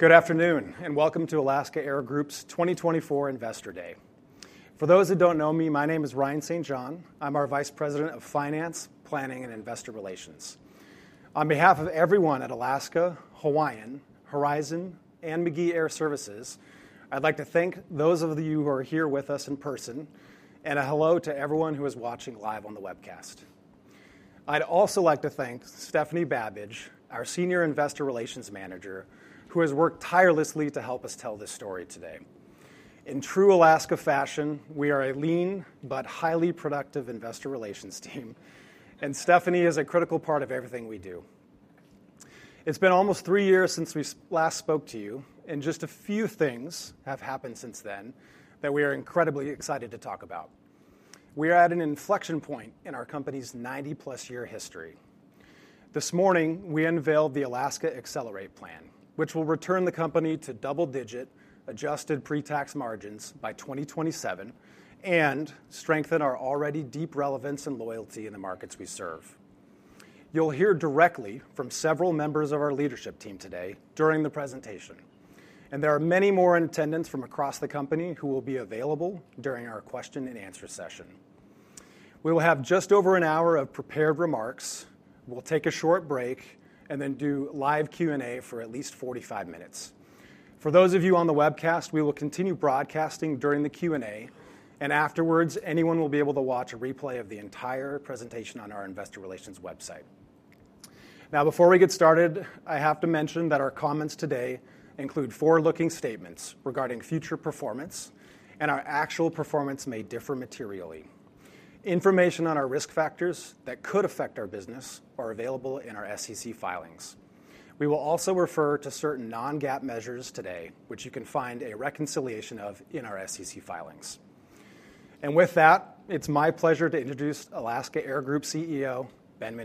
Good afternoon and welcome to Alaska Air Group's 2024 Investor Day. For those who don't know me, my name is Ryan St. John. I'm our Vice President of Finance, Planning, and Investor Relations. On behalf of everyone at Alaska, Hawaiian, Horizon, and McGee Air Services, I'd like to thank those of you who are here with us in person, and a hello to everyone who is watching live on the webcast. I'd also like to thank Stephanie Babij, our Senior Investor Relations Manager, who has worked tirelessly to help us tell this story today. In true Alaska fashion, we are a lean but highly productive investor relations team, and Stephanie is a critical part of everything we do. It's been almost three years since we last spoke to you, and just a few things have happened since then that we are incredibly excited to talk about. We are at an inflection point in our company's 90+ year history. This morning, we unveiled the Alaska Accelerate, which will return the company to double-digit adjusted pre-tax margins by 2027 and strengthen our already deep relevance and loyalty in the markets we serve. You'll hear directly from several members of our leadership team today during the presentation, and there are many more in attendance from across the company who will be available during our question-and-answer session. We will have just over an hour of prepared remarks, we'll take a short break, and then do live Q&A for at least 45 minutes. For those of you on the webcast, we will continue broadcasting during the Q&A, and afterwards, anyone will be able to watch a replay of the entire presentation on our Investor Relations website. Now, before we get started, I have to mention that our comments today include forward-looking statements regarding future performance, and our actual performance may differ materially. Information on our risk factors that could affect our business are available in our SEC filings. We will also refer to certain non-GAAP measures today, which you can find a reconciliation of in our SEC filings. And with that, it's my pleasure to introduce Alaska Air Group CEO, Ben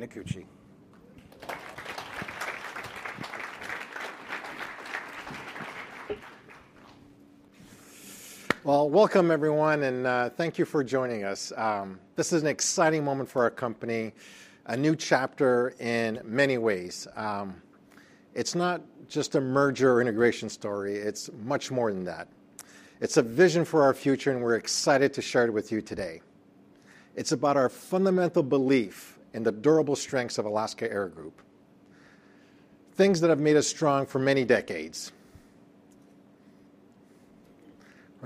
Minicucci. Welcome, everyone, and thank you for joining us. This is an exciting moment for our company, a new chapter in many ways. It's not just a merger or integration story. It's much more than that. It's a vision for our future, and we're excited to share it with you today. It's about our fundamental belief in the durable strengths of Alaska Air Group, things that have made us strong for many decades,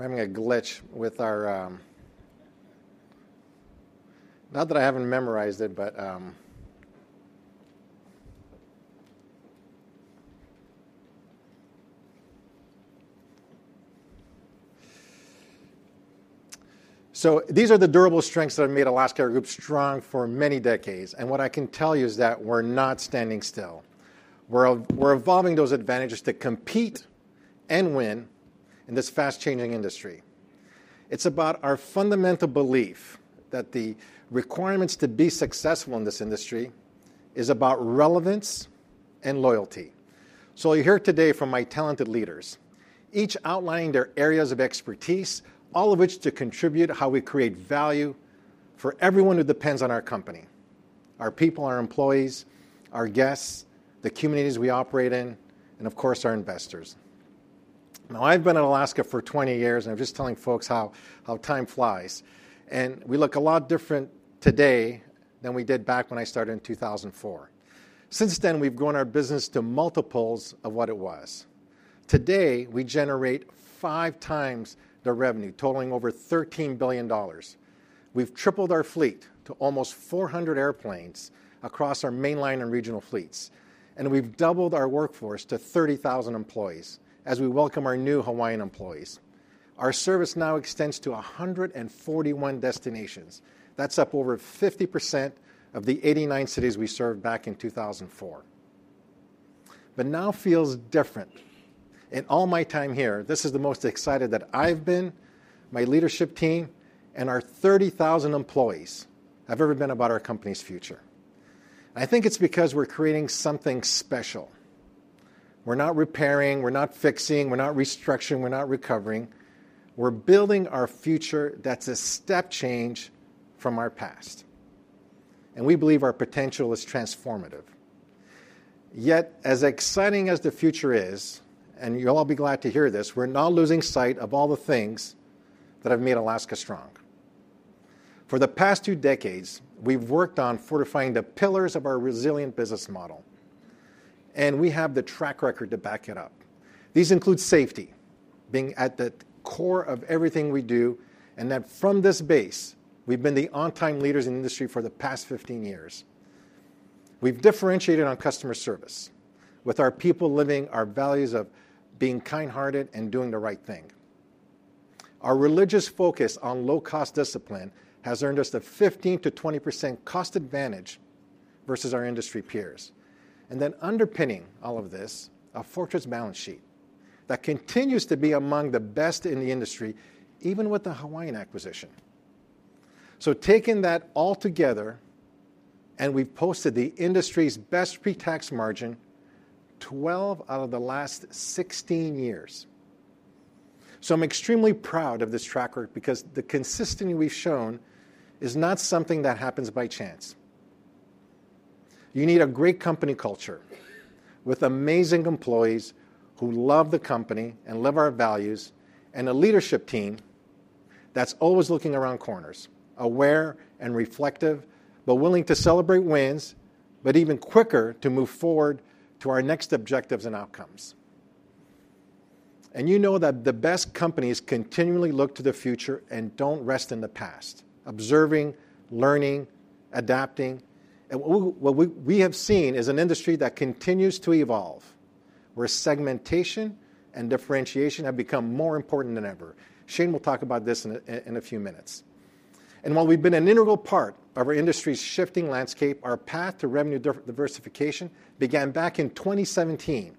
and what I can tell you is that we're not standing still. We're evolving those advantages to compete and win in this fast-changing industry. It's about our fundamental belief that the requirements to be successful in this industry are about relevance and loyalty. You hear today from my talented leaders, each outlining their areas of expertise, all of which to contribute to how we create value for everyone who depends on our company: our people, our employees, our guests, the communities we operate in, and of course, our investors. Now, I've been in Alaska for 20 years, and I'm just telling folks how time flies, and we look a lot different today than we did back when I started in 2004. Since then, we've grown our business to multiples of what it was. Today, we generate five times the revenue, totaling over $13 billion. We've tripled our fleet to almost 400 airplanes across our mainline and regional fleets, and we've doubled our workforce to 30,000 employees as we welcome our new Hawaiian employees. Our service now extends to 141 destinations. That's up over 50% of the 89 cities we served back in 2004. But now feels different. In all my time here, this is the most excited that I've been, my leadership team, and our 30,000 employees have ever been about our company's future. I think it's because we're creating something special. We're not repairing, we're not fixing, we're not restructuring, we're not recovering. We're building our future that's a step change from our past, and we believe our potential is transformative. Yet, as exciting as the future is, and you'll all be glad to hear this, we're not losing sight of all the things that have made Alaska strong. For the past two decades, we've worked on fortifying the pillars of our resilient business model, and we have the track record to back it up. These include safety being at the core of everything we do, and that from this base, we've been the on-time leaders in the industry for the past 15 years. We've differentiated on customer service with our people, living our values of being kind-hearted and doing the right thing. Our religious focus on low-cost discipline has earned us the 15%-20% cost advantage versus our industry peers, and then underpinning all of this, a fortress balance sheet that continues to be among the best in the industry, even with the Hawaiian acquisition, so taking that all together, and we've posted the industry's best pre-tax margin 12 out of the last 16 years. So I'm extremely proud of this track record because the consistency we've shown is not something that happens by chance. You need a great company culture with amazing employees who love the company and love our values, and a leadership team that's always looking around corners, aware and reflective, but willing to celebrate wins, but even quicker to move forward to our next objectives and outcomes, and you know that the best companies continually look to the future and don't rest in the past, observing, learning, adapting, and what we have seen is an industry that continues to evolve, where segmentation and differentiation have become more important than ever. Shane will talk about this in a few minutes, and while we've been an integral part of our industry's shifting landscape, our path to revenue diversification began back in 2017,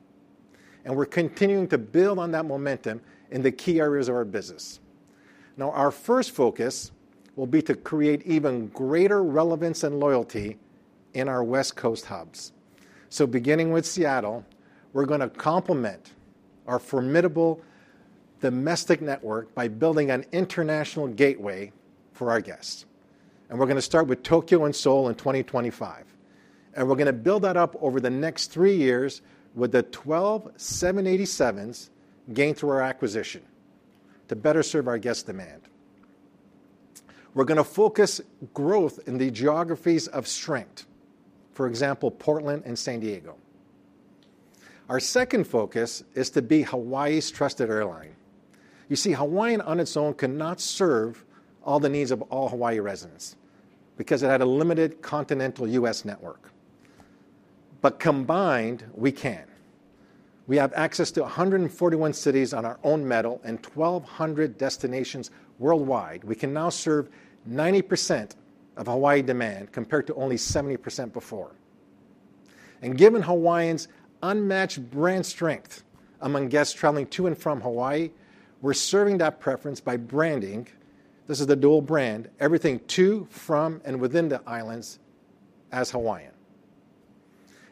and we're continuing to build on that momentum in the key areas of our business. Now, our first focus will be to create even greater relevance and loyalty in our West Coast hubs. So beginning with Seattle, we're going to complement our formidable domestic network by building an international gateway for our guests. And we're going to start with Tokyo and Seoul in 2025. And we're going to build that up over the next three years with the 12 787s gained through our acquisition to better serve our guest demand. We're going to focus growth in the geographies of strength, for example, Portland and San Diego. Our second focus is to be Hawaii's trusted airline. You see, Hawaiian on its own cannot serve all the needs of all Hawaii residents because it had a limited continental U.S. network. But combined, we can. We have access to 141 cities on our own metal and 1,200 destinations worldwide. We can now serve 90% of Hawaii demand compared to only 70% before. And given Hawaiian's unmatched brand strength among guests traveling to and from Hawaii, we're serving that preference by branding. This is the dual brand: everything to, from, and within the islands as Hawaiian.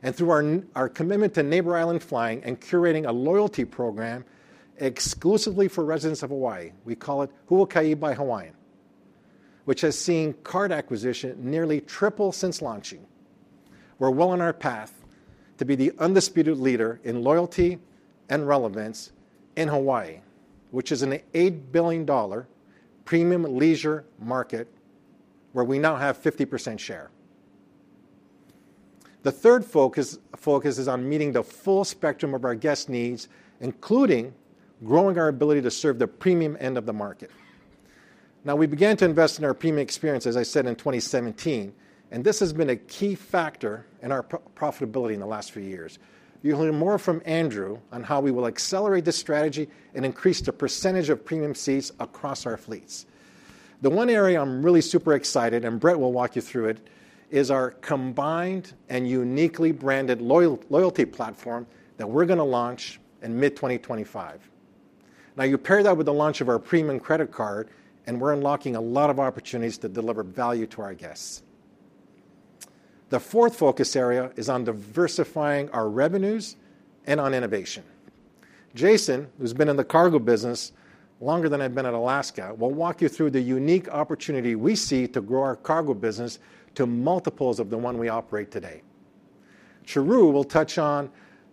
And through our commitment to Neighbor Island flying and curating a loyalty program exclusively for residents of Hawaii, we call it Huaka'i by Hawaiian, which has seen card acquisition nearly triple since launching. We're well on our path to be the undisputed leader in loyalty and relevance in Hawaii, which is an $8 billion premium leisure market where we now have 50% share. The third focus is on meeting the full spectrum of our guest needs, including growing our ability to serve the premium end of the market. Now, we began to invest in our premium experience, as I said, in 2017, and this has been a key factor in our profitability in the last few years. You'll hear more from Andrew on how we will accelerate this strategy and increase the percentage of premium seats across our fleets. The one area I'm really super excited, and Brett will walk you through it, is our combined and uniquely branded loyalty platform that we're going to launch in mid-2025. Now, you pair that with the launch of our premium credit card, and we're unlocking a lot of opportunities to deliver value to our guests. The fourth focus area is on diversifying our revenues and on innovation. Jason, who's been in the cargo business longer than I've been at Alaska, will walk you through the unique opportunity we see to grow our cargo business to multiples of the one we operate today. Charu will touch on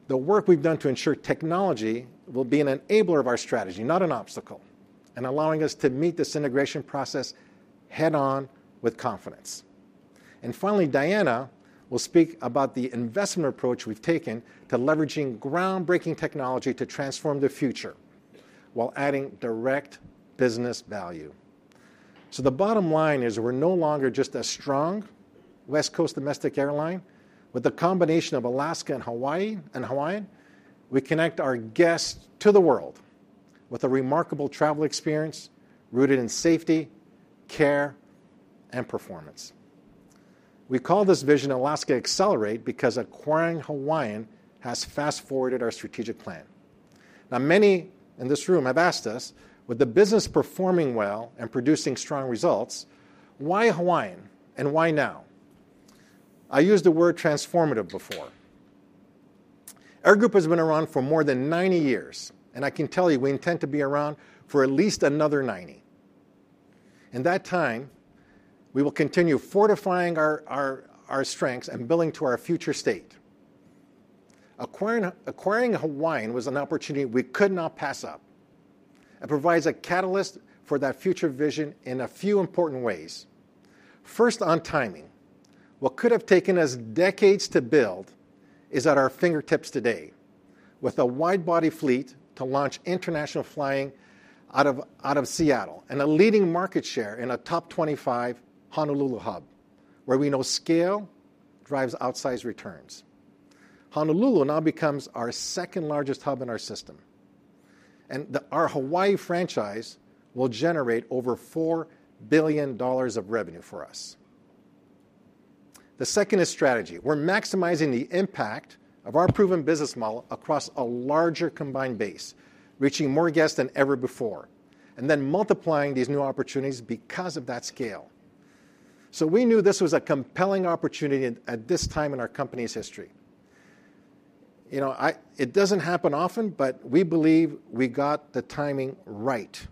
the work we've done to ensure technology will be an enabler of our strategy, not an obstacle, and allowing us to meet this integration process head-on with confidence. And finally, Diana will speak about the investment approach we've taken to leveraging groundbreaking technology to transform the future while adding direct business value. So the bottom line is we're no longer just a strong West Coast domestic airline. With the combination of Alaska and Hawaiian, we connect our guests to the world with a remarkable travel experience rooted in safety, care, and performance. We call this vision Alaska Accelerate because acquiring Hawaiian has fast-forwarded our strategic plan. Now, many in this room have asked us, with the business performing well and producing strong results, why Hawaiian and why now? I used the word transformative before. Our group has been around for more than 90 years, and I can tell you we intend to be around for at least another 90. In that time, we will continue fortifying our strengths and building to our future state. Acquiring Hawaiian was an opportunity we could not pass up. It provides a catalyst for that future vision in a few important ways. First, on timing. What could have taken us decades to build is at our fingertips today, with a wide-body fleet to launch international flying out of Seattle and a leading market share in a top 25 Honolulu hub, where we know scale drives outsized returns. Honolulu now becomes our second largest hub in our system, and our Hawaii franchise will generate over $4 billion of revenue for us. The second is strategy. We're maximizing the impact of our proven business model across a larger combined base, reaching more guests than ever before, and then multiplying these new opportunities because of that scale. So we knew this was a compelling opportunity at this time in our company's history. You know, it doesn't happen often, but we believe we got the timing right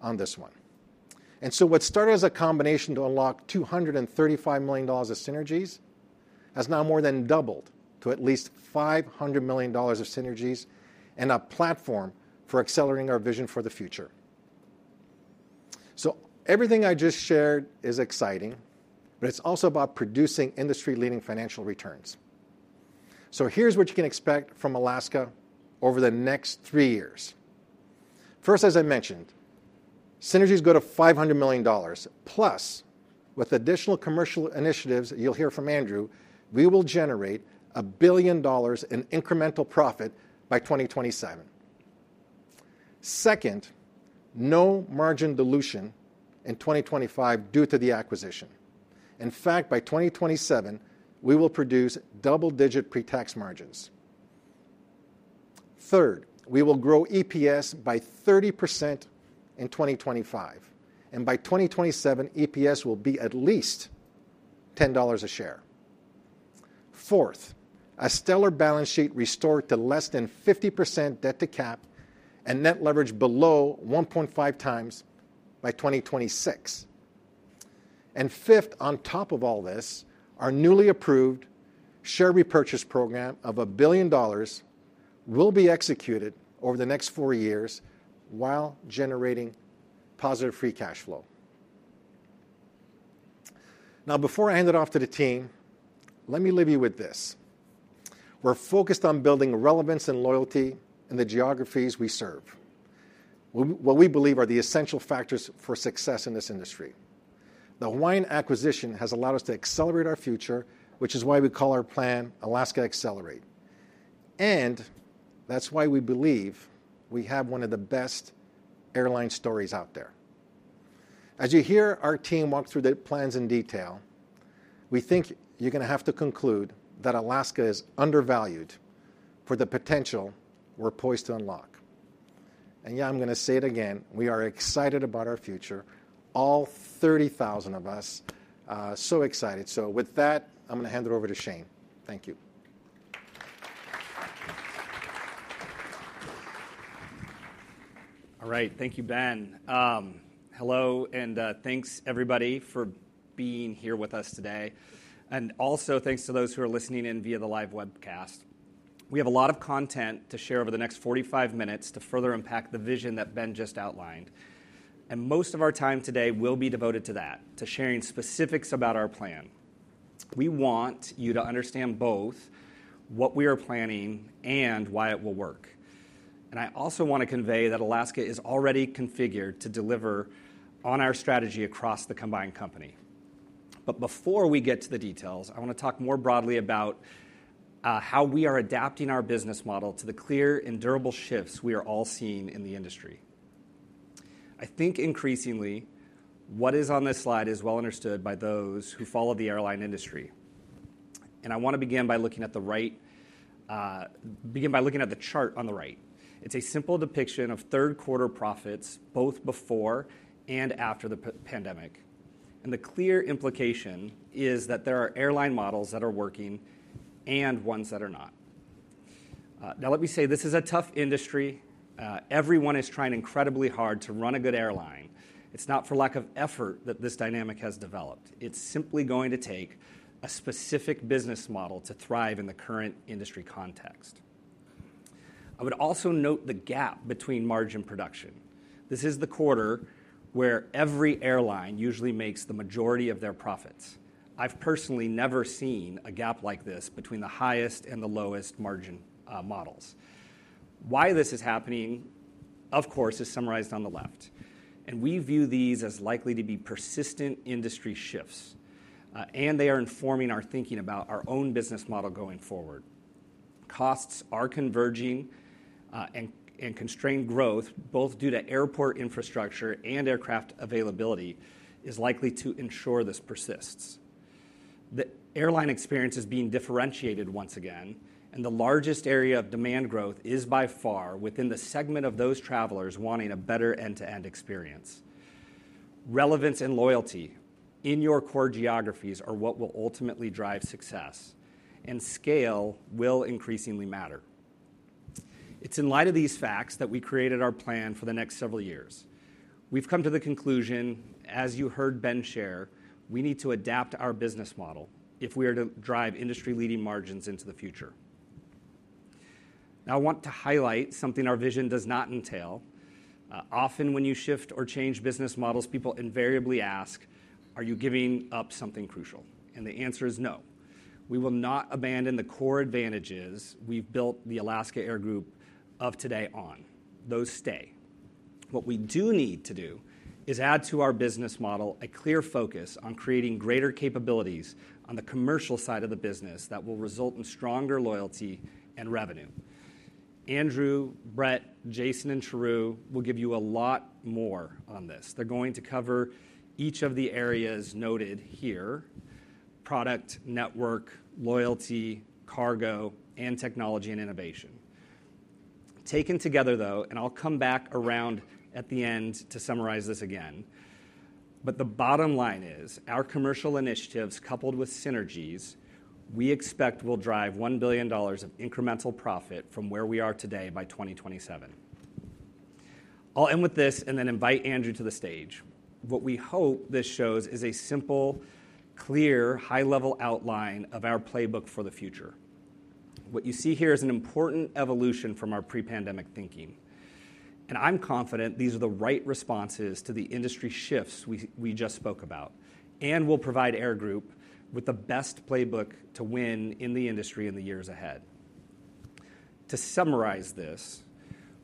on this one. And so what started as a combination to unlock $235 million of synergies has now more than doubled to at least $500 million of synergies and a platform for accelerating our vision for the future. So everything I just shared is exciting, but it's also about producing industry-leading financial returns. Here's what you can expect from Alaska over the next three years. First, as I mentioned, synergies go to $500 million. Plus, with additional commercial initiatives you'll hear from Andrew, we will generate $1 billion in incremental profit by 2027. Second, no margin dilution in 2025 due to the acquisition. In fact, by 2027, we will produce double-digit pre-tax margins. Third, we will grow EPS by 30% in 2025, and by 2027, EPS will be at least $10 a share. Fourth, a stellar balance sheet restored to less than 50% debt to cap and net leverage below 1.5x by 2026. Fifth, on top of all this, our newly approved share repurchase program of $1 billion will be executed over the next four years while generating positive free cash flow. Now, before I hand it off to the team, let me leave you with this. We're focused on building relevance and loyalty in the geographies we serve, what we believe are the essential factors for success in this industry. The Hawaiian acquisition has allowed us to accelerate our future, which is why we call our plan Alaska Accelerate. And that's why we believe we have one of the best airline stories out there. As you hear our team walk through the plans in detail, we think you're going to have to conclude that Alaska is undervalued for the potential we're poised to unlock. And yeah, I'm going to say it again. We are excited about our future, all 30,000 of us, so excited. So with that, I'm going to hand it over to Shane. Thank you. All right. Thank you, Ben. Hello, and thanks, everybody, for being here with us today. And also, thanks to those who are listening in via the live webcast. We have a lot of content to share over the next 45 minutes to further unpack the vision that Ben just outlined. Most of our time today will be devoted to that, to sharing specifics about our plan. We want you to understand both what we are planning and why it will work. I also want to convey that Alaska is already configured to deliver on our strategy across the combined company. Before we get to the details, I want to talk more broadly about how we are adapting our business model to the clear and durable shifts we are all seeing in the industry. I think increasingly what is on this slide is well understood by those who follow the airline industry. I want to begin by looking at the chart on the right. It's a simple depiction of third-quarter profits both before and after the pandemic. And the clear implication is that there are airline models that are working and ones that are not. Now, let me say this is a tough industry. Everyone is trying incredibly hard to run a good airline. It's not for lack of effort that this dynamic has developed. It's simply going to take a specific business model to thrive in the current industry context. I would also note the gap between margin production. This is the quarter where every airline usually makes the majority of their profits. I've personally never seen a gap like this between the highest and the lowest margin models. Why this is happening, of course, is summarized on the left. And we view these as likely to be persistent industry shifts, and they are informing our thinking about our own business model going forward. Costs are converging, and constrained growth, both due to airport infrastructure and aircraft availability, is likely to ensure this persists. The airline experience is being differentiated once again, and the largest area of demand growth is by far within the segment of those travelers wanting a better end-to-end experience. Relevance and loyalty in your core geographies are what will ultimately drive success, and scale will increasingly matter. It's in light of these facts that we created our plan for the next several years. We've come to the conclusion, as you heard Ben share, we need to adapt our business model if we are to drive industry-leading margins into the future. Now, I want to highlight something our vision does not entail. Often, when you shift or change business models, people invariably ask, "Are you giving up something crucial?" And the answer is no. We will not abandon the core advantages we've built the Alaska Air Group of today on. Those stay. What we do need to do is add to our business model a clear focus on creating greater capabilities on the commercial side of the business that will result in stronger loyalty and revenue. Andrew, Brett, Jason, and Charu will give you a lot more on this. They're going to cover each of the areas noted here: product, network, loyalty, cargo, and technology and innovation. Taken together, though, and I'll come back around at the end to summarize this again, but the bottom line is our commercial initiatives coupled with synergies we expect will drive $1 billion of incremental profit from where we are today by 2027. I'll end with this and then invite Andrew to the stage. What we hope this shows is a simple, clear, high-level outline of our playbook for the future. What you see here is an important evolution from our pre-pandemic thinking, and I'm confident these are the right responses to the industry shifts we just spoke about and will provide Air Group with the best playbook to win in the industry in the years ahead. To summarize this,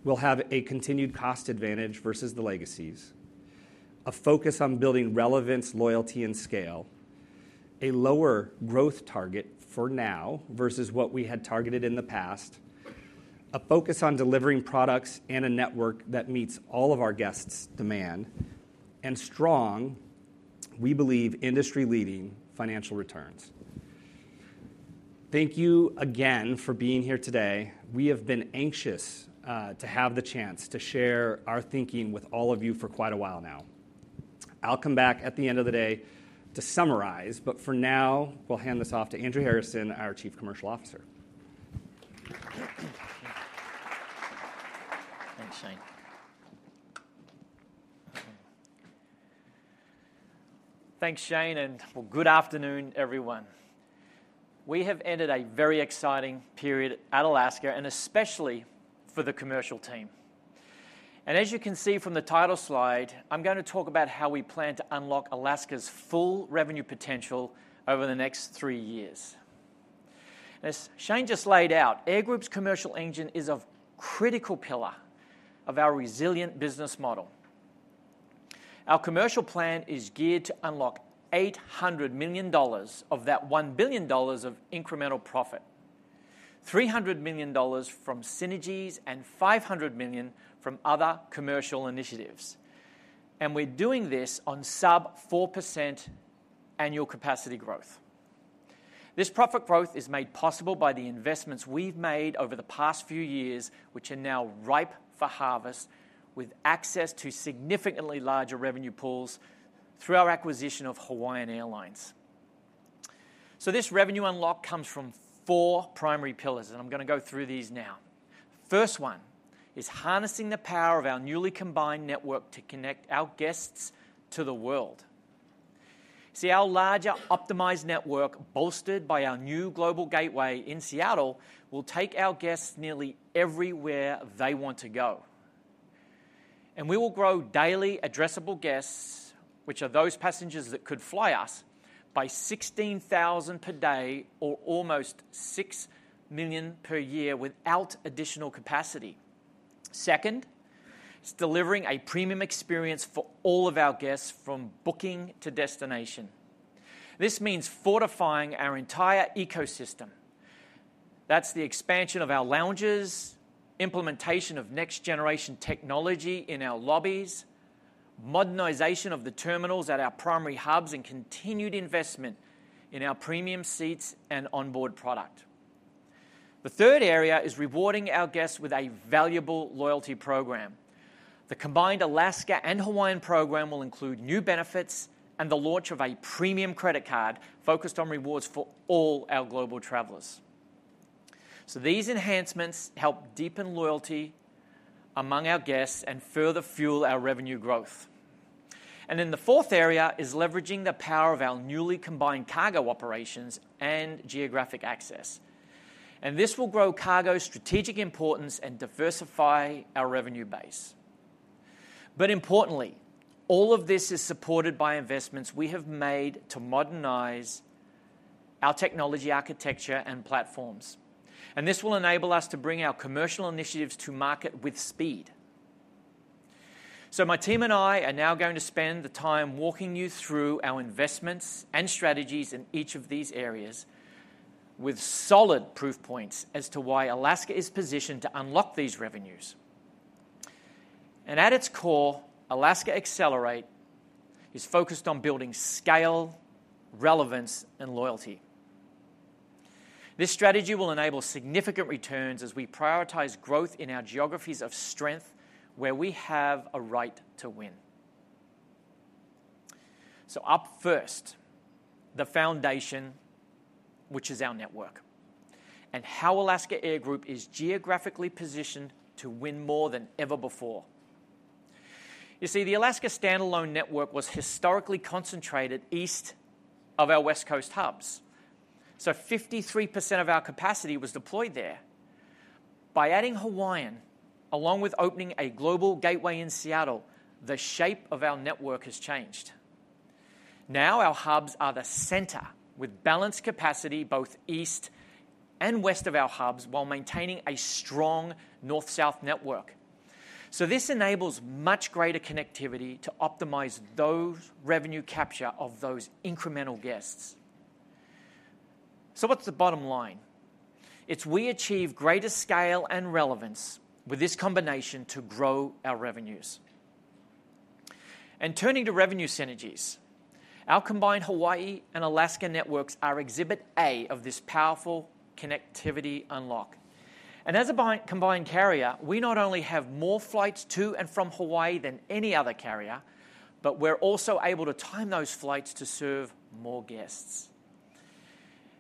we'll have a continued cost advantage versus the legacies, a focus on building relevance, loyalty, and scale, a lower growth target for now versus what we had targeted in the past, a focus on delivering products and a network that meets all of our guests' demand, and strong, we believe, industry-leading financial returns. Thank you again for being here today. We have been anxious to have the chance to share our thinking with all of you for quite a while now. I'll come back at the end of the day to summarize, but for now, we'll hand this off to Andrew Harrison, our Chief Commercial Officer. Thanks, Shane. Thanks, Shane, and well, good afternoon, everyone. We have ended a very exciting period at Alaska, and especially for the commercial team. And as you can see from the title slide, I'm going to talk about how we plan to unlock Alaska's full revenue potential over the next three years. As Shane just laid out, Air Group's commercial engine is a critical pillar of our resilient business model. Our commercial plan is geared to unlock $800 million of that $1 billion of incremental profit, $300 million from synergies, and $500 million from other commercial initiatives. And we're doing this on sub-4% annual capacity growth. This profit growth is made possible by the investments we've made over the past few years, which are now ripe for harvest, with access to significantly larger revenue pools through our acquisition of Hawaiian Airlines. So this revenue unlock comes from four primary pillars, and I'm going to go through these now. First one is harnessing the power of our newly combined network to connect our guests to the world. See, our larger optimized network, bolstered by our new global gateway in Seattle, will take our guests nearly everywhere they want to go. And we will grow daily addressable guests, which are those passengers that could fly us, by 16,000 per day or almost 6 million per year without additional capacity. Second, it's delivering a premium experience for all of our guests from booking to destination. This means fortifying our entire ecosystem. That's the expansion of our lounges, implementation of next-generation technology in our lobbies, modernization of the terminals at our primary hubs, and continued investment in our premium seats and onboard product. The third area is rewarding our guests with a valuable loyalty program. The combined Alaska and Hawaiian program will include new benefits and the launch of a premium credit card focused on rewards for all our global travelers, so these enhancements help deepen loyalty among our guests and further fuel our revenue growth, and then the fourth area is leveraging the power of our newly combined cargo operations and geographic access, and this will grow cargo's strategic importance and diversify our revenue base, but importantly, all of this is supported by investments we have made to modernize our technology architecture and platforms. And this will enable us to bring our commercial initiatives to market with speed. So my team and I are now going to spend the time walking you through our investments and strategies in each of these areas with solid proof points as to why Alaska is positioned to unlock these revenues. And at its core, Alaska Accelerate is focused on building scale, relevance, and loyalty. This strategy will enable significant returns as we prioritize growth in our geographies of strength where we have a right to win. So up first, the foundation, which is our network, and how Alaska Air Group is geographically positioned to win more than ever before. You see, the Alaska standalone network was historically concentrated east of our West Coast hubs. So 53% of our capacity was deployed there. By adding Hawaiian, along with opening a global gateway in Seattle, the shape of our network has changed. Now our hubs are the center with balanced capacity both east and west of our hubs while maintaining a strong north-south network, so this enables much greater connectivity to optimize those revenue capture of those incremental guests, so what's the bottom line? It's we achieve greater scale and relevance with this combination to grow our revenues, and turning to revenue synergies, our combined Hawaii and Alaska networks are exhibit A of this powerful connectivity unlock, and as a combined carrier, we not only have more flights to and from Hawaii than any other carrier, but we're also able to time those flights to serve more guests,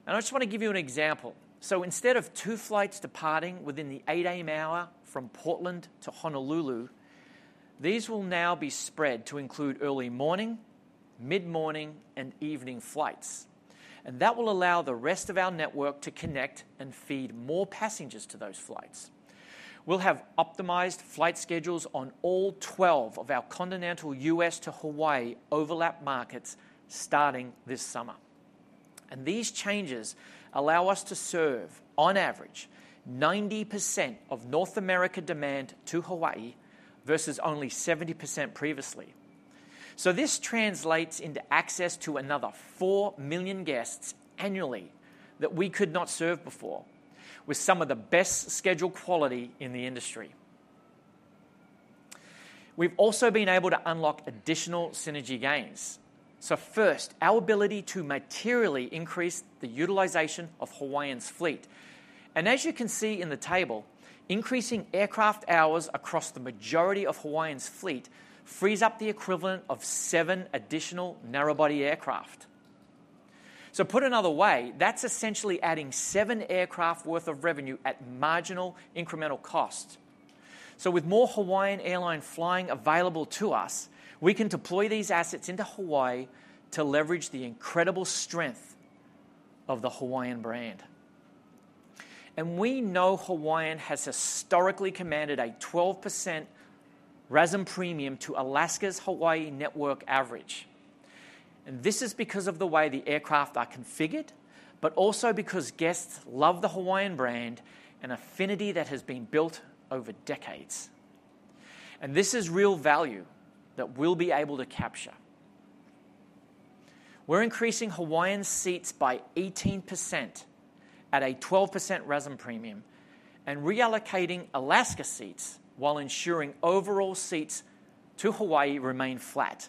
and I just want to give you an example. So instead of two flights departing within the 8:00 A.M. hour from Portland to Honolulu, these will now be spread to include early morning, mid-morning, and evening flights. And that will allow the rest of our network to connect and feed more passengers to those flights. We'll have optimized flight schedules on all 12 of our continental U.S. to Hawaii overlap markets starting this summer. And these changes allow us to serve, on average, 90% of North America demand to Hawaii versus only 70% previously. So this translates into access to another 4 million guests annually that we could not serve before with some of the best scheduled quality in the industry. We've also been able to unlock additional synergy gains. So first, our ability to materially increase the utilization of Hawaiian's fleet. As you can see in the table, increasing aircraft hours across the majority of Hawaiian's fleet frees up the equivalent of seven additional narrowbody aircraft. So put another way, that's essentially adding seven aircraft worth of revenue at marginal incremental cost. So with more Hawaiian airline flying available to us, we can deploy these assets into Hawaii to leverage the incredible strength of the Hawaiian brand. And we know Hawaiian has historically commanded a 12% RASM premium to Alaska's Hawaii network average. And this is because of the way the aircraft are configured, but also because guests love the Hawaiian brand and affinity that has been built over decades. And this is real value that we'll be able to capture. We're increasing Hawaiian seats by 18% at a 12% RASM premium and reallocating Alaska seats while ensuring overall seats to Hawaii remain flat.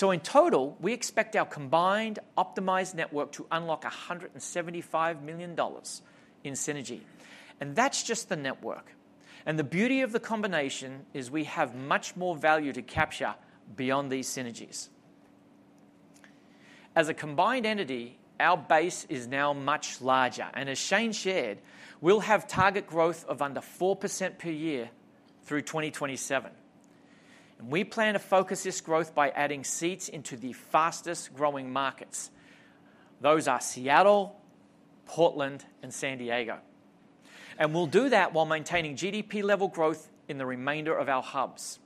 In total, we expect our combined optimized network to unlock $175 million in synergy. That's just the network. The beauty of the combination is we have much more value to capture beyond these synergies. As a combined entity, our base is now much larger. As Shane shared, we'll have target growth of under 4% per year through 2027. We plan to focus this growth by adding seats into the fastest growing markets. Those are Seattle, Portland, and San Diego. We'll do that while maintaining GDP-level growth in the remainder of our hubs.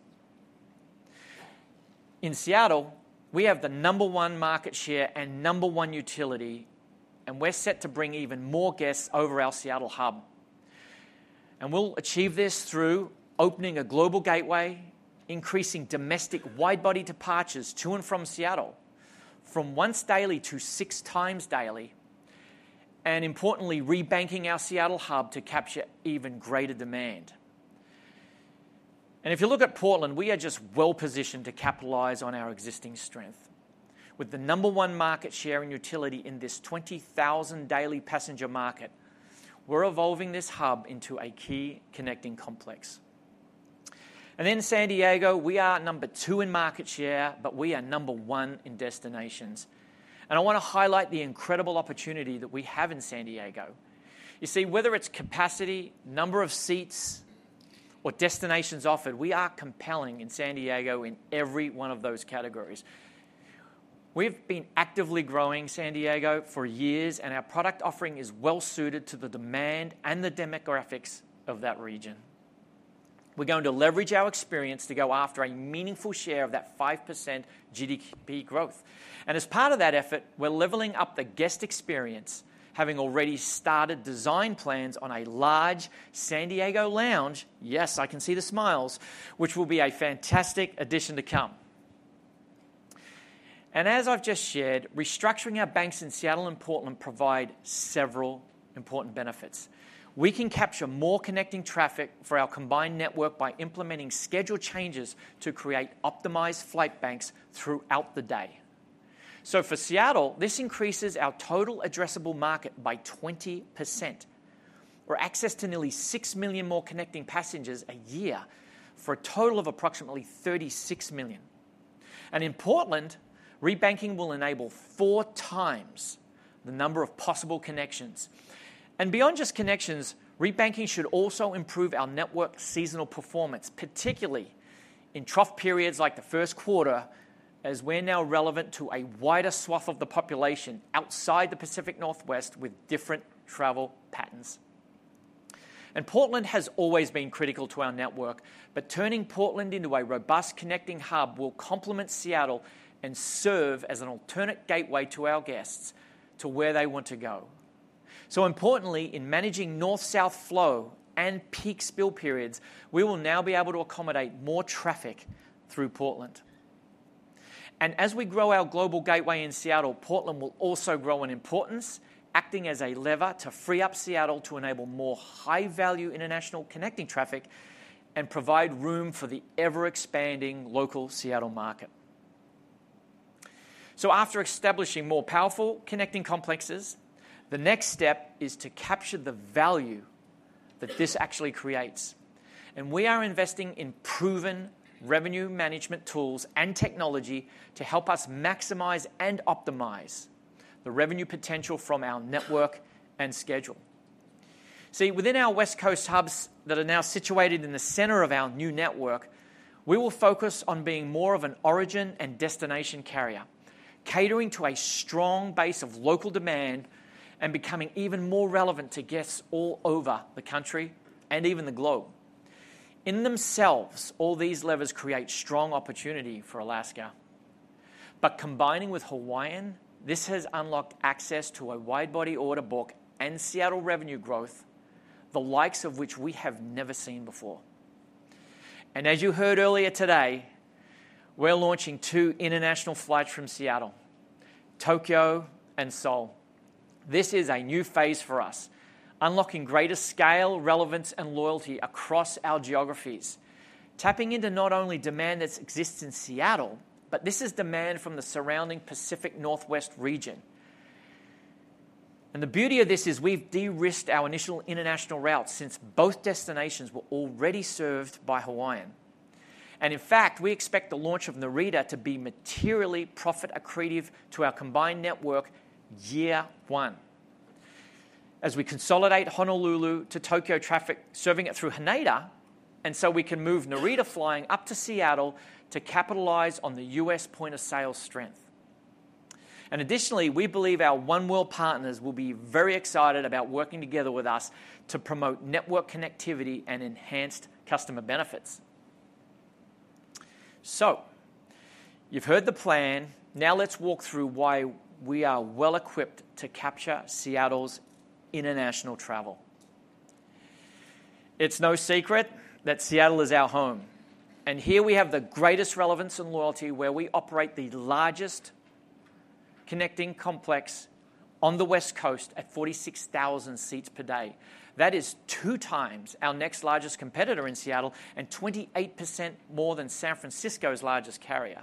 In Seattle, we have the number one market share and number one utility, and we're set to bring even more guests over our Seattle hub. And we'll achieve this through opening a global gateway, increasing domestic widebody departures to and from Seattle from once daily to six times daily, and importantly, rebanking our Seattle hub to capture even greater demand. And if you look at Portland, we are just well-positioned to capitalize on our existing strength. With the number one market share in utilization in this 20,000 daily passenger market, we're evolving this hub into a key connecting complex. And in San Diego, we are number two in market share, but we are number one in destinations. And I want to highlight the incredible opportunity that we have in San Diego. You see, whether it's capacity, number of seats, or destinations offered, we are compelling in San Diego in every one of those categories. We've been actively growing San Diego for years, and our product offering is well-suited to the demand and the demographics of that region. We're going to leverage our experience to go after a meaningful share of that 5% GDP growth. And as part of that effort, we're leveling up the guest experience, having already started design plans on a large San Diego lounge, yes, I can see the smiles, which will be a fantastic addition to come. And as I've just shared, restructuring our banks in Seattle and Portland provides several important benefits. We can capture more connecting traffic for our combined network by implementing scheduled changes to create optimized flight banks throughout the day. So for Seattle, this increases our total addressable market by 20%. We have access to nearly 6 million more connecting passengers a year for a total of approximately 36 million. And in Portland, rebanking will enable four times the number of possible connections. And beyond just connections, rebanking should also improve our network's seasonal performance, particularly in trough periods like the first quarter, as we're now relevant to a wider swath of the population outside the Pacific Northwest with different travel patterns. And Portland has always been critical to our network, but turning Portland into a robust connecting hub will complement Seattle and serve as an alternate gateway to our guests to where they want to go. So importantly, in managing north-south flow and peak spill periods, we will now be able to accommodate more traffic through Portland. And as we grow our global gateway in Seattle, Portland will also grow in importance, acting as a lever to free up Seattle to enable more high-value international connecting traffic and provide room for the ever-expanding local Seattle market. So after establishing more powerful connecting complexes, the next step is to capture the value that this actually creates. And we are investing in proven revenue management tools and technology to help us maximize and optimize the revenue potential from our network and schedule. See, within our West Coast hubs that are now situated in the center of our new network, we will focus on being more of an origin and destination carrier, catering to a strong base of local demand and becoming even more relevant to guests all over the country and even the globe. In themselves, all these levers create strong opportunity for Alaska. But combining with Hawaiian, this has unlocked access to a widebody order book and Seattle revenue growth, the likes of which we have never seen before. And as you heard earlier today, we're launching two international flights from Seattle: Tokyo and Seoul. This is a new phase for us, unlocking greater scale, relevance, and loyalty across our geographies, tapping into not only demand that's existing in Seattle, but this is demand from the surrounding Pacific Northwest region, and the beauty of this is we've de-risked our initial international routes since both destinations were already served by Hawaiian, and in fact, we expect the launch of Narita to be materially profit-accretive to our combined network year one, as we consolidate Honolulu to Tokyo traffic, serving it through Haneda, and so we can move Narita flying up to Seattle to capitalize on the U.S. point of sale strength, and additionally, we believe our oneworld partners will be very excited about working together with us to promote network connectivity and enhanced customer benefits, so you've heard the plan. Now let's walk through why we are well-equipped to capture Seattle's international travel. It's no secret that Seattle is our home, and here we have the greatest relevance and loyalty where we operate the largest connecting complex on the West Coast at 46,000 seats per day. That is two times our next largest competitor in Seattle and 28% more than San Francisco's largest carrier.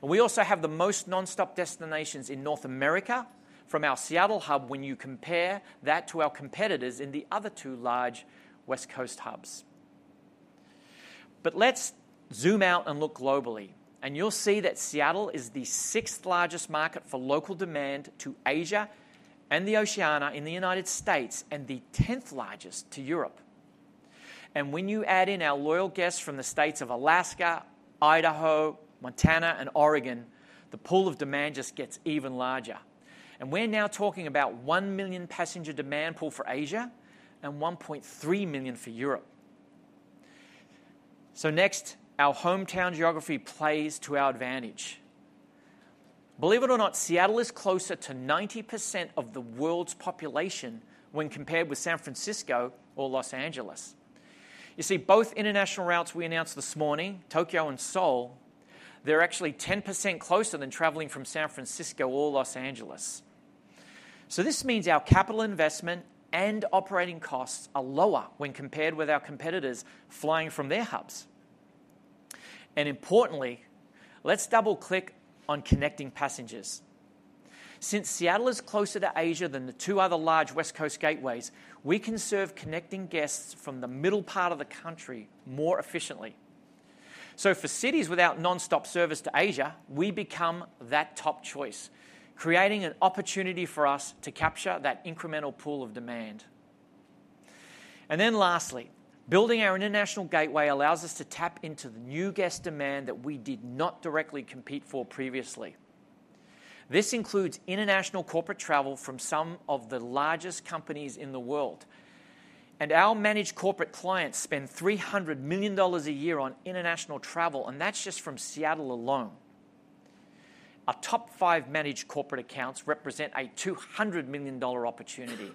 And we also have the most nonstop destinations in North America from our Seattle hub when you compare that to our competitors in the other two large West Coast hubs, but let's zoom out and look globally, and you'll see that Seattle is the sixth largest market for local demand to Asia and the Oceania in the United States and the tenth largest to Europe, and when you add in our loyal guests from the states of Alaska, Idaho, Montana, and Oregon, the pool of demand just gets even larger. We're now talking about one million passenger demand pool for Asia and 1.3 million for Europe. Next, our hometown geography plays to our advantage. Believe it or not, Seattle is closer to 90% of the world's population when compared with San Francisco or Los Angeles. You see, both international routes we announced this morning, Tokyo and Seoul, they're actually 10% closer than traveling from San Francisco or Los Angeles. So this means our capital investment and operating costs are lower when compared with our competitors flying from their hubs. Importantly, let's double-click on connecting passengers. Since Seattle is closer to Asia than the two other large West Coast gateways, we can serve connecting guests from the middle part of the country more efficiently. For cities without nonstop service to Asia, we become that top choice, creating an opportunity for us to capture that incremental pool of demand. And then lastly, building our international gateway allows us to tap into the new guest demand that we did not directly compete for previously. This includes international corporate travel from some of the largest companies in the world. And our managed corporate clients spend $300 million a year on international travel, and that's just from Seattle alone. Our top five managed corporate accounts represent a $200 million opportunity.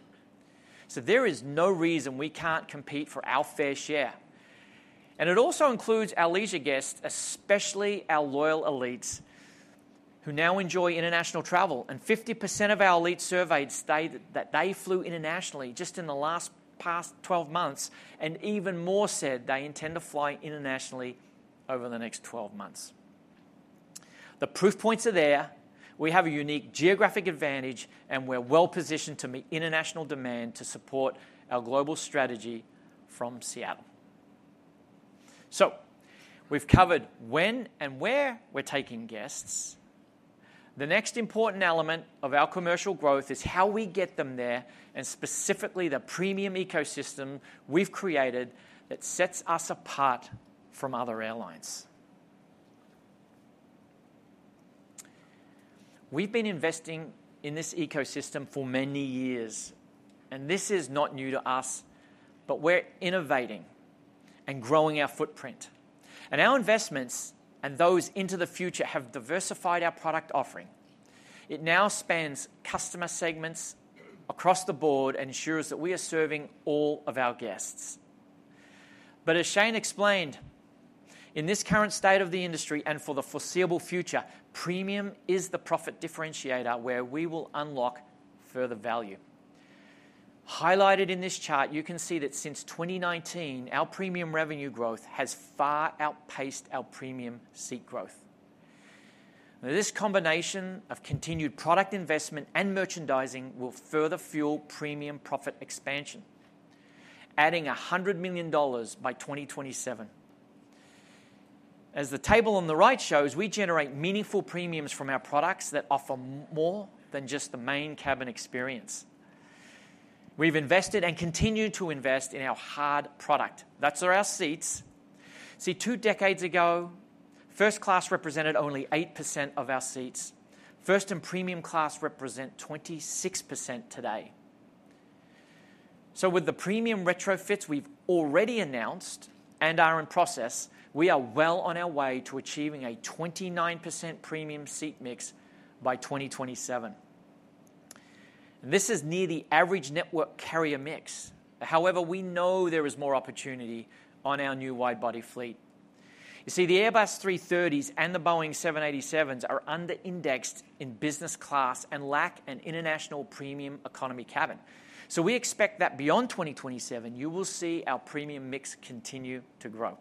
So there is no reason we can't compete for our fair share. And it also includes our leisure guests, especially our loyal elites who now enjoy international travel. 50% of our elites surveyed state that they flew internationally just in the last 12 months, and even more said they intend to fly internationally over the next 12 months. The proof points are there. We have a unique geographic advantage, and we're well-positioned to meet international demand to support our global strategy from Seattle. We've covered when and where we're taking guests. The next important element of our commercial growth is how we get them there and specifically the premium ecosystem we've created that sets us apart from other airlines. We've been investing in this ecosystem for many years, and this is not new to us, but we're innovating and growing our footprint. Our investments and those into the future have diversified our product offering. It now spans customer segments across the board and ensures that we are serving all of our guests. But as Shane explained, in this current state of the industry and for the foreseeable future, premium is the profit differentiator where we will unlock further value. Highlighted in this chart, you can see that since 2019, our premium revenue growth has far outpaced our premium seat growth. This combination of continued product investment and merchandising will further fuel premium profit expansion, adding $100 million by 2027. As the table on the right shows, we generate meaningful premiums from our products that offer more than just the Main Cabin experience. We've invested and continue to invest in our hard product. That's our seats. See, two decades ago, First Class represented only 8% of our seats. First and Premium Class represent 26% today. So with the premium retrofits we've already announced and are in process, we are well on our way to achieving a 29% premium seat mix by 2027. And this is near the average network carrier mix. However, we know there is more opportunity on our new widebody fleet. You see, the Airbus A330s and the Boeing 787s are under-indexed in business class and lack an international premium economy cabin. So we expect that beyond 2027, you will see our premium mix continue to grow.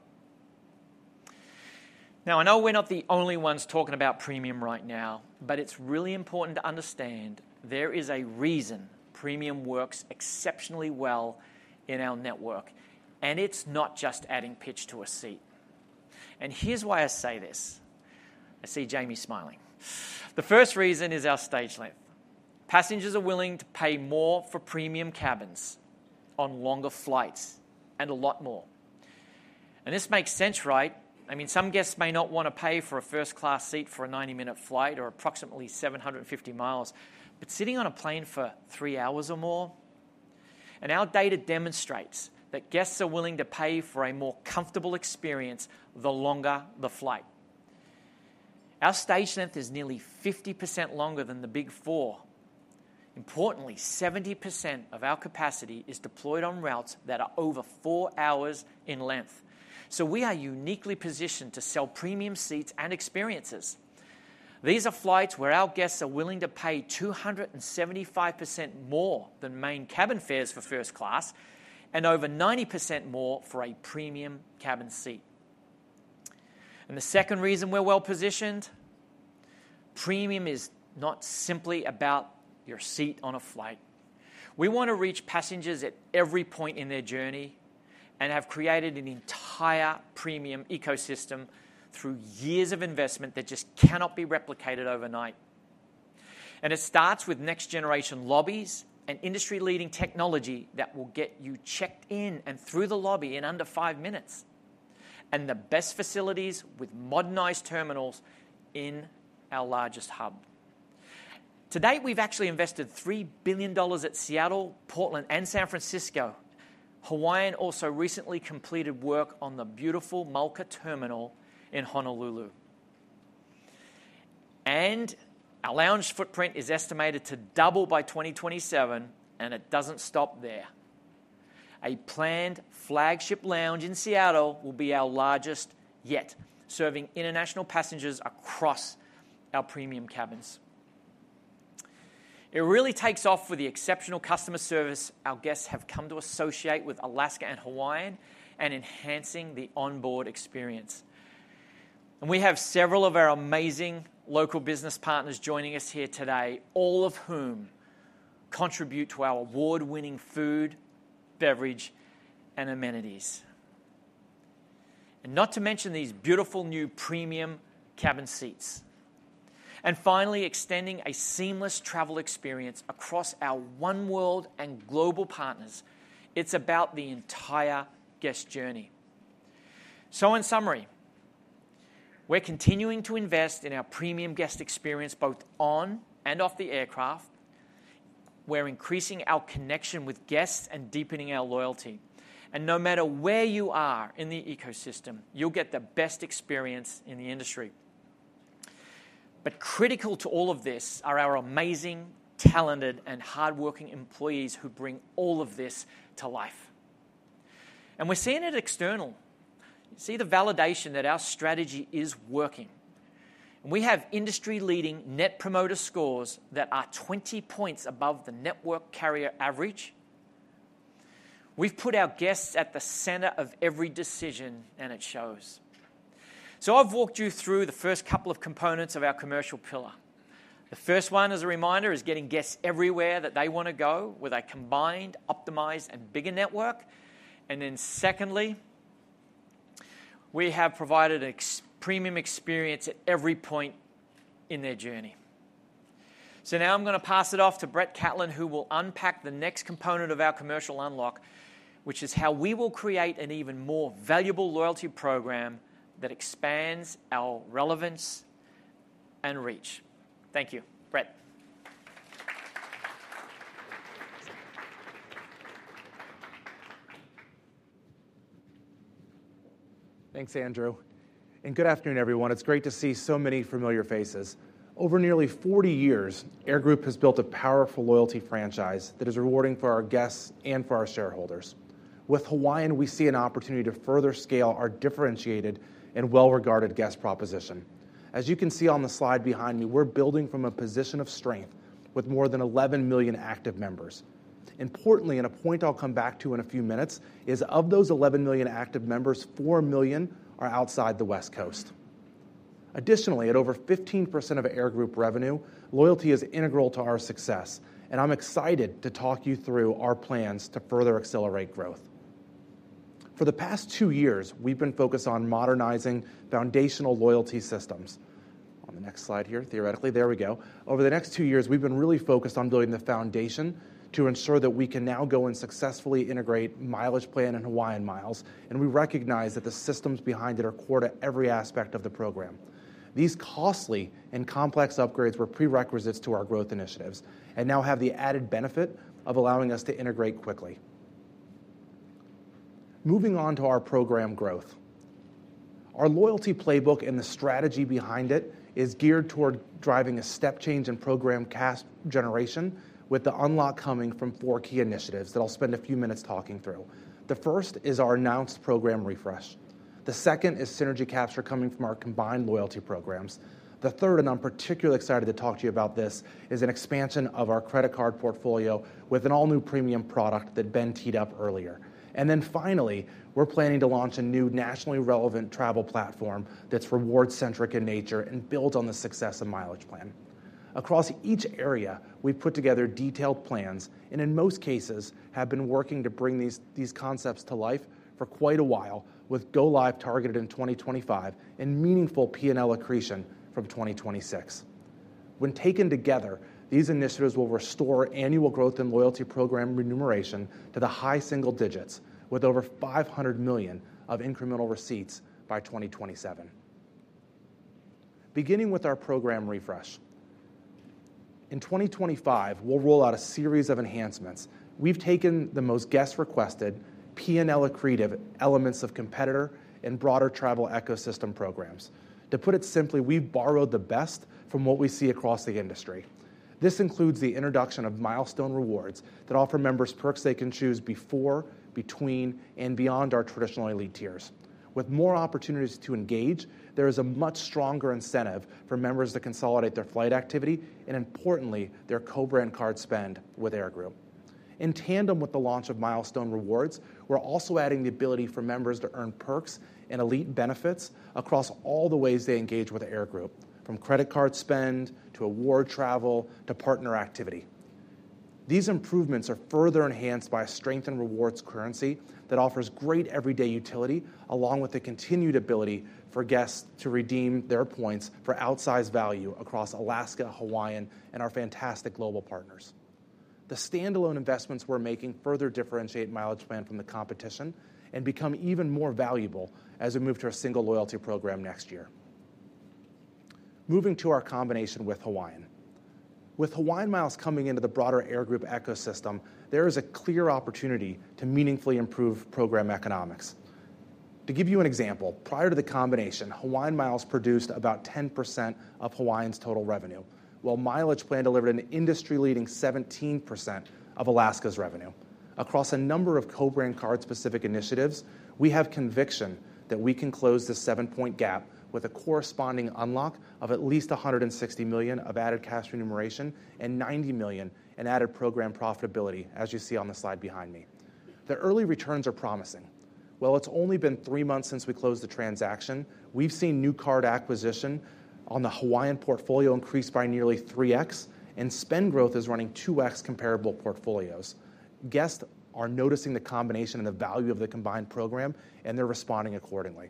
Now, I know we're not the only ones talking about premium right now, but it's really important to understand there is a reason premium works exceptionally well in our network, and it's not just adding pitch to a seat. And here's why I say this. I see Jamie smiling. The first reason is our stage length. Passengers are willing to pay more for premium cabins on longer flights and a lot more. And this makes sense, right? I mean, some guests may not want to pay for a first-class seat for a 90-minute flight or approximately 750 mi, but sitting on a plane for three hours or more? Our data demonstrates that guests are willing to pay for a more comfortable experience the longer the flight. Our stage length is nearly 50% longer than the Big Four. Importantly, 70% of our capacity is deployed on routes that are over four hours in length, so we are uniquely positioned to sell premium seats and experiences. These are flights where our guests are willing to pay 275% more than Main Cabin fares for First Class and over 90% more for a premium cabin seat, and the second reason we're well-positioned. Premium is not simply about your seat on a flight. We want to reach passengers at every point in their journey and have created an entire premium ecosystem through years of investment that just cannot be replicated overnight, and it starts with next-generation lobbies and industry-leading technology that will get you checked in and through the lobby in under five minutes, and the best facilities with modernized terminals in our largest hub. Today, we've actually invested $3 billion at Seattle, Portland, and San Francisco. Hawaiian also recently completed work on the beautiful Mauka Terminal in Honolulu, and our lounge footprint is estimated to double by 2027, and it doesn't stop there. A planned flagship lounge in Seattle will be our largest yet, serving international passengers across our premium cabins. It really takes off with the exceptional customer service our guests have come to associate with Alaska and Hawaiian and enhancing the onboard experience. We have several of our amazing local business partners joining us here today, all of whom contribute to our award-winning food, beverage, and amenities. Not to mention these beautiful new premium cabin seats. Finally, extending a seamless travel experience across our oneworld and global partners, it's about the entire guest journey. In summary, we're continuing to invest in our premium guest experience both on and off the aircraft. We're increasing our connection with guests and deepening our loyalty. No matter where you are in the ecosystem, you'll get the best experience in the industry. Critical to all of this are our amazing, talented, and hardworking employees who bring all of this to life. We're seeing it external. You see the validation that our strategy is working. We have industry-leading Net Promoter Scores that are 20 points above the network carrier average. We've put our guests at the center of every decision, and it shows. So I've walked you through the first couple of components of our commercial pillar. The first one, as a reminder, is getting guests everywhere that they want to go with a combined, optimized, and bigger network. And then secondly, we have provided a premium experience at every point in their journey. So now I'm going to pass it off to Brett Catlin, who will unpack the next component of our commercial unlock, which is how we will create an even more valuable loyalty program that expands our relevance and reach. Thank you. Brett? Thanks, Andrew. And good afternoon, everyone. It's great to see so many familiar faces. Over nearly 40 years, Air Group has built a powerful loyalty franchise that is rewarding for our guests and for our shareholders. With Hawaiian, we see an opportunity to further scale our differentiated and well-regarded guest proposition. As you can see on the slide behind me, we're building from a position of strength with more than 11 million active members. Importantly, and a point I'll come back to in a few minutes, is of those 11 million active members, 4 million are outside the West Coast. Additionally, at over 15% of Air Group revenue, loyalty is integral to our success, and I'm excited to talk you through our plans to further accelerate growth. For the past two years, we've been focused on modernizing foundational loyalty systems. On the next slide here, theoretically, there we go. Over the next two years, we've been really focused on building the foundation to ensure that we can now go and successfully integrate Mileage Plan and HawaiianMiles, and we recognize that the systems behind it are core to every aspect of the program. These costly and complex upgrades were prerequisites to our growth initiatives and now have the added benefit of allowing us to integrate quickly. Moving on to our program growth, our loyalty playbook and the strategy behind it is geared toward driving a step change in program cash generation, with the unlock coming from four key initiatives that I'll spend a few minutes talking through. The first is our announced program refresh. The second is synergy capture coming from our combined loyalty programs. The third, and I'm particularly excited to talk to you about this, is an expansion of our credit card portfolio with an all-new premium product that Ben teed up earlier, and then finally, we're planning to launch a new nationally relevant travel platform that's reward-centric in nature and builds on the success of Mileage Plan. Across each area, we've put together detailed plans and, in most cases, have been working to bring these concepts to life for quite a while, with go-live targeted in 2025 and meaningful P&L accretion from 2026. When taken together, these initiatives will restore annual growth and loyalty program remuneration to the high single digits, with over $500 million of incremental receipts by 2027. Beginning with our program refresh, in 2025, we'll roll out a series of enhancements. We've taken the most guest-requested P&L accretive elements of competitor and broader travel ecosystem programs. To put it simply, we've borrowed the best from what we see across the industry. This includes the introduction of Milestone Rewards that offer members perks they can choose before, between, and beyond our traditional elite tiers. With more opportunities to engage, there is a much stronger incentive for members to consolidate their flight activity and, importantly, their co-brand card spend with Air Group. In tandem with the launch of Milestone Rewards, we're also adding the ability for members to earn perks and elite benefits across all the ways they engage with Air Group, from credit card spend to award travel to partner activity. These improvements are further enhanced by a strengthened rewards currency that offers great everyday utility, along with the continued ability for guests to redeem their points for outsized value across Alaska, Hawaiian, and our fantastic global partners. The standalone investments we're making further differentiate Mileage Plan from the competition and become even more valuable as we move to a single loyalty program next year. Moving to our combination with Hawaiian. With HawaiianMiles coming into the broader Air Group ecosystem, there is a clear opportunity to meaningfully improve program economics. To give you an example, prior to the combination, HawaiianMiles produced about 10% of Hawaiian's total revenue, while Mileage Plan delivered an industry-leading 17% of Alaska's revenue. Across a number of co-brand card-specific initiatives, we have conviction that we can close the seven-point gap with a corresponding unlock of at least $160 million of added cash remuneration and $90 million in added program profitability, as you see on the slide behind me. The early returns are promising. While it's only been three months since we closed the transaction, we've seen new card acquisition on the Hawaiian portfolio increase by nearly 3x, and spend growth is running 2x comparable portfolios. Guests are noticing the combination and the value of the combined program, and they're responding accordingly.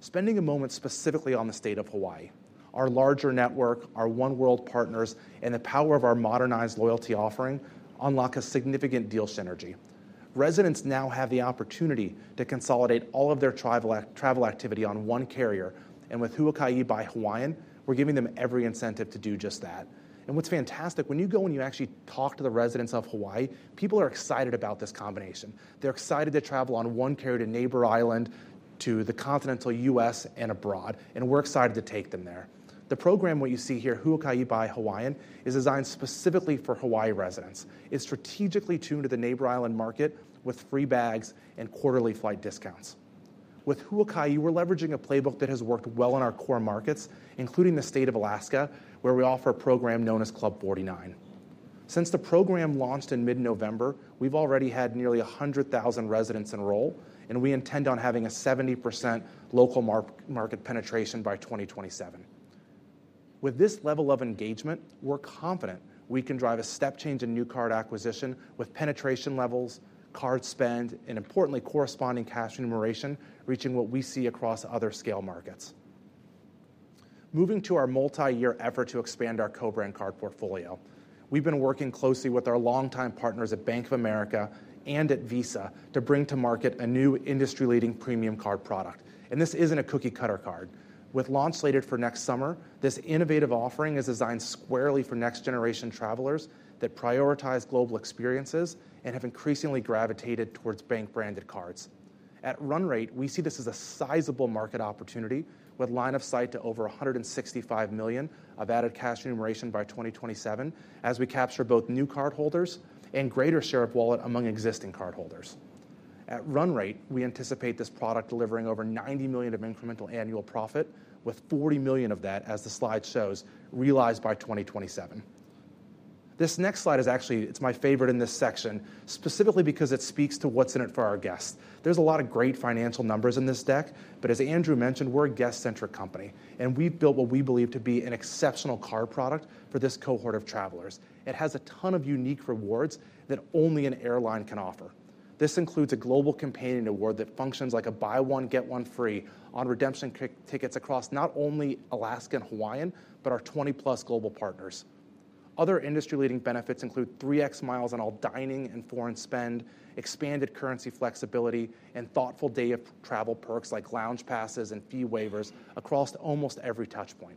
Spending a moment specifically on the state of Hawaii, our larger network, our oneworld partners, and the power of our modernized loyalty offering unlock a significant deal synergy. Residents now have the opportunity to consolidate all of their travel activity on one carrier, and with Huaka'i by Hawaiian, we're giving them every incentive to do just that. And what's fantastic, when you go and you actually talk to the residents of Hawaii, people are excited about this combination. They're excited to travel on one carrier to Neighbor Island, to the continental U.S., and abroad, and we're excited to take them there. The program what you see here, Huaka'i by Hawaiian, is designed specifically for Hawaii residents. It's strategically tuned to the Neighbor Island market with free bags and quarterly flight discounts. With Huaka'i, we're leveraging a playbook that has worked well in our core markets, including the state of Alaska, where we offer a program known as Club 49. Since the program launched in mid-November, we've already had nearly 100,000 residents enroll, and we intend on having a 70% local market penetration by 2027. With this level of engagement, we're confident we can drive a step change in new card acquisition with penetration levels, card spend, and importantly, corresponding cash remuneration reaching what we see across other scale markets. Moving to our multi-year effort to expand our co-brand card portfolio, we've been working closely with our longtime partners at Bank of America and at Visa to bring to market a new industry-leading premium card product. And this isn't a cookie-cutter card. With launch slated for next summer, this innovative offering is designed squarely for next-generation travelers that prioritize global experiences and have increasingly gravitated towards bank-branded cards. At run rate, we see this as a sizable market opportunity with line of sight to over $165 million of added cash remuneration by 2027 as we capture both new cardholders and greater share of wallet among existing cardholders. At run rate, we anticipate this product delivering over $90 million of incremental annual profit, with $40 million of that, as the slide shows, realized by 2027. This next slide is actually, it's my favorite in this section, specifically because it speaks to what's in it for our guests. There's a lot of great financial numbers in this deck, but as Andrew mentioned, we're a guest-centric company, and we've built what we believe to be an exceptional card product for this cohort of travelers. It has a ton of unique rewards that only an airline can offer. This includes a global companion award that functions like a buy one, get one free on redemption tickets across not only Alaska and Hawaiian, but our 20+ global partners. Other industry-leading benefits include 3x miles on all dining and foreign spend, expanded currency flexibility, and thoughtful day of travel perks like lounge passes and fee waivers across almost every touchpoint.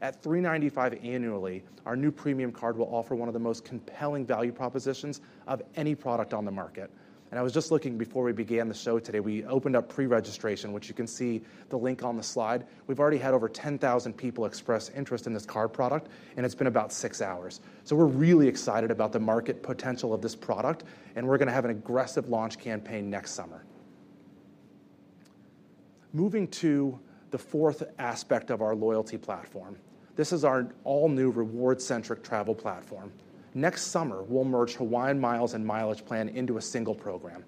At $395 annually, our new premium card will offer one of the most compelling value propositions of any product on the market. And I was just looking before we began the show today, we opened up pre-registration, which you can see the link on the slide. We've already had over 10,000 people express interest in this card product, and it's been about six hours. So we're really excited about the market potential of this product, and we're going to have an aggressive launch campaign next summer. Moving to the fourth aspect of our loyalty platform, this is our all-new reward-centric travel platform. Next summer, we'll merge HawaiianMiles and Mileage Plan into a single program.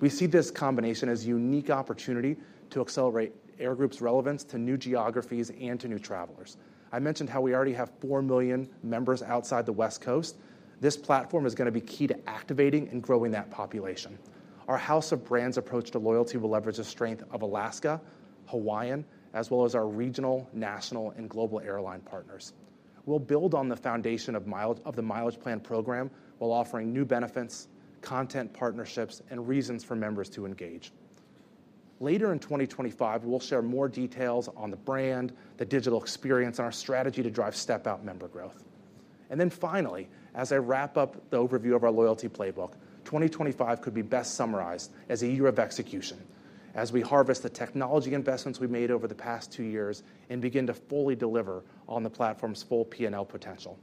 We see this combination as a unique opportunity to accelerate Air Group's relevance to new geographies and to new travelers. I mentioned how we already have four million members outside the West Coast. This platform is going to be key to activating and growing that population. Our house of brands approach to loyalty will leverage the strength of Alaska, Hawaiian, as well as our regional, national, and global airline partners. We'll build on the foundation of the Mileage Plan program while offering new benefits, content partnerships, and reasons for members to engage. Later in 2025, we'll share more details on the brand, the digital experience, and our strategy to drive step-out member growth, and then finally, as I wrap up the overview of our loyalty playbook, 2025 could be best summarized as a year of execution, as we harvest the technology investments we made over the past two years and begin to fully deliver on the platform's full P&L potential.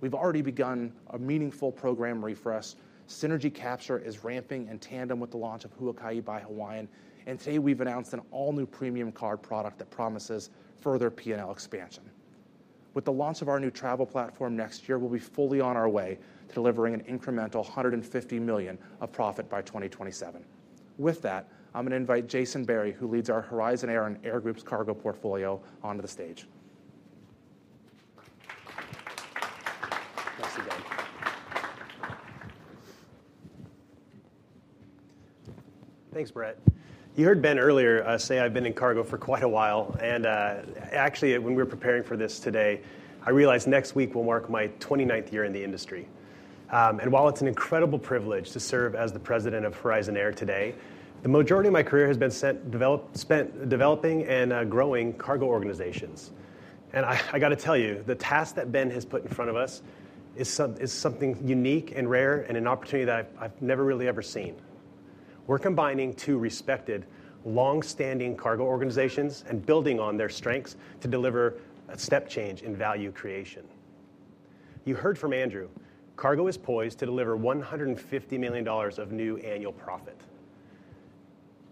We've already begun a meaningful program refresh. Synergy capture is ramping in tandem with the launch of Huaka'i by Hawaiian, and today we've announced an all-new premium card product that promises further P&L expansion. With the launch of our new travel platform next year, we'll be fully on our way to delivering an incremental $150 million of profit by 2027. With that, I'm going to invite Jason Berry, who leads our Horizon Air and Air Group's cargo portfolio, onto the stage. Thanks, Brett. You heard Ben earlier say I've been in cargo for quite a while, and actually, when we were preparing for this today, I realized next week will mark my 29th year in the industry. While it's an incredible privilege to serve as the president of Horizon Air today, the majority of my career has been spent developing and growing cargo organizations. I got to tell you, the task that Ben has put in front of us is something unique and rare and an opportunity that I've never really ever seen. We're combining two respected, long-standing cargo organizations and building on their strengths to deliver a step change in value creation. You heard from Andrew. Cargo is poised to deliver $150 million of new annual profit.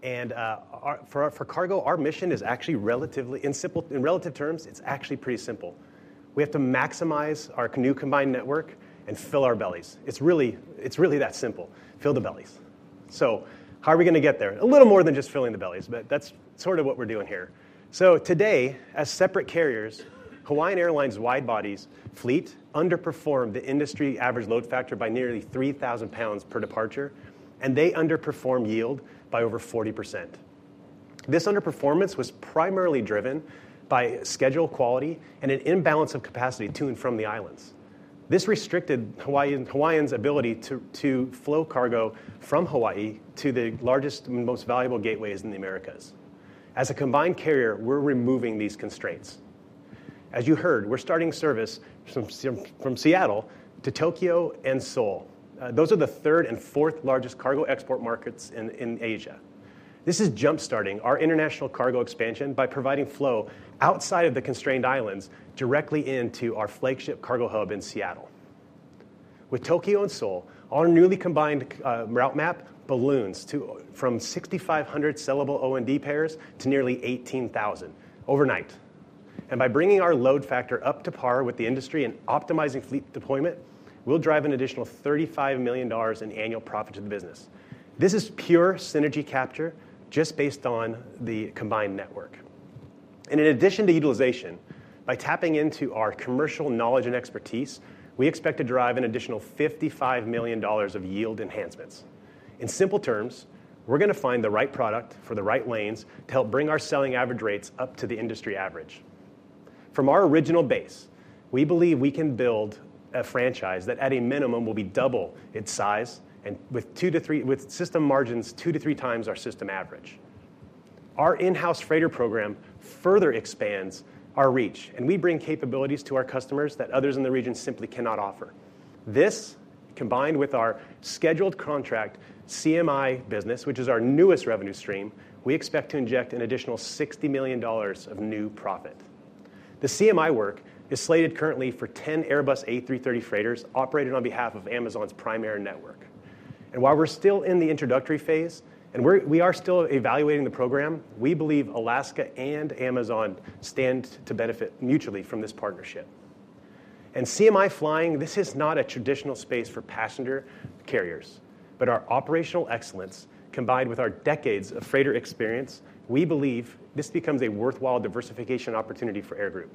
For Cargo, our mission is actually relatively, in relative terms, it's actually pretty simple. We have to maximize our new combined network and fill our bellies. It's really that simple. Fill the bellies. How are we going to get there? A little more than just filling the bellies, but that's sort of what we're doing here. So today, as separate carriers, Hawaiian Airlines' wide-body fleet underperformed the industry average load factor by nearly 3,000 lbs per departure, and they underperformed yield by over 40%. This underperformance was primarily driven by schedule quality and an imbalance of capacity to and from the islands. This restricted Hawaiian's ability to flow cargo from Hawaii to the largest and most valuable gateways in the Americas. As a combined carrier, we're removing these constraints. As you heard, we're starting service from Seattle to Tokyo and Seoul. Those are the third and fourth largest cargo export markets in Asia. This is jump-starting our international cargo expansion by providing flow outside of the constrained islands directly into our flagship cargo hub in Seattle. With Tokyo and Seoul, our newly combined route map balloons from 6,500 sellable O&D pairs to nearly 18,000 overnight. And by bringing our load factor up to par with the industry and optimizing fleet deployment, we'll drive an additional $35 million in annual profit to the business. This is pure synergy capture just based on the combined network. And in addition to utilization, by tapping into our commercial knowledge and expertise, we expect to drive an additional $55 million of yield enhancements. In simple terms, we're going to find the right product for the right lanes to help bring our selling average rates up to the industry average. From our original base, we believe we can build a franchise that at a minimum will be double its size and with system margins two to three times our system average. Our in-house freighter program further expands our reach, and we bring capabilities to our customers that others in the region simply cannot offer. This, combined with our scheduled contract CMI business, which is our newest revenue stream, we expect to inject an additional $60 million of new profit. The CMI work is slated currently for 10 Airbus A330 freighters operated on behalf of Amazon's primary network. And while we're still in the introductory phase and we are still evaluating the program, we believe Alaska and Amazon stand to benefit mutually from this partnership. And CMI flying, this is not a traditional space for passenger carriers, but our operational excellence combined with our decades of freighter experience, we believe this becomes a worthwhile diversification opportunity for Air Group.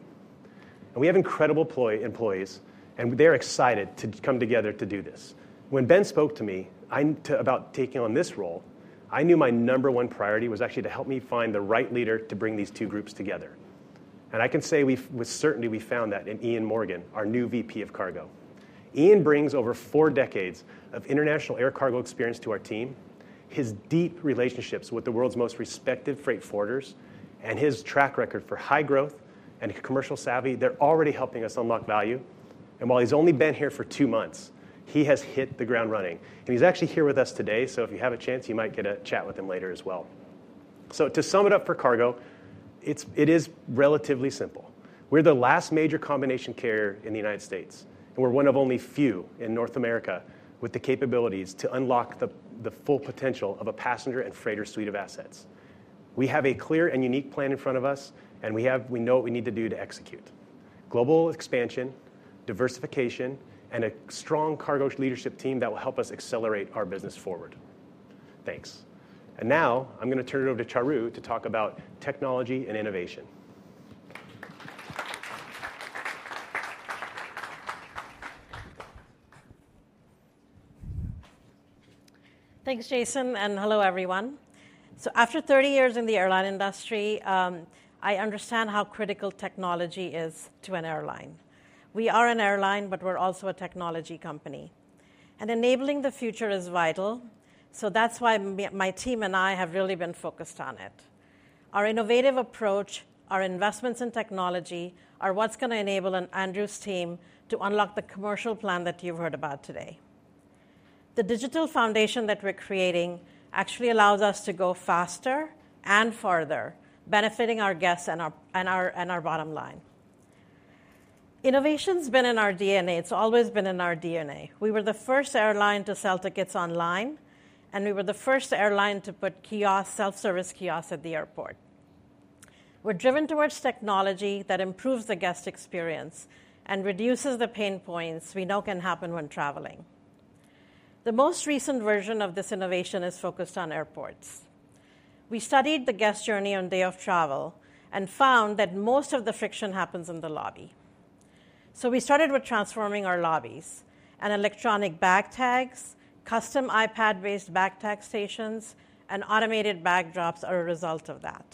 And we have incredible employees, and they're excited to come together to do this. When Ben spoke to me about taking on this role, I knew my number one priority was actually to help me find the right leader to bring these two groups together. And I can say with certainty we found that in Ian Morgan, our new VP of Cargo. Ian brings over four decades of international air cargo experience to our team. His deep relationships with the world's most respected freight forwarders and his track record for high growth and commercial savvy, they're already helping us unlock value. And while he's only been here for two months, he has hit the ground running. And he's actually here with us today, so if you have a chance, you might get a chat with him later as well. So to sum it up for Cargo, it is relatively simple. We're the last major combination carrier in the United States, and we're one of only few in North America with the capabilities to unlock the full potential of a passenger and freighter suite of assets. We have a clear and unique plan in front of us, and we know what we need to do to execute: global expansion, diversification, and a strong cargo leadership team that will help us accelerate our business forward. Thanks, and now I'm going to turn it over to Charu to talk about technology and innovation. Thanks, Jason, and hello, everyone, so after 30 years in the airline industry, I understand how critical technology is to an airline. We are an airline, but we're also a technology company, and enabling the future is vital, so that's why my team and I have really been focused on it. Our innovative approach, our investments in technology are what's going to enable Andrew's team to unlock the commercial plan that you've heard about today. The digital foundation that we're creating actually allows us to go faster and further, benefiting our guests and our bottom line. Innovation's been in our DNA. It's always been in our DNA. We were the first airline to sell tickets online, and we were the first airline to put kiosks, self-service kiosks at the airport. We're driven towards technology that improves the guest experience and reduces the pain points we know can happen when traveling. The most recent version of this innovation is focused on airports. We studied the guest journey on day of travel and found that most of the friction happens in the lobby, so we started with transforming our lobbies, and electronic bag tags, custom iPad-based bag tag stations, and automated bag drops are a result of that.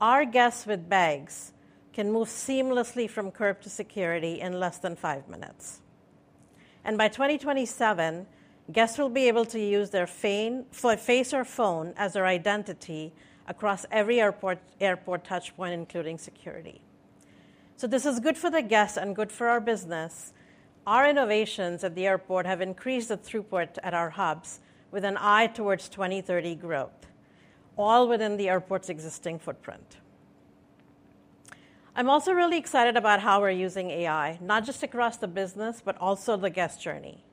Our guests with bags can move seamlessly from curb to security in less than five minutes. And by 2027, guests will be able to use their face or phone as their identity across every airport touchpoint, including security. so this is good for the guests and good for our business. Our innovations at the airport have increased the throughput at our hubs with an eye towards 2030 growth, all within the airport's existing footprint. I'm also really excited about how we're using AI, not just across the business, but also the guest journey.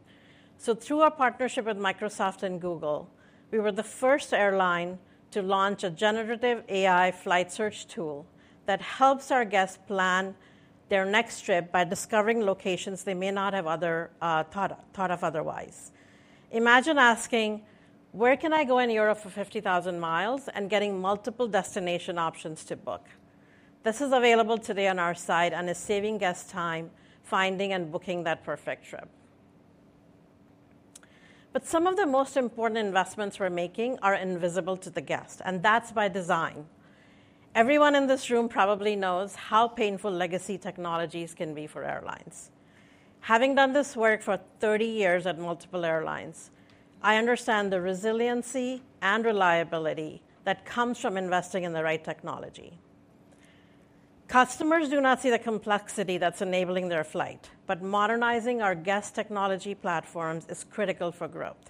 so through our partnership with Microsoft and Google, we were the first airline to launch a generative AI flight search tool that helps our guests plan their next trip by discovering locations they may not have thought of otherwise. Imagine asking, "Where can I go in Europe for 50,000 mi and getting multiple destination options to book?" This is available today on our side and is saving guests time finding and booking that perfect trip. But some of the most important investments we're making are invisible to the guest, and that's by design. Everyone in this room probably knows how painful legacy technologies can be for airlines. Having done this work for 30 years at multiple airlines, I understand the resiliency and reliability that comes from investing in the right technology. Customers do not see the complexity that's enabling their flight, but modernizing our guest technology platforms is critical for growth.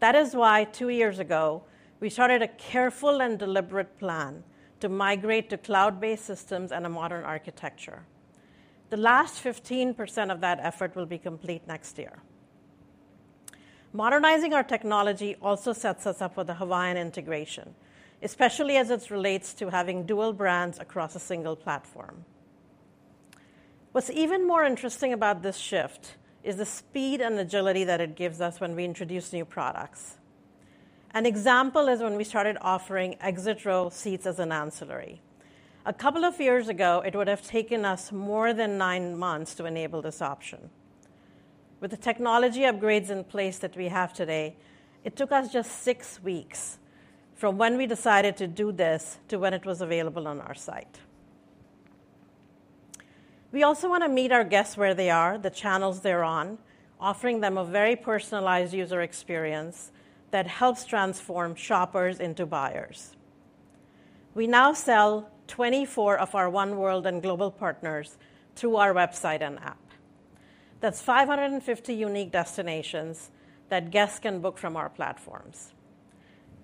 That is why two years ago, we started a careful and deliberate plan to migrate to cloud-based systems and a modern architecture. The last 15% of that effort will be complete next year. Modernizing our technology also sets us up for the Hawaiian integration, especially as it relates to having dual brands across a single platform. What's even more interesting about this shift is the speed and agility that it gives us when we introduce new products. An example is when we started offering exit row seats as an ancillary. A couple of years ago, it would have taken us more than nine months to enable this option. With the technology upgrades in place that we have today, it took us just six weeks from when we decided to do this to when it was available on our site. We also want to meet our guests where they are, the channels they're on, offering them a very personalized user experience that helps transform shoppers into buyers. We now sell 24 of our oneworld and global partners through our website and app. That's 550 unique destinations that guests can book from our platforms.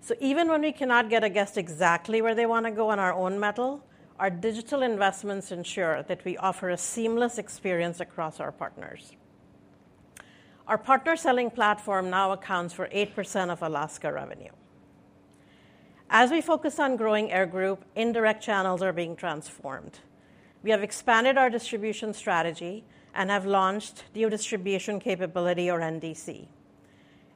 So even when we cannot get a guest exactly where they want to go on our own metal, our digital investments ensure that we offer a seamless experience across our partners. Our partner selling platform now accounts for 8% of Alaska revenue. As we focus on growing Air Group, indirect channels are being transformed. We have expanded our distribution strategy and have launched New Distribution Capability, or NDC.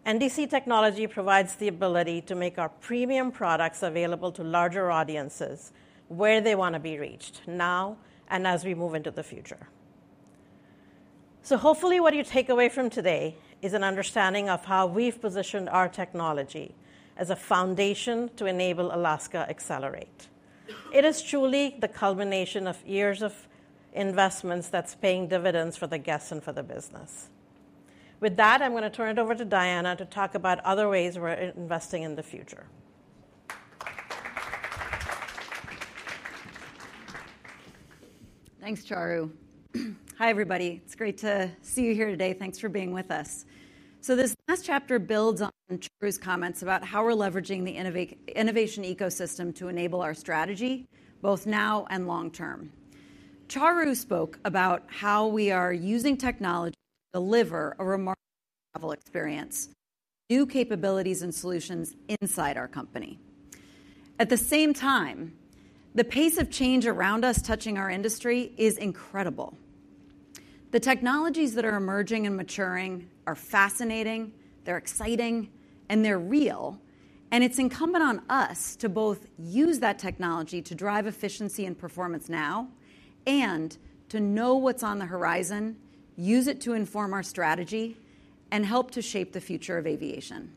NDC technology provides the ability to make our premium products available to larger audiences where they want to be reached now and as we move into the future. So hopefully what you take away from today is an understanding of how we've positioned our technology as a foundation to enable Alaska Accelerate. It is truly the culmination of years of investments that's paying dividends for the guests and for the business. With that, I'm going to turn it over to Diana to talk about other ways we're investing in the future. Thanks, Charu. Hi, everybody. It's great to see you here today. Thanks for being with us. So this last chapter builds on Charu's comments about how we're leveraging the innovation ecosystem to enable our strategy, both now and long term. Charu spoke about how we are using technology to deliver a remarkable travel experience, new capabilities, and solutions inside our company. At the same time, the pace of change around us touching our industry is incredible. The technologies that are emerging and maturing are fascinating, they're exciting, and they're real, and it's incumbent on us to both use that technology to drive efficiency and performance now and to know what's on the horizon, use it to inform our strategy, and help to shape the future of aviation.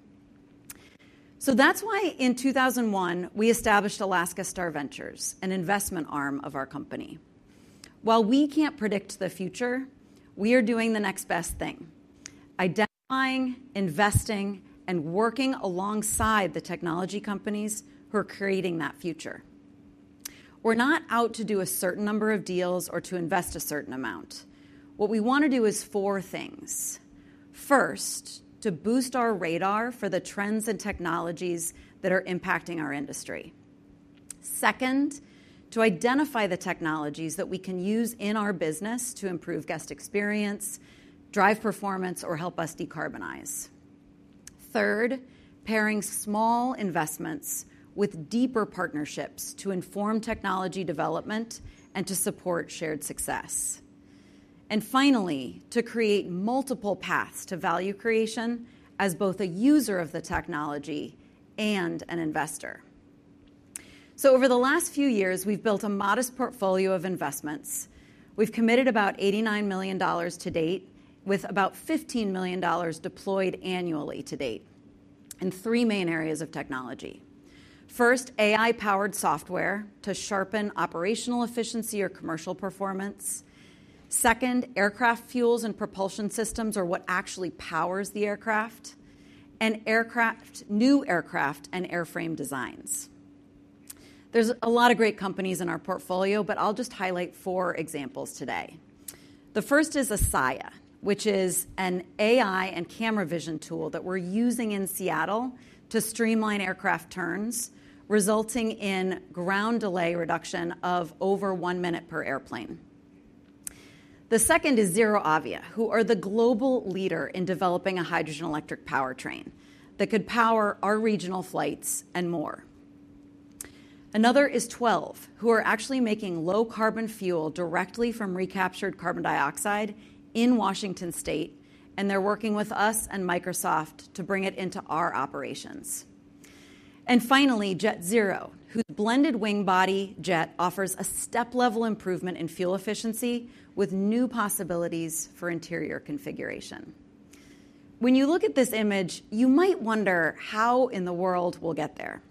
So that's why in 2001, we established Alaska Star Ventures, an investment arm of our company. While we can't predict the future, we are doing the next best thing: identifying, investing, and working alongside the technology companies who are creating that future. We're not out to do a certain number of deals or to invest a certain amount. What we want to do is four things. First, to boost our radar for the trends and technologies that are impacting our industry. Second, to identify the technologies that we can use in our business to improve guest experience, drive performance, or help us decarbonize. Third, pairing small investments with deeper partnerships to inform technology development and to support shared success. And finally, to create multiple paths to value creation as both a user of the technology and an investor. So over the last few years, we've built a modest portfolio of investments. We've committed about $89 million to date, with about $15 million deployed annually to date in three main areas of technology. First, AI-powered software to sharpen operational efficiency or commercial performance. Second, aircraft fuels and propulsion systems are what actually powers the aircraft and new aircraft and airframe designs. There's a lot of great companies in our portfolio, but I'll just highlight four examples today. The first is Assaia, which is an AI and camera vision tool that we're using in Seattle to streamline aircraft turns, resulting in ground delay reduction of over one minute per airplane. The second is ZeroAvia, who are the global leader in developing a hydrogen-electric powertrain that could power our regional flights and more. Another is Twelve, who are actually making low-carbon fuel directly from recaptured carbon dioxide in Washington State, and they're working with us and Microsoft to bring it into our operations, and finally, JetZero, whose blended wing body jet offers a step-level improvement in fuel efficiency with new possibilities for interior configuration. When you look at this image, you might wonder how in the world we'll get there,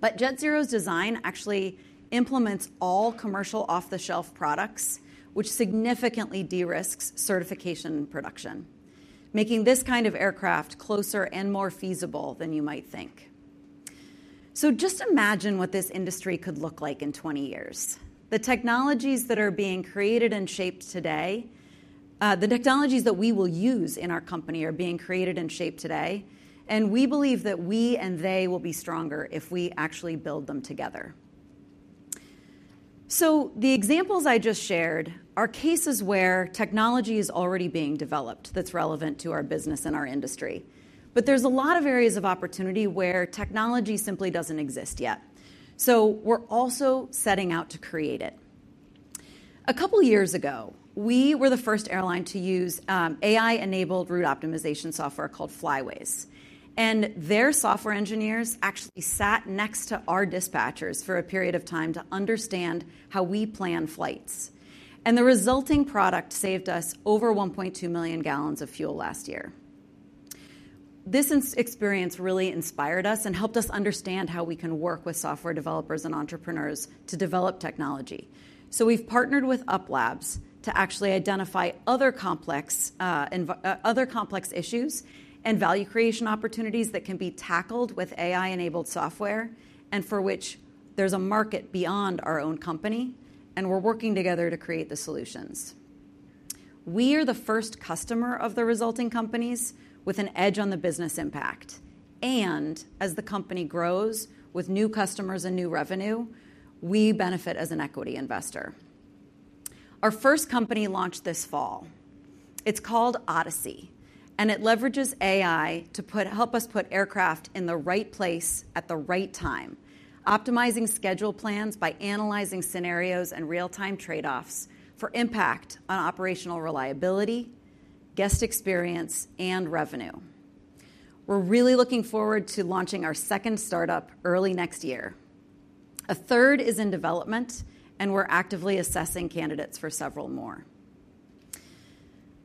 but JetZero's design actually implements all commercial off-the-shelf products, which significantly de-risk certification and production, making this kind of aircraft closer and more feasible than you might think, so just imagine what this industry could look like in 20 years. The technologies that are being created and shaped today, the technologies that we will use in our company are being created and shaped today, and we believe that we and they will be stronger if we actually build them together. The examples I just shared are cases where technology is already being developed that's relevant to our business and our industry. But there's a lot of areas of opportunity where technology simply doesn't exist yet. We're also setting out to create it. A couple of years ago, we were the first airline to use AI-enabled route optimization software called Flyways. Their software engineers actually sat next to our dispatchers for a period of time to understand how we plan flights. The resulting product saved us over 1.2 million gallons of fuel last year. This experience really inspired us and helped us understand how we can work with software developers and entrepreneurs to develop technology. So we've partnered with UP.Labs to actually identify other complex issues and value creation opportunities that can be tackled with AI-enabled software and for which there's a market beyond our own company, and we're working together to create the solutions. We are the first customer of the resulting companies with an edge on the business impact. And as the company grows with new customers and new revenue, we benefit as an equity investor. Our first company launched this fall. It's called Odysee, and it leverages AI to help us put aircraft in the right place at the right time, optimizing schedule plans by analyzing scenarios and real-time trade-offs for impact on operational reliability, guest experience, and revenue. We're really looking forward to launching our second startup early next year. A third is in development, and we're actively assessing candidates for several more.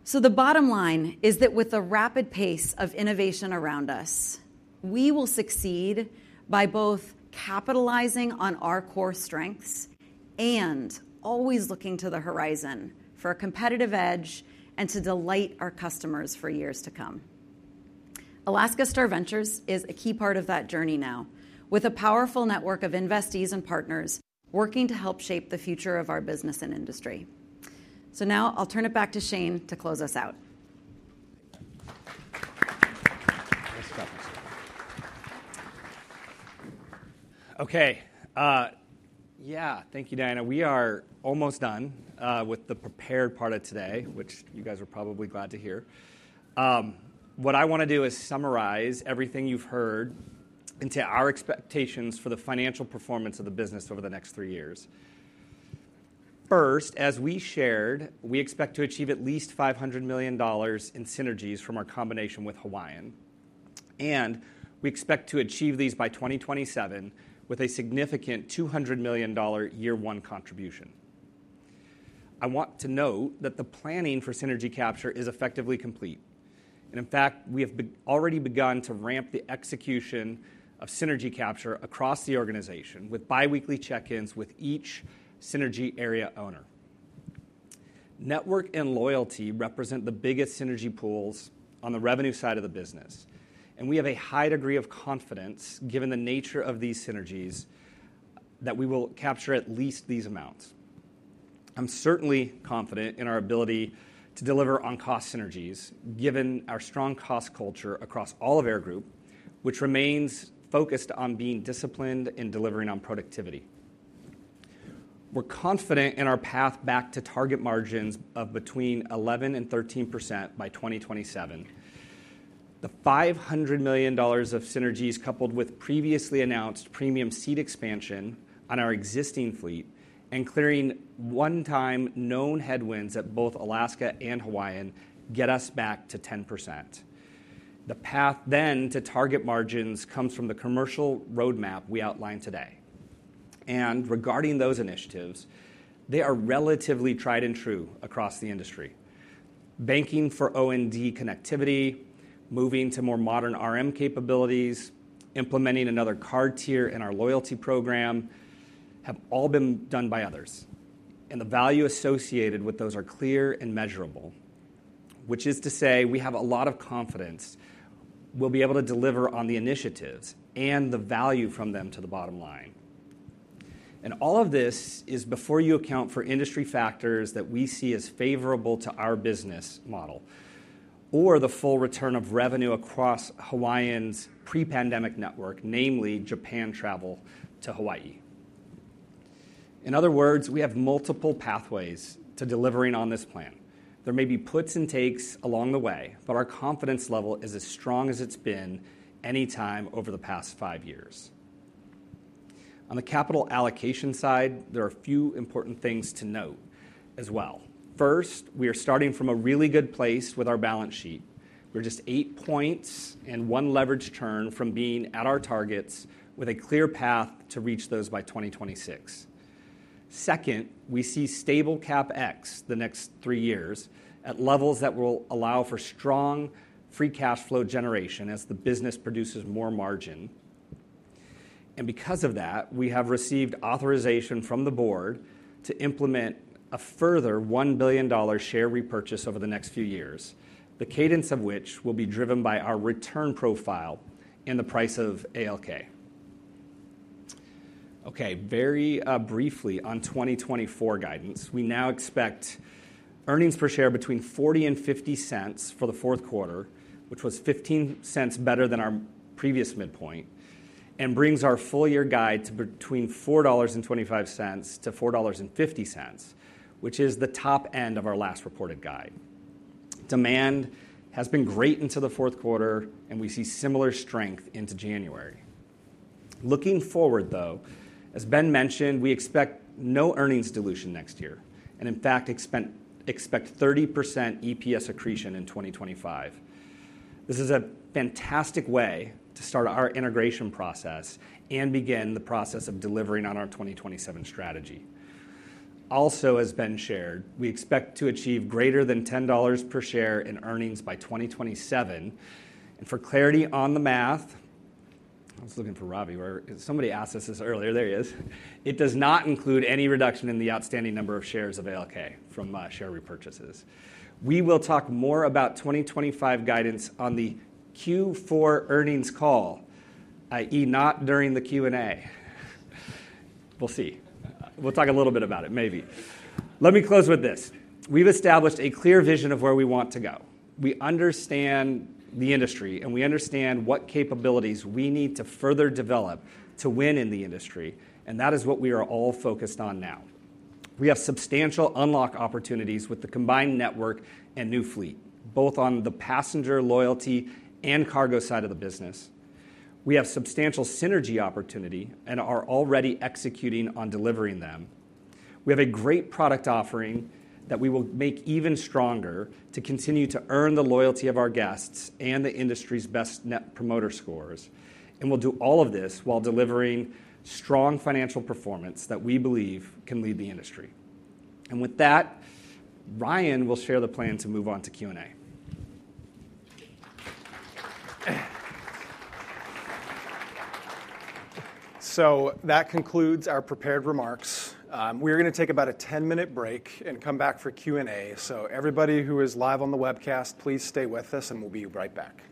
So the bottom line is that with the rapid pace of innovation around us, we will succeed by both capitalizing on our core strengths and always looking to the horizon for a competitive edge and to delight our customers for years to come. Alaska Star Ventures is a key part of that journey now, with a powerful network of investees and partners working to help shape the future of our business and industry. So now I'll turn it back to Shane to close us out. Okay. Yeah, thank you, Diana. We are almost done with the prepared part of today, which you guys are probably glad to hear. What I want to do is summarize everything you've heard into our expectations for the financial performance of the business over the next three years. First, as we shared, we expect to achieve at least $500 million in synergies from our combination with Hawaiian, and we expect to achieve these by 2027 with a significant $200 million year-one contribution. I want to note that the planning for synergy capture is effectively complete, and in fact, we have already begun to ramp the execution of synergy capture across the organization with biweekly check-ins with each synergy area owner. Network and loyalty represent the biggest synergy pools on the revenue side of the business, and we have a high degree of confidence, given the nature of these synergies, that we will capture at least these amounts. I'm certainly confident in our ability to deliver on cost synergies, given our strong cost culture across all of Air Group, which remains focused on being disciplined in delivering on productivity. We're confident in our path back to target margins of between 11% and 13% by 2027. The $500 million of synergies coupled with previously announced premium seat expansion on our existing fleet and clearing one-time known headwinds at both Alaska and Hawaiian get us back to 10%. The path then to target margins comes from the commercial roadmap we outlined today. And regarding those initiatives, they are relatively tried and true across the industry. Banking on O&D connectivity, moving to more modern RM capabilities, implementing another card tier in our loyalty program have all been done by others. And the value associated with those are clear and measurable, which is to say we have a lot of confidence we'll be able to deliver on the initiatives and the value from them to the bottom line. And all of this is before you account for industry factors that we see as favorable to our business model or the full return of revenue across Hawaiian's pre-pandemic network, namely Japan travel to Hawaii. In other words, we have multiple pathways to delivering on this plan. There may be puts and takes along the way, but our confidence level is as strong as it's been anytime over the past five years. On the capital allocation side, there are a few important things to note as well. First, we are starting from a really good place with our balance sheet. We're just eight points and one leveraged turn from being at our targets with a clear path to reach those by 2026. Second, we see stable CapEx the next three years at levels that will allow for strong free cash flow generation as the business produces more margin. Because of that, we have received authorization from the board to implement a further $1 billion share repurchase over the next few years, the cadence of which will be driven by our return profile and the price of ALK. Okay, very briefly on 2024 guidance, we now expect earnings per share between $0.40 and $0.50 for the fourth quarter, which was $0.15 better than our previous midpoint and brings our full-year guide to between $4.25-$4.50, which is the top end of our last reported guide. Demand has been great into the fourth quarter, and we see similar strength into January. Looking forward, though, as Ben mentioned, we expect no earnings dilution next year and, in fact, expect 30% EPS accretion in 2025. This is a fantastic way to start our integration process and begin the process of delivering on our 2027 strategy. Also, as Ben shared, we expect to achieve greater than $10 per share in earnings by 2027. And for clarity on the math, I was looking for Robbie. Somebody asked us this earlier. There he is. It does not include any reduction in the outstanding number of shares of ALK from share repurchases. We will talk more about 2025 guidance on the Q4 earnings call, i.e., not during the Q&A. We'll see. We'll talk a little bit about it, maybe. Let me close with this. We've established a clear vision of where we want to go. We understand the industry, and we understand what capabilities we need to further develop to win in the industry. And that is what we are all focused on now. We have substantial unlock opportunities with the combined network and new fleet, both on the passenger loyalty and cargo side of the business. We have substantial synergy opportunity and are already executing on delivering them. We have a great product offering that we will make even stronger to continue to earn the loyalty of our guests and the industry's best net promoter scores. And we'll do all of this while delivering strong financial performance that we believe can lead the industry. And with that, Ryan will share the plan to move on to Q&A. So that concludes our prepared remarks. We are going to take about a 10-minute break and come back for Q&A. So everybody who is live on the webcast, please stay with us, and we'll be right back.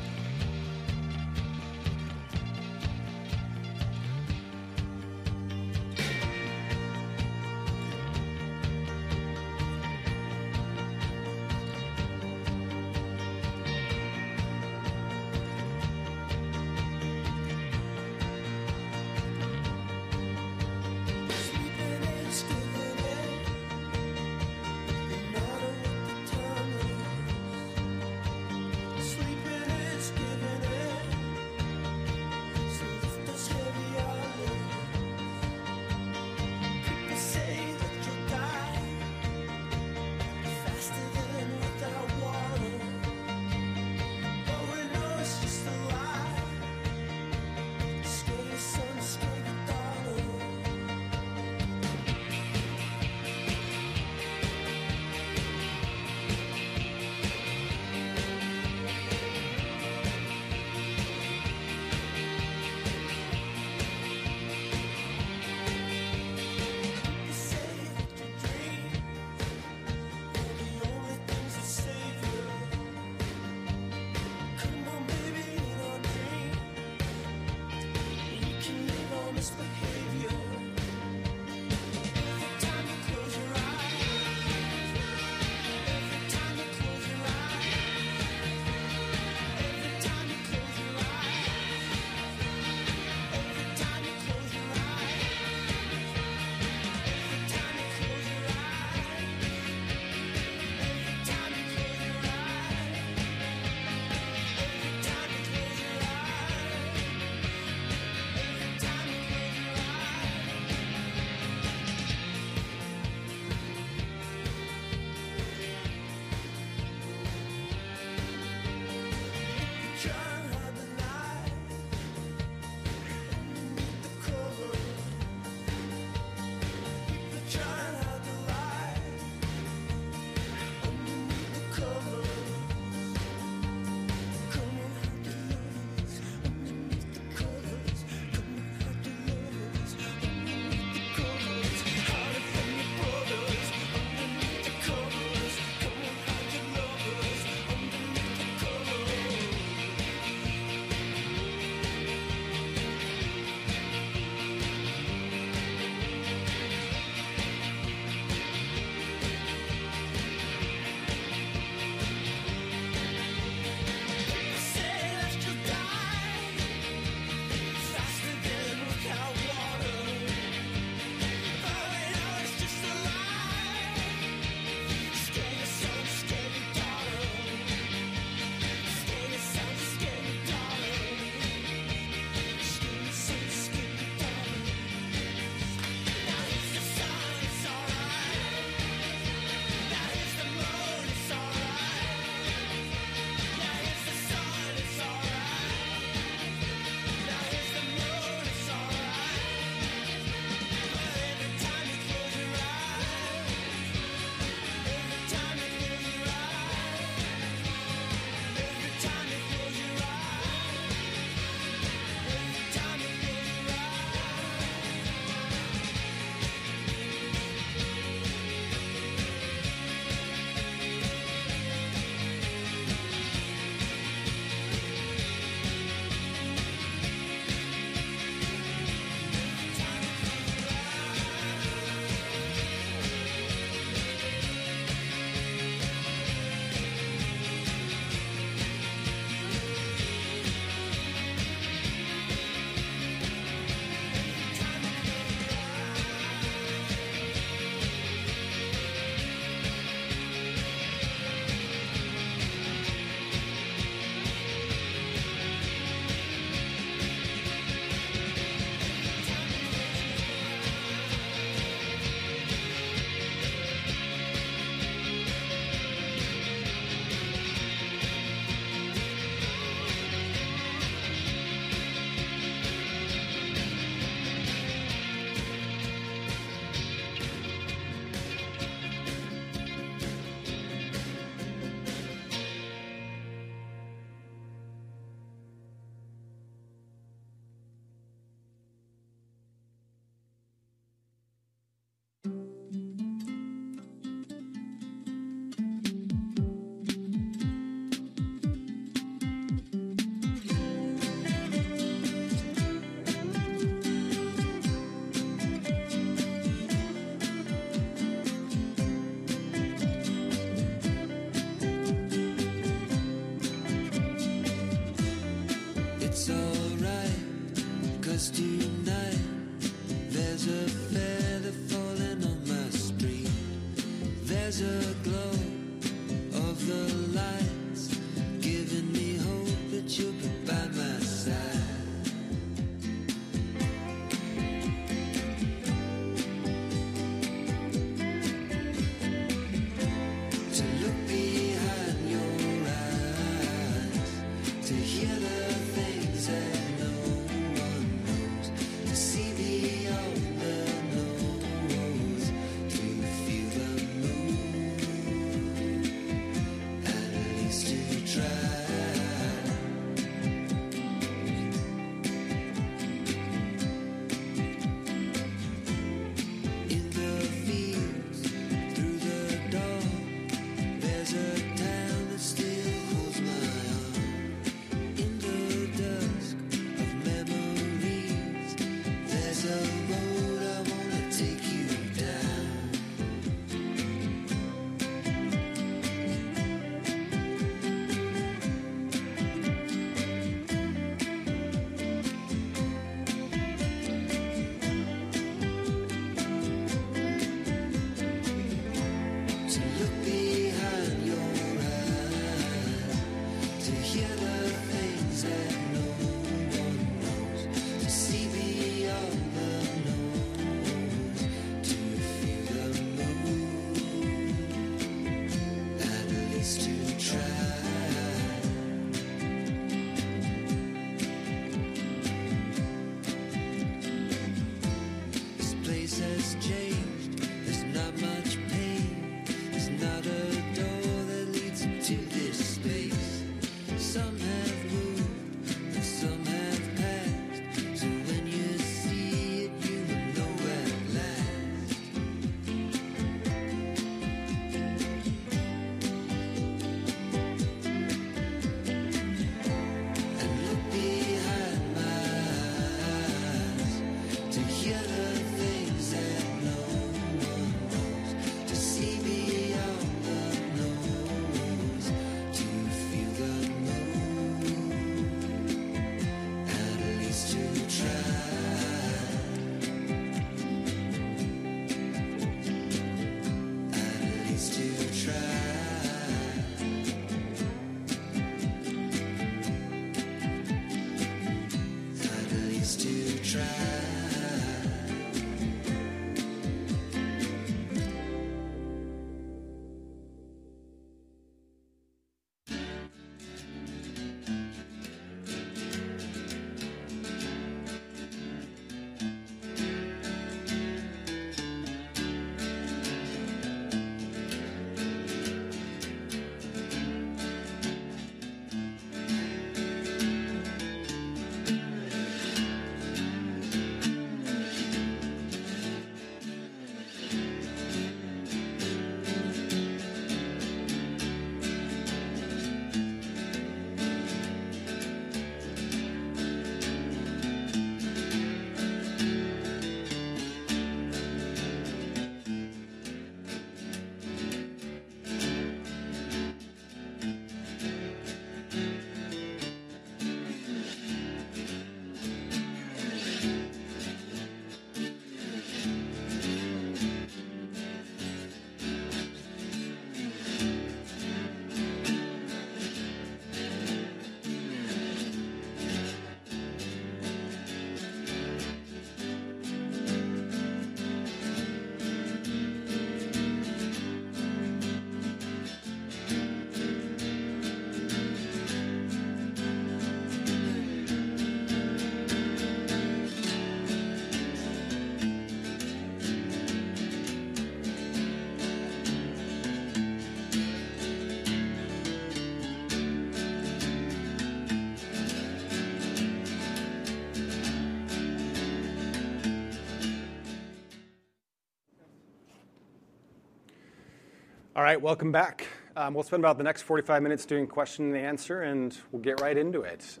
All right, welcome back. We'll spend about the next 45 minutes doing question and answer, and we'll get right into it.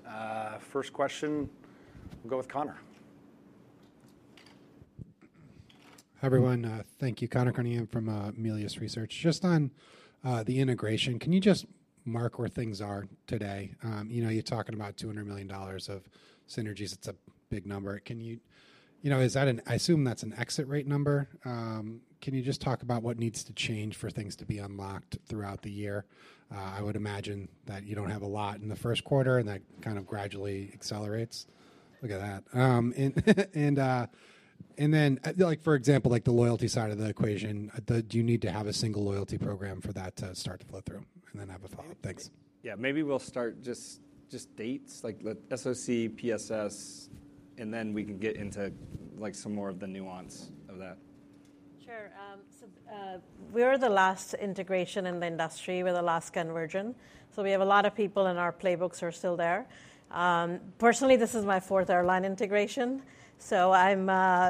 First question, we'll go with Conor. Hi, everyone. Thank you, Conor Cunningham from Melius Research. Just on the integration, can you just mark where things are today? You know, you're talking about $200 million of synergies. It's a big number. Can you, you know, is that an, I assume that's an exit rate number. Can you just talk about what needs to change for things to be unlocked throughout the year? I would imagine that you don't have a lot in the first quarter, and that kind of gradually accelerates. Look at that. And then, like, for example, like the loyalty side of the equation, do you need to have a single loyalty program for that to start to flow through and then have a follow-up? Thanks. Yeah, maybe we'll start just dates, like SOC, PSS, and then we can get into like some more of the nuance of that. Sure. So we're the last integration in the industry. We're the last convergence. So we have a lot of people in our playbooks who are still there. Personally, this is my fourth airline integration. So I'm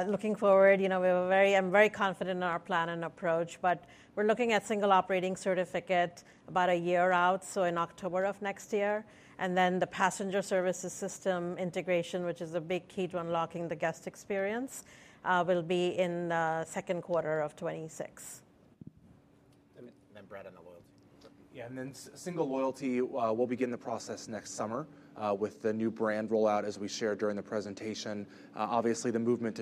looking forward. You know, we have a very, I'm very confident in our plan and approach, but we're looking at Single Operating Certificate about a year out, so in October of next year. And then the passenger services system integration, which is a big key to unlocking the guest experience, will be in the second quarter of 2026. And then Brett on the loyalty. Yeah, and then single loyalty, we'll begin the process next summer with the new brand rollout, as we shared during the presentation. Obviously, the movement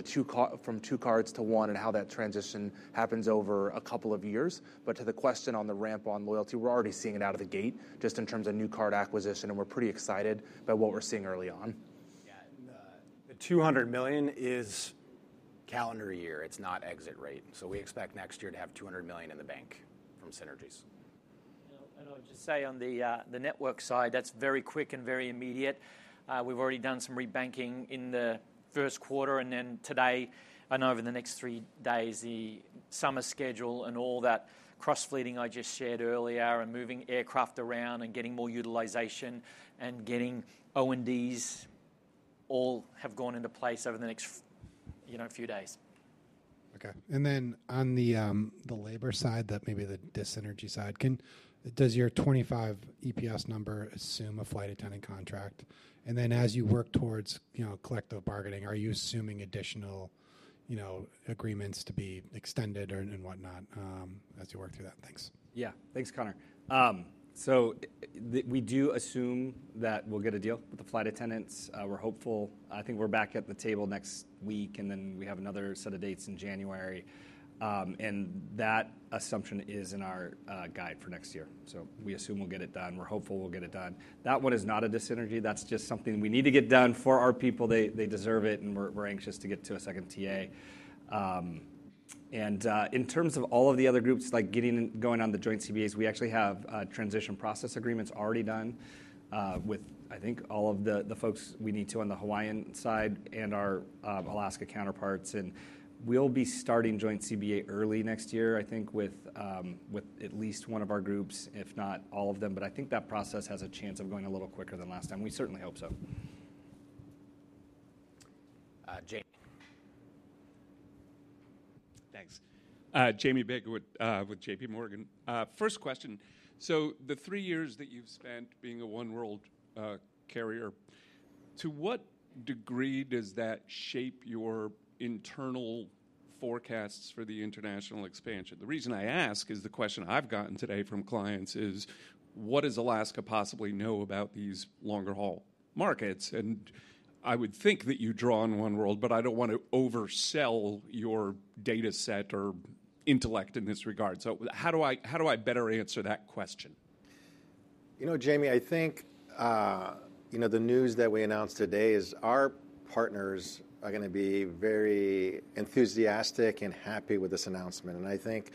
from two cards to one and how that transition happens over a couple of years. But to the question on the ramp on loyalty, we're already seeing it out of the gate just in terms of new card acquisition, and we're pretty excited about what we're seeing early on. Yeah, the $200 million is calendar year. It's not exit rate. So we expect next year to have $200 million in the bank from synergies. And I'll just say on the network side, that's very quick and very immediate. We've already done some rebanking in the first quarter, and then today, and over the next three days, the summer schedule and all that cross fleeting I just shared earlier and moving aircraft around and getting more utilization and getting O&Ds all have gone into place over the next, you know, few days. Okay. And then on the labor side, that maybe the synergy side, and does your 2025 EPS number assume a flight attendant contract? And then as you work towards, you know, collective bargaining, are you assuming additional, you know, agreements to be extended and whatnot as you work through that? Thanks. Yeah, thanks, Connor. So we do assume that we'll get a deal with the flight attendants. We're hopeful. I think we're back at the table next week, and then we have another set of dates in January. And that assumption is in our guide for next year. So we assume we'll get it done. We're hopeful we'll get it done. That one is not a dis-synergy. That's just something we need to get done for our people. They deserve it, and we're anxious to get to a second TA. And in terms of all of the other groups, like getting going on the joint CBAs, we actually have transition process agreements already done with, I think, all of the folks we need to on the Hawaiian side and our Alaska counterparts. And we'll be starting joint CBA early next year, I think, with at least one of our groups, if not all of them. But I think that process has a chance of going a little quicker than last time. We certainly hope so. Jamie. Thanks. Jamie Baker with JPMorgan. First question. So the three years that you've spent being a oneworld carrier, to what degree does that shape your internal forecasts for the international expansion? The reason I ask is the question I've gotten today from clients is, what does Alaska possibly know about these longer-haul markets? I would think that you draw on oneworld, but I don't want to oversell your data set or intellect in this regard. So how do I better answer that question? You know, Jamie, I think, you know, the news that we announced today is our partners are going to be very enthusiastic and happy with this announcement. And I think,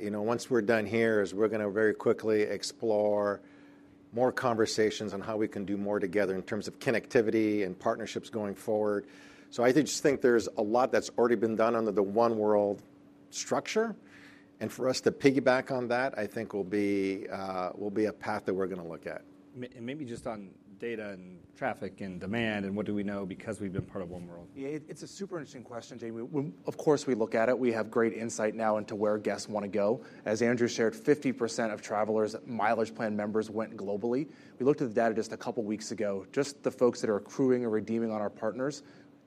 you know, once we're done here, we're going to very quickly explore more conversations on how we can do more together in terms of connectivity and partnerships going forward. So I just think there's a lot that's already been done under the oneworld structure. And for us to piggyback on that, I think will be a path that we're going to look at. And maybe just on data and traffic and demand and what do we know because we've been part of oneworld. Yeah, it's a super interesting question, Jamie. Of course, we look at it. We have great insight now into where guests want to go. As Andrew shared, 50% of travelers' Mileage Plan members went globally. We looked at the data just a couple of weeks ago. Just the folks that are accruing or redeeming on our partners,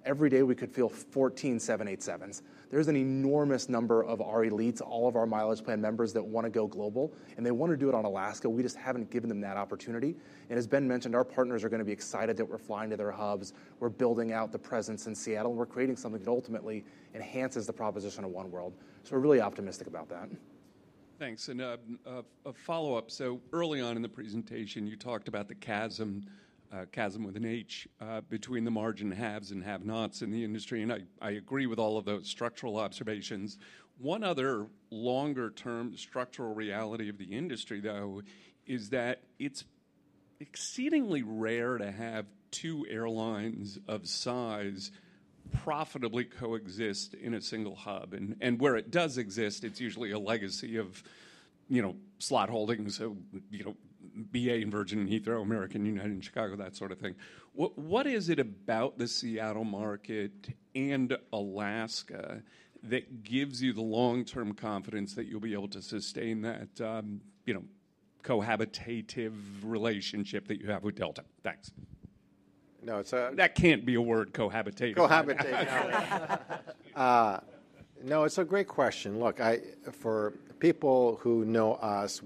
every day we could fill 14 787s. There's an enormous number of our elites, all of our Mileage Plan members that want to go global, and they want to do it on Alaska. We just haven't given them that opportunity. And as Ben mentioned, our partners are going to be excited that we're flying to their hubs. We're building out the presence in Seattle. We're creating something that ultimately enhances the proposition of oneworld. So we're really optimistic about that. Thanks. And a follow-up. So early on in the presentation, you talked about the chasm, chasm with an H, between the margin haves and have-nots in the industry. And I agree with all of those structural observations. One other longer-term structural reality of the industry, though, is that it's exceedingly rare to have two airlines of size profitably coexist in a single hub. And where it does exist, it's usually a legacy of, you know, slot holdings, you know, BA and Virgin and Heathrow, American, United and Chicago, that sort of thing. What is it about the Seattle market and Alaska that gives you the long-term confidence that you'll be able to sustain that, you know, cohabitative relationship that you have with Delta? Thanks. No, it's a—that can't be a word, cohabitative. Cohabitative. No, it's a great question. Look, for people who know us,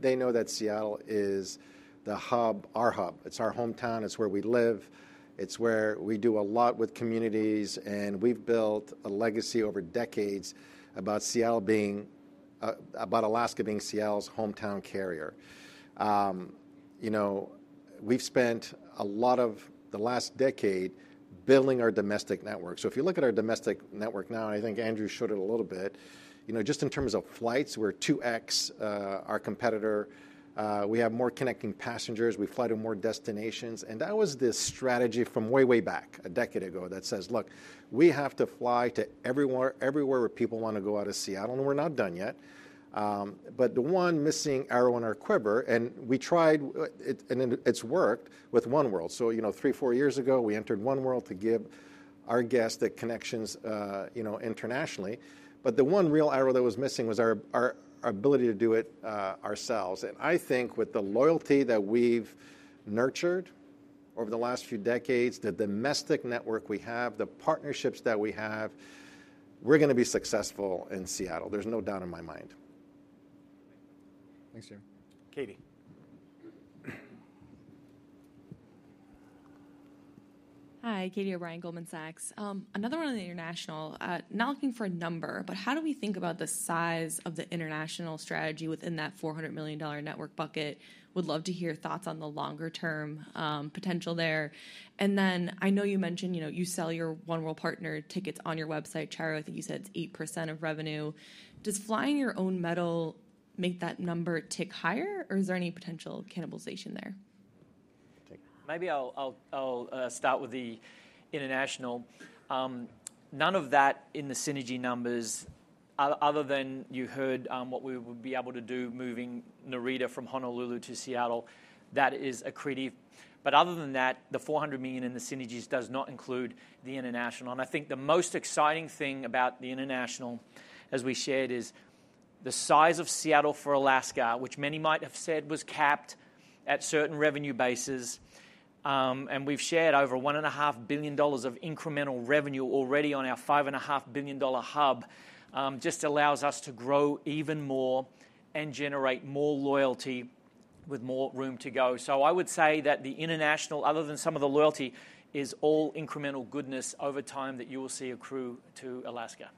they know that Seattle is the hub, our hub. It's our hometown. It's where we live. It's where we do a lot with communities, and we've built a legacy over decades about Seattle being, about Alaska being Seattle's hometown carrier. You know, we've spent a lot of the last decade building our domestic network. So if you look at our domestic network now, and I think Andrew showed it a little bit, you know, just in terms of flights, we're 2x our competitor. We have more connecting passengers. We fly to more destinations. And that was the strategy from way, way back, a decade ago, that says, look, we have to fly to everywhere where people want to go out of Seattle, and we're not done yet. But the one missing arrow on our quiver, and we tried, and it's worked with oneworld. So, you know, three, four years ago, we entered oneworld to give our guests the connections, you know, internationally. But the one real arrow that was missing was our ability to do it ourselves. And I think with the loyalty that we've nurtured over the last few decades, the domestic network we have, the partnerships that we have, we're going to be successful in Seattle. There's no doubt in my mind. Thanks, Jamie. Catie. Hi, Catie O'Brien, Goldman Sachs. Another one on the international, not looking for a number, but how do we think about the size of the international strategy within that $400 million network bucket? Would love to hear thoughts on the longer-term potential there. And then I know you mentioned, you know, you sell your oneworld partner tickets on your website, Charu. I think you said it's 8% of revenue. Does flying your own metal make that number tick higher, or is there any potential cannibalization there? Maybe I'll start with the international. None of that in the synergy numbers, other than you heard what we would be able to do moving Narita from Honolulu to Seattle, that is accretive. But other than that, the $400 million in the synergies does not include the international. And I think the most exciting thing about the international, as we shared, is the size of Seattle for Alaska, which many might have said was capped at certain revenue bases. And we've shared over $1.5 billion of incremental revenue already on our $5.5 billion hub just allows us to grow even more and generate more loyalty with more room to go. So I would say that the international, other than some of the loyalty, is all incremental goodness over time that you will see accrue to Alaska.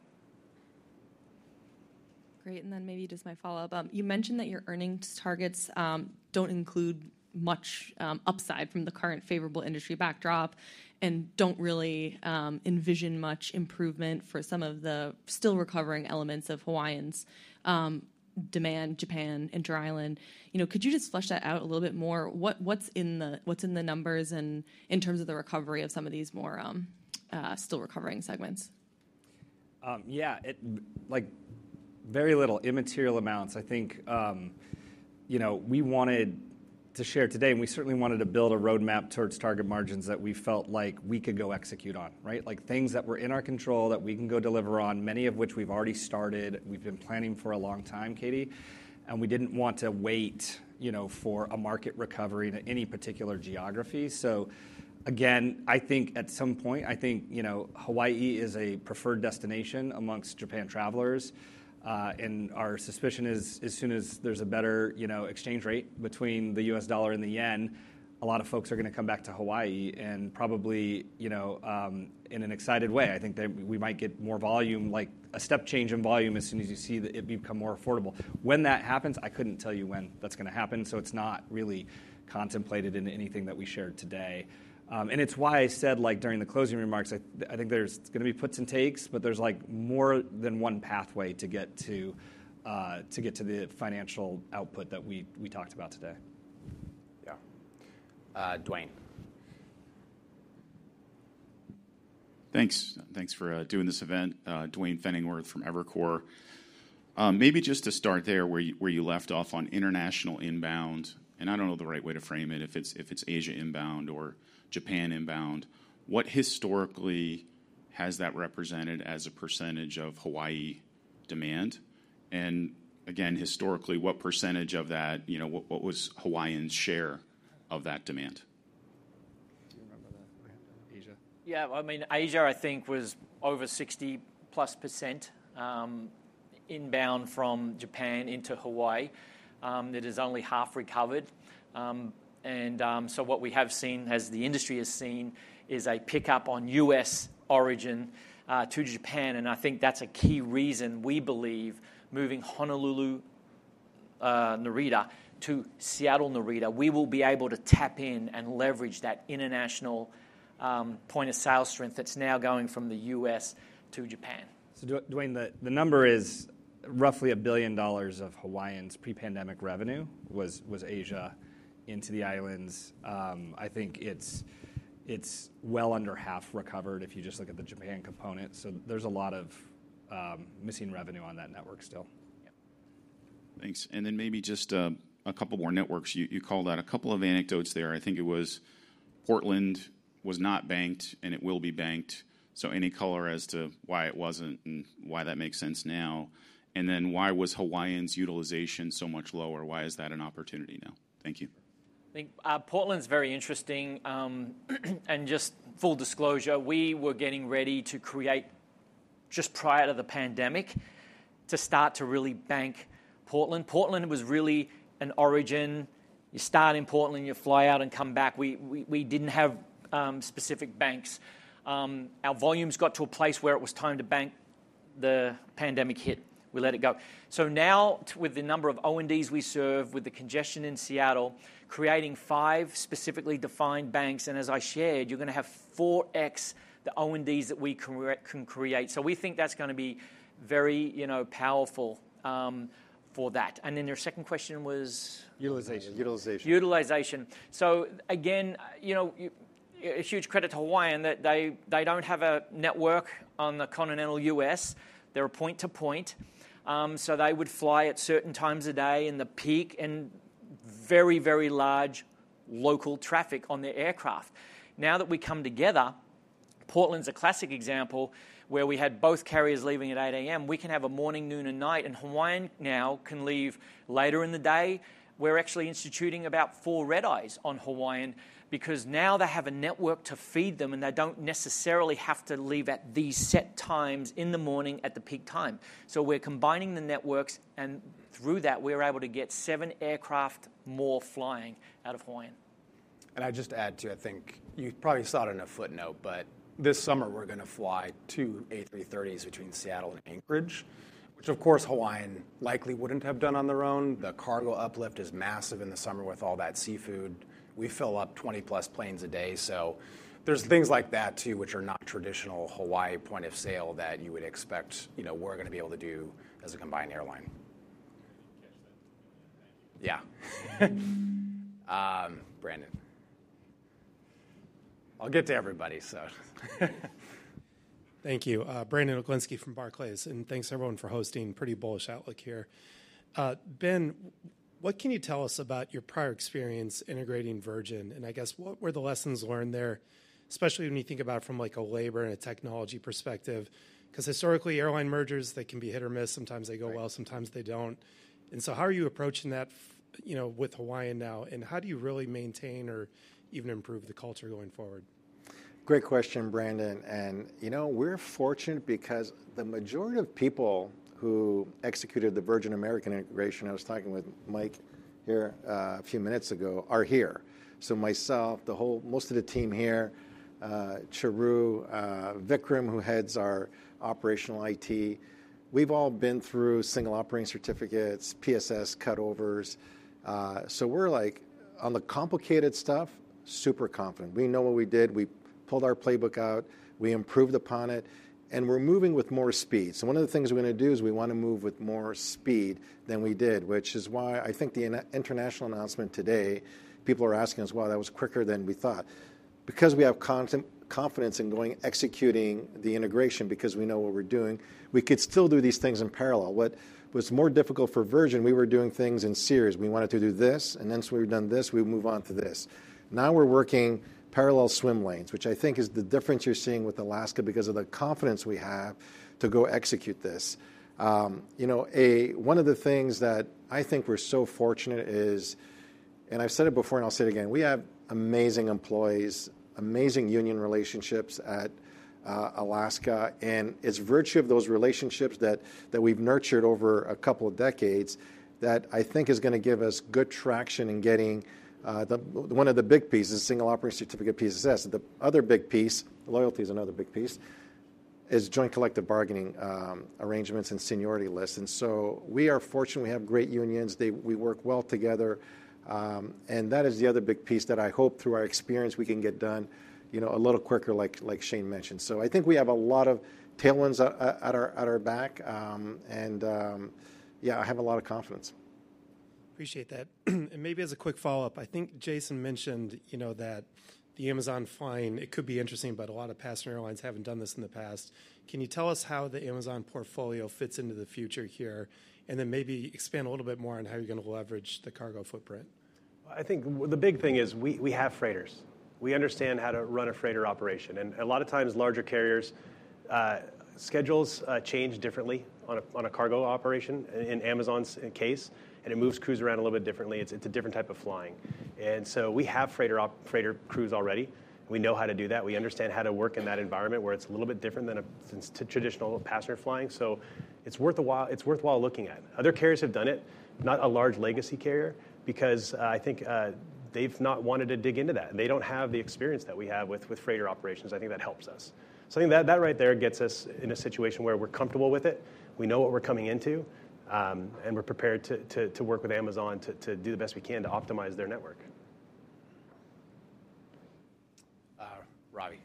Great. And then maybe just my follow-up. You mentioned that your earnings targets don't include much upside from the current favorable industry backdrop and don't really envision much improvement for some of the still recovering elements of Hawaiian's demand, Japan and dryland. You know, could you just flesh that out a little bit more? What's in the numbers and in terms of the recovery of some of these more still recovering segments? Yeah, like very little immaterial amounts. I think, you know, we wanted to share today, and we certainly wanted to build a roadmap towards target margins that we felt like we could go execute on, right? Like things that were in our control that we can go deliver on, many of which we've already started. We've been planning for a long time, Katie, and we didn't want to wait, you know, for a market recovery in any particular geography. So again, I think at some point, I think, you know, Hawaii is a preferred destination amongst Japan travelers. And our suspicion is as soon as there's a better, you know, exchange rate between the U.S. dollar and the yen, a lot of folks are going to come back to Hawaii and probably, you know, in an excited way. I think that we might get more volume, like a step change in volume as soon as you see that it becomes more affordable. When that happens, I couldn't tell you when that's going to happen. So it's not really contemplated in anything that we shared today. And it's why I said, like during the closing remarks, I think there's going to be puts and takes, but there's like more than one pathway to get to the financial output that we talked about today. Yeah. Duane. Thanks. Thanks for doing this event. Duane Pfennigwerth from Evercore. Maybe just to start there where you left off on international inbound, and I don't know the right way to frame it, if it's Asia inbound or Japan inbound, what historically has that represented as a percentage of Hawaii demand? And again, historically, what percentage of that, you know, what was Hawaiian's share of that demand? Yeah, I mean, Asia I think was over 60+% inbound from Japan into Hawaii. It is only half recovered. And so what we have seen, as the industry has seen, is a pickup on U.S. origin to Japan. I think that's a key reason we believe moving Honolulu-Narita to Seattle-Narita, we will be able to tap in and leverage that international point of sale strength that's now going from the U.S. to Japan. So Duane, the number is roughly $1 billion of Hawaiian's pre-pandemic revenue was Asia into the islands. I think it's well under half recovered if you just look at the Japan component. So there's a lot of missing revenue on that network still. Yeah. Thanks. And then maybe just a couple more networks. You called out a couple of anecdotes there. I think it was Portland was not banked and it will be banked. So any color as to why it wasn't and why that makes sense now. And then why was Hawaiian's utilization so much lower? Why is that an opportunity now? Thank you. I think Portland's very interesting. Just full disclosure, we were getting ready to create just prior to the pandemic to start to really bank Portland. Portland was really an origin. You start in Portland, you fly out and come back. We didn't have specific banks. Our volumes got to a place where it was time to bank. The pandemic hit. We let it go. So now with the number of O&Ds we serve, with the congestion in Seattle, creating five specifically defined banks. And as I shared, you're going to have 4x the O&Ds that we can create. So we think that's going to be very, you know, powerful for that. And then your second question was? Utilization. Utilization. Utilization. So again, you know, a huge credit to Hawaiian that they don't have a network on the continental U.S. They're a point-to-point. They would fly at certain times a day in the peak and very, very large local traffic on their aircraft. Now that we come together, Portland's a classic example where we had both carriers leaving at 8:00 A.M. We can have a morning, noon, and night. And Hawaiian now can leave later in the day. We're actually instituting about four red eyes on Hawaiian because now they have a network to feed them and they don't necessarily have to leave at these set times in the morning at the peak time. So we're combining the networks and through that we're able to get seven aircraft more flying out of Hawaiian. And I just add too, I think you probably saw it in a footnote, but this summer we're going to fly two A330s between Seattle and Anchorage, which of course Hawaiian likely wouldn't have done on their own. The cargo uplift is massive in the summer with all that seafood. We fill up 20+ planes a day. So there's things like that too, which are not traditional Hawaii point of sale that you would expect, you know, we're going to be able to do as a combined airline. Yeah. Brandon. I'll get to everybody, so. Thank you. Brandon Oglenski from Barclays. And thanks everyone for hosting pretty bullish outlook here. Ben, what can you tell us about your prior experience integrating Virgin? And I guess what were the lessons learned there, especially when you think about it from like a labor and a technology perspective? Because historically, airline mergers, they can be hit or miss. Sometimes they go well, sometimes they don't. And so how are you approaching that, you know, with Hawaiian now? And how do you really maintain or even improve the culture going forward? Great question, Brandon. And you know, we're fortunate because the majority of people who executed the Virgin America integration I was talking with Mike here a few minutes ago are here. So myself, the whole, most of the team here, Charu, Vikram, who heads our operational IT, we've all been through Single Operating Certificates, PSS cutovers. So we're like on the complicated stuff, super confident. We know what we did. We pulled our playbook out. We improved upon it. And we're moving with more speed. So one of the things we're going to do is we want to move with more speed than we did, which is why I think the international announcement today, people are asking us, well, that was quicker than we thought. Because we have confidence in executing the integration, because we know what we're doing, we could still do these things in parallel. What was more difficult for Virgin? We were doing things in series. We wanted to do this, and then so we've done this, we move on to this. Now we're working parallel swim lanes, which I think is the difference you're seeing with Alaska because of the confidence we have to go execute this. You know, one of the things that I think we're so fortunate is, and I've said it before and I'll say it again, we have amazing employees, amazing union relationships at Alaska. And it's by virtue of those relationships that we've nurtured over a couple of decades that I think is going to give us good traction in getting one of the big pieces, Single Operating Certificate, PSS. The other big piece, loyalty is another big piece, is joint collective bargaining arrangements and seniority lists. And so we are fortunate. We have great unions. We work well together. And that is the other big piece that I hope through our experience we can get done, you know, a little quicker, like Shane mentioned. So I think we have a lot of tailwinds at our back. And yeah, I have a lot of confidence. Appreciate that. And maybe as a quick follow-up, I think Jason mentioned, you know, that the Amazon flying, it could be interesting, but a lot of passenger airlines haven't done this in the past. Can you tell us how the Amazon portfolio fits into the future here? And then maybe expand a little bit more on how you're going to leverage the cargo footprint. I think the big thing is we have freighters. We understand how to run a freighter operation. And a lot of times larger carriers' schedules change differently on a cargo operation in Amazon's case. It moves crews around a little bit differently. It's a different type of flying. So we have freighter crews already. We know how to do that. We understand how to work in that environment where it's a little bit different than traditional passenger flying. It's worthwhile looking at. Other carriers have done it, not a large legacy carrier, because I think they've not wanted to dig into that. They don't have the experience that we have with freighter operations. I think that helps us. So I think that right there gets us in a situation where we're comfortable with it. We know what we're coming into. We're prepared to work with Amazon to do the best we can to optimize their network. Ravi.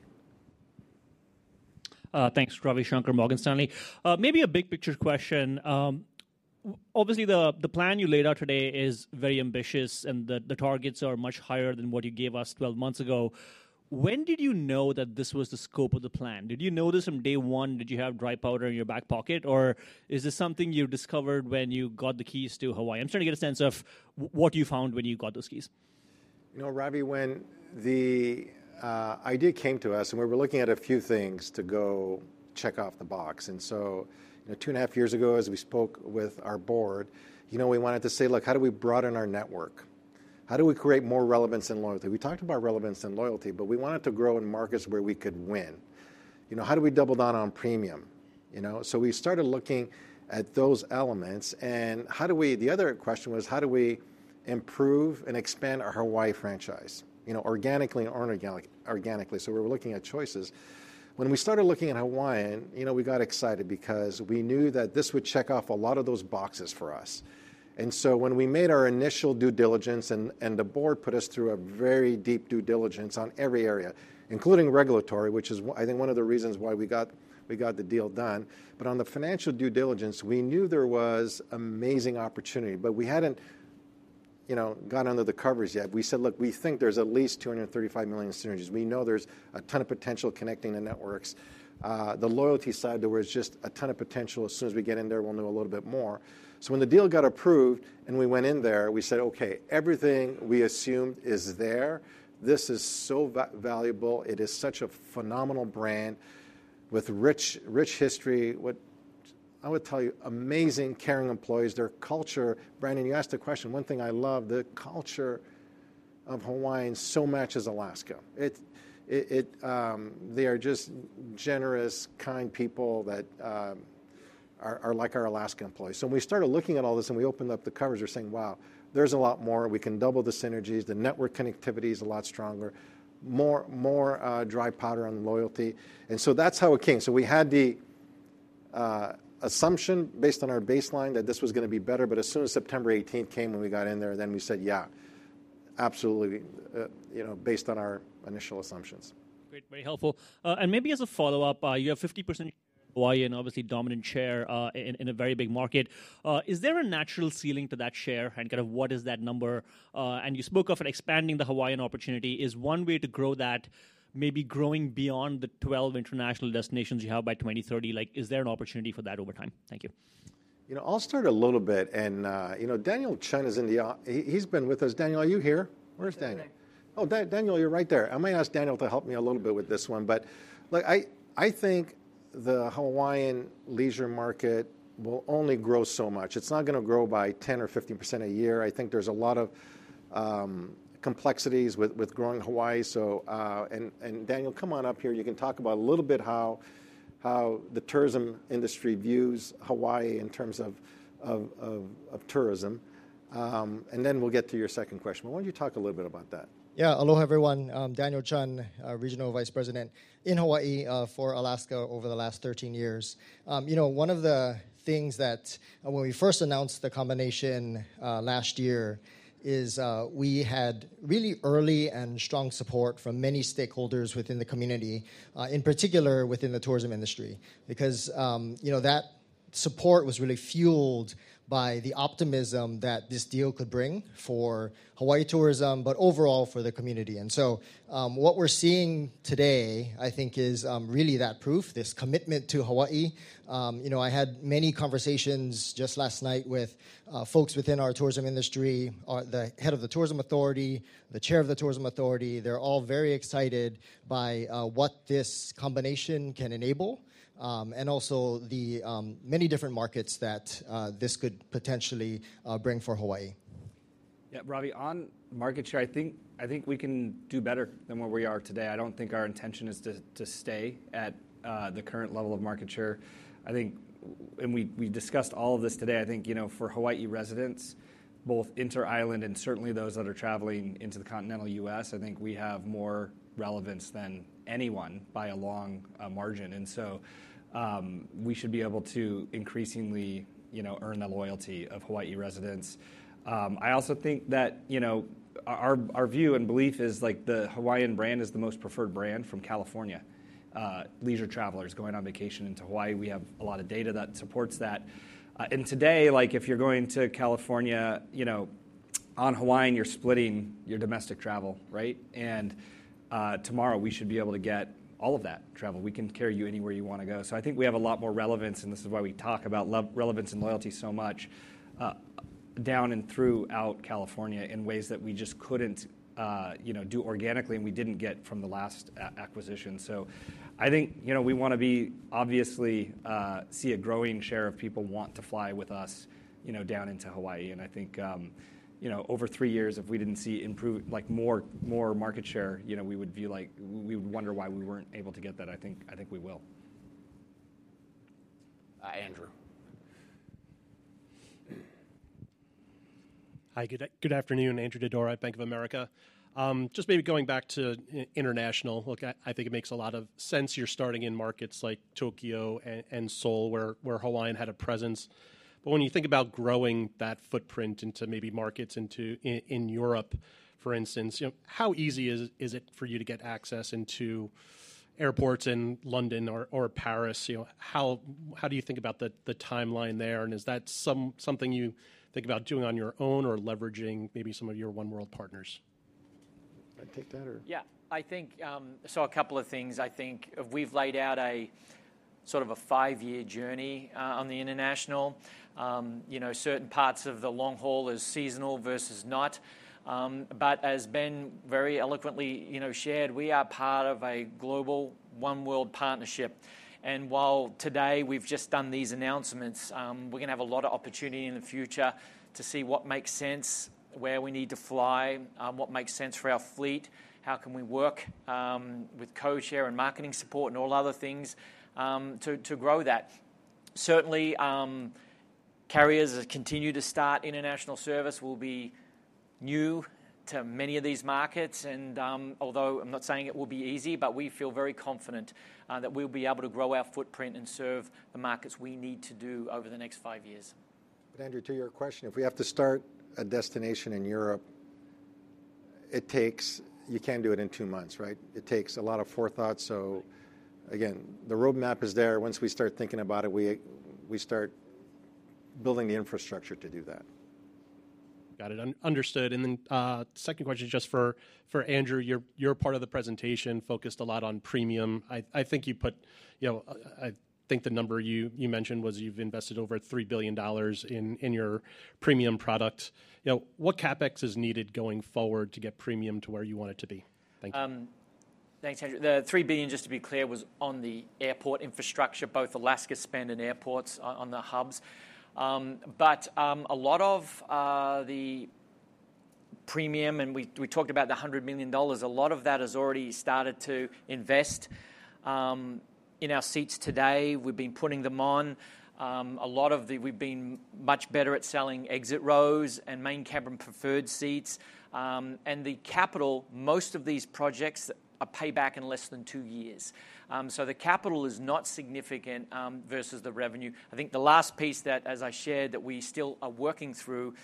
Thanks, Ravi Shanker, Morgan Stanley. Maybe a big picture question. Obviously, the plan you laid out today is very ambitious and the targets are much higher than what you gave us 12 months ago. When did you know that this was the scope of the plan? Did you know this from day one? Did you have dry powder in your back pocket? Or is this something you discovered when you got the keys to Hawaii? I'm trying to get a sense of what you found when you got those keys. You know, Ravi, when the idea came to us and we were looking at a few things to go check off the box. And so, you know, two and a half years ago, as we spoke with our board, you know, we wanted to say, look, how do we broaden our network? How do we create more relevance and loyalty? We talked about relevance and loyalty, but we wanted to grow in markets where we could win. You know, how do we double down on premium? You know, so we started looking at those elements. And how do we, the other question was, how do we improve and expand our Hawaii franchise? You know, organically. So we were looking at choices. When we started looking at Hawaiian, you know, we got excited because we knew that this would check off a lot of those boxes for us. And so when we made our initial due diligence and the board put us through a very deep due diligence on every area, including regulatory, which is I think one of the reasons why we got the deal done. But on the financial due diligence, we knew there was amazing opportunity, but we hadn't, you know, got under the covers yet. We said, look, we think there's at least $235 million synergies. We know there's a ton of potential connecting the networks. The loyalty side there was just a ton of potential. As soon as we get in there, we'll know a little bit more. So when the deal got approved and we went in there, we said, okay, everything we assumed is there. This is so valuable. It is such a phenomenal brand with rich history. What I would tell you, amazing, caring employees, their culture. Brandon, you asked a question. One thing I love, the culture of Hawaiian so matches Alaska. They are just generous, kind people that are like our Alaska employees. So when we started looking at all this and we opened up the covers, we're saying, wow, there's a lot more. We can double the synergies. The network connectivity is a lot stronger. More dry powder on loyalty. And so that's how it came. So we had the assumption based on our baseline that this was going to be better. But as soon as September 18th came when we got in there, then we said, yeah, absolutely, you know, based on our initial assumptions. Great. Very helpful. And maybe as a follow-up, you have 50% share in Hawaii and obviously dominant share in a very big market. Is there a natural ceiling to that share? And kind of what is that number? And you spoke of expanding the Hawaiian opportunity. Is one way to grow that maybe growing beyond the 12 international destinations you have by 2030? Like, is there an opportunity for that over time? Thank you. You know, I'll start a little bit. And you know, Daniel Chun is in the, he's been with us. Daniel, are you here? Where's Daniel? Oh, Daniel, you're right there. I might ask Daniel to help me a little bit with this one. But look, I think the Hawaiian leisure market will only grow so much. It's not going to grow by 10% or 15% a year. I think there's a lot of complexities with growing Hawaii. So, and Daniel, come on up here. You can talk about a little bit how the tourism industry views Hawaii in terms of tourism. And then we'll get to your second question. But why don't you talk a little bit about that? Yeah. Aloha everyone. Daniel Chun, Regional Vice President in Hawaii for Alaska over the last 13 years. You know, one of the things that when we first announced the combination last year is we had really early and strong support from many stakeholders within the community, in particular within the tourism industry. Because, you know, that support was really fueled by the optimism that this deal could bring for Hawaii tourism, but overall for the community. And so what we're seeing today, I think, is really that proof, this commitment to Hawaii. You know, I had many conversations just last night with folks within our tourism industry, the Head of the Tourism Authority, the Chair of the Tourism Authority. They're all very excited by what this combination can enable and also the many different markets that this could potentially bring for Hawaii. Yeah, Ravi, on market share, I think we can do better than where we are today. I don't think our intention is to stay at the current level of market share. I think, and we discussed all of this today, I think, you know, for Hawaii residents, both inter-island and certainly those that are traveling into the continental U.S., I think we have more relevance than anyone by a long margin. And so we should be able to increasingly, you know, earn the loyalty of Hawaii residents. I also think that, you know, our view and belief is like the Hawaiian brand is the most preferred brand from California leisure travelers going on vacation into Hawaii. We have a lot of data that supports that. And today, like if you're going to California, you know, from Hawaii, you're splitting your domestic travel, right? And tomorrow we should be able to get all of that travel. We can carry you anywhere you want to go. So I think we have a lot more relevance, and this is why we talk about relevance and loyalty so much down and throughout California in ways that we just couldn't, you know, do organically and we didn't get from the last acquisition. I think, you know, we want to be obviously see a growing share of people want to fly with us, you know, down into Hawaii. I think, you know, over three years, if we didn't see improved, like more market share, you know, we would be like, we would wonder why we weren't able to get that. I think we will. Andrew. Hi, good afternoon. Andrew Didora, Bank of America. Just maybe going back to international, look, I think it makes a lot of sense you're starting in markets like Tokyo and Seoul, where Hawaii had a presence. But when you think about growing that footprint into maybe markets into Europe, for instance, you know, how easy is it for you to get access into airports in London or Paris? You know, how do you think about the timeline there? And is that something you think about doing on your own or leveraging maybe some of your oneworld partners? I take that or? Yeah, I think so, a couple of things. I think we've laid out a sort of a five-year journey on the international. You know, certain parts of the long haul is seasonal versus not. But as Ben very eloquently, you know, shared, we are part of a global oneworld partnership. While today we've just done these announcements, we're going to have a lot of opportunity in the future to see what makes sense, where we need to fly, what makes sense for our fleet, how we can work with codeshare and marketing support and all other things to grow that. Certainly, carriers continue to start international service. We'll be new to many of these markets. And although I'm not saying it will be easy, but we feel very confident that we'll be able to grow our footprint and serve the markets we need to do over the next five years. But Andrew, to your question, if we have to start a destination in Europe, it takes. You can't do it in two months, right? It takes a lot of forethought. So again, the roadmap is there. Once we start thinking about it, we start building the infrastructure to do that. Got it. Understood. And then second question just for Andrew, your part of the presentation focused a lot on premium. I think you put, you know, I think the number you mentioned was you've invested over $3 billion in your premium product. You know, what CapEx is needed going forward to get premium to where you want it to be? Thank you. Thanks, Andrew. The $3 billion, just to be clear, was on the airport infrastructure, both Alaska spend and airports on the hubs. But a lot of the premium, and we talked about the $100 million, a lot of that has already started to invest in our seats today. We've been putting them on. We've been much better at selling exit rows and Main Cabin Preferred seats. The capital, most of these projects are payback in less than two years. So the capital is not significant versus the revenue. I think the last piece that, as I shared, that we still are working through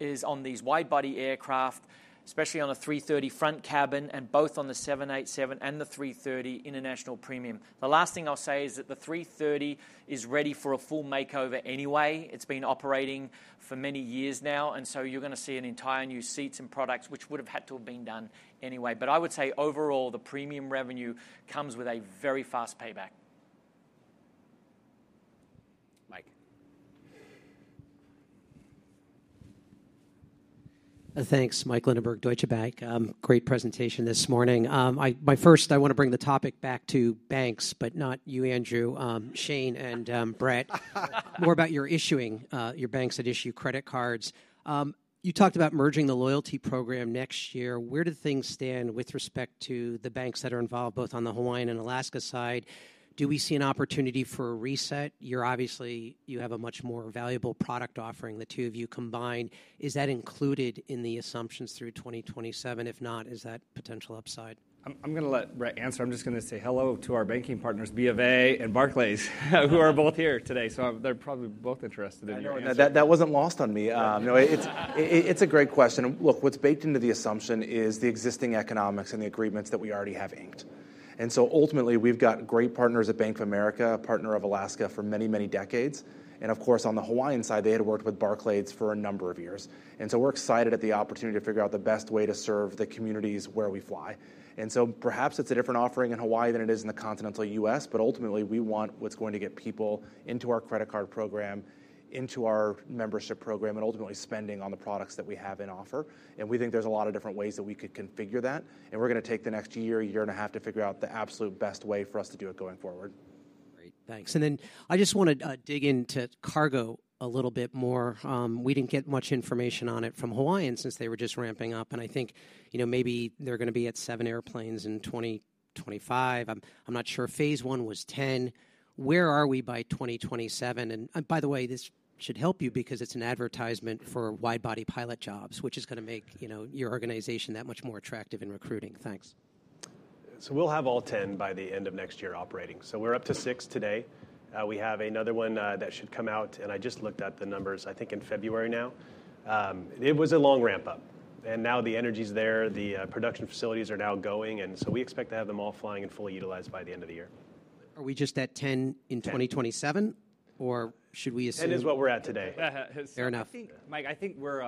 is on these wide-body aircraft, especially on the A330 front cabin and both on the 787 and the A330 international premium. The last thing I'll say is that the A330 is ready for a full makeover anyway. It's been operating for many years now. You're going to see an entire new seats and products, which would have had to have been done anyway. I would say overall, the premium revenue comes with a very fast payback. Mike. Thanks, Mike Linenberg, Deutsche Bank. Great presentation this morning. My first, I want to bring the topic back to banks, but not you, Andrew, Shane and Brett. More about your issuing, your banks that issue credit cards. You talked about merging the loyalty program next year. Where do things stand with respect to the banks that are involved both on the Hawaiian and Alaska side? Do we see an opportunity for a reset? You're obviously, you have a much more valuable product offering, the two of you combined. Is that included in the assumptions through 2027? If not, is that potential upside? I'm going to let Brett answer. I'm just going to say hello to our banking partners, BofA and Barclays, who are both here today. So they're probably both interested in the answer. That wasn't lost on me. You know, it's a great question. Look, what's baked into the assumption is the existing economics and the agreements that we already have inked. And so ultimately, we've got great partners at Bank of America, a partner of Alaska for many, many decades. And of course, on the Hawaiian side, they had worked with Barclays for a number of years. And so we're excited at the opportunity to figure out the best way to serve the communities where we fly. And so perhaps it's a different offering in Hawaii than it is in the continental US, but ultimately we want what's going to get people into our credit card program, into our membership program, and ultimately spending on the products that we have on offer. And we think there's a lot of different ways that we could configure that. And we're going to take the next year, year and a half to figure out the absolute best way for us to do it going forward. Great. Thanks. And then I just want to dig into cargo a little bit more. We didn't get much information on it from Hawaiian since they were just ramping up. And I think, you know, maybe they're going to be at seven airplanes in 2025. I'm not sure. Phase 1 was 10. Where are we by 2027? And by the way, this should help you because it's an advertisement for wide-body pilot jobs, which is going to make, you know, your organization that much more attractive in recruiting. Thanks. So we'll have all 10 by the end of next year operating. So we're up to six today. We have another one that should come out. And I just looked at the numbers. I think in February now. It was a long ramp up. And now the energy's there. The production facilities are now going. And so we expect to have them all flying and fully utilized by the end of the year. Are we just at 10 in 2027? Or should we assume? It is what we're at today. Fair enough. Mike, I think we're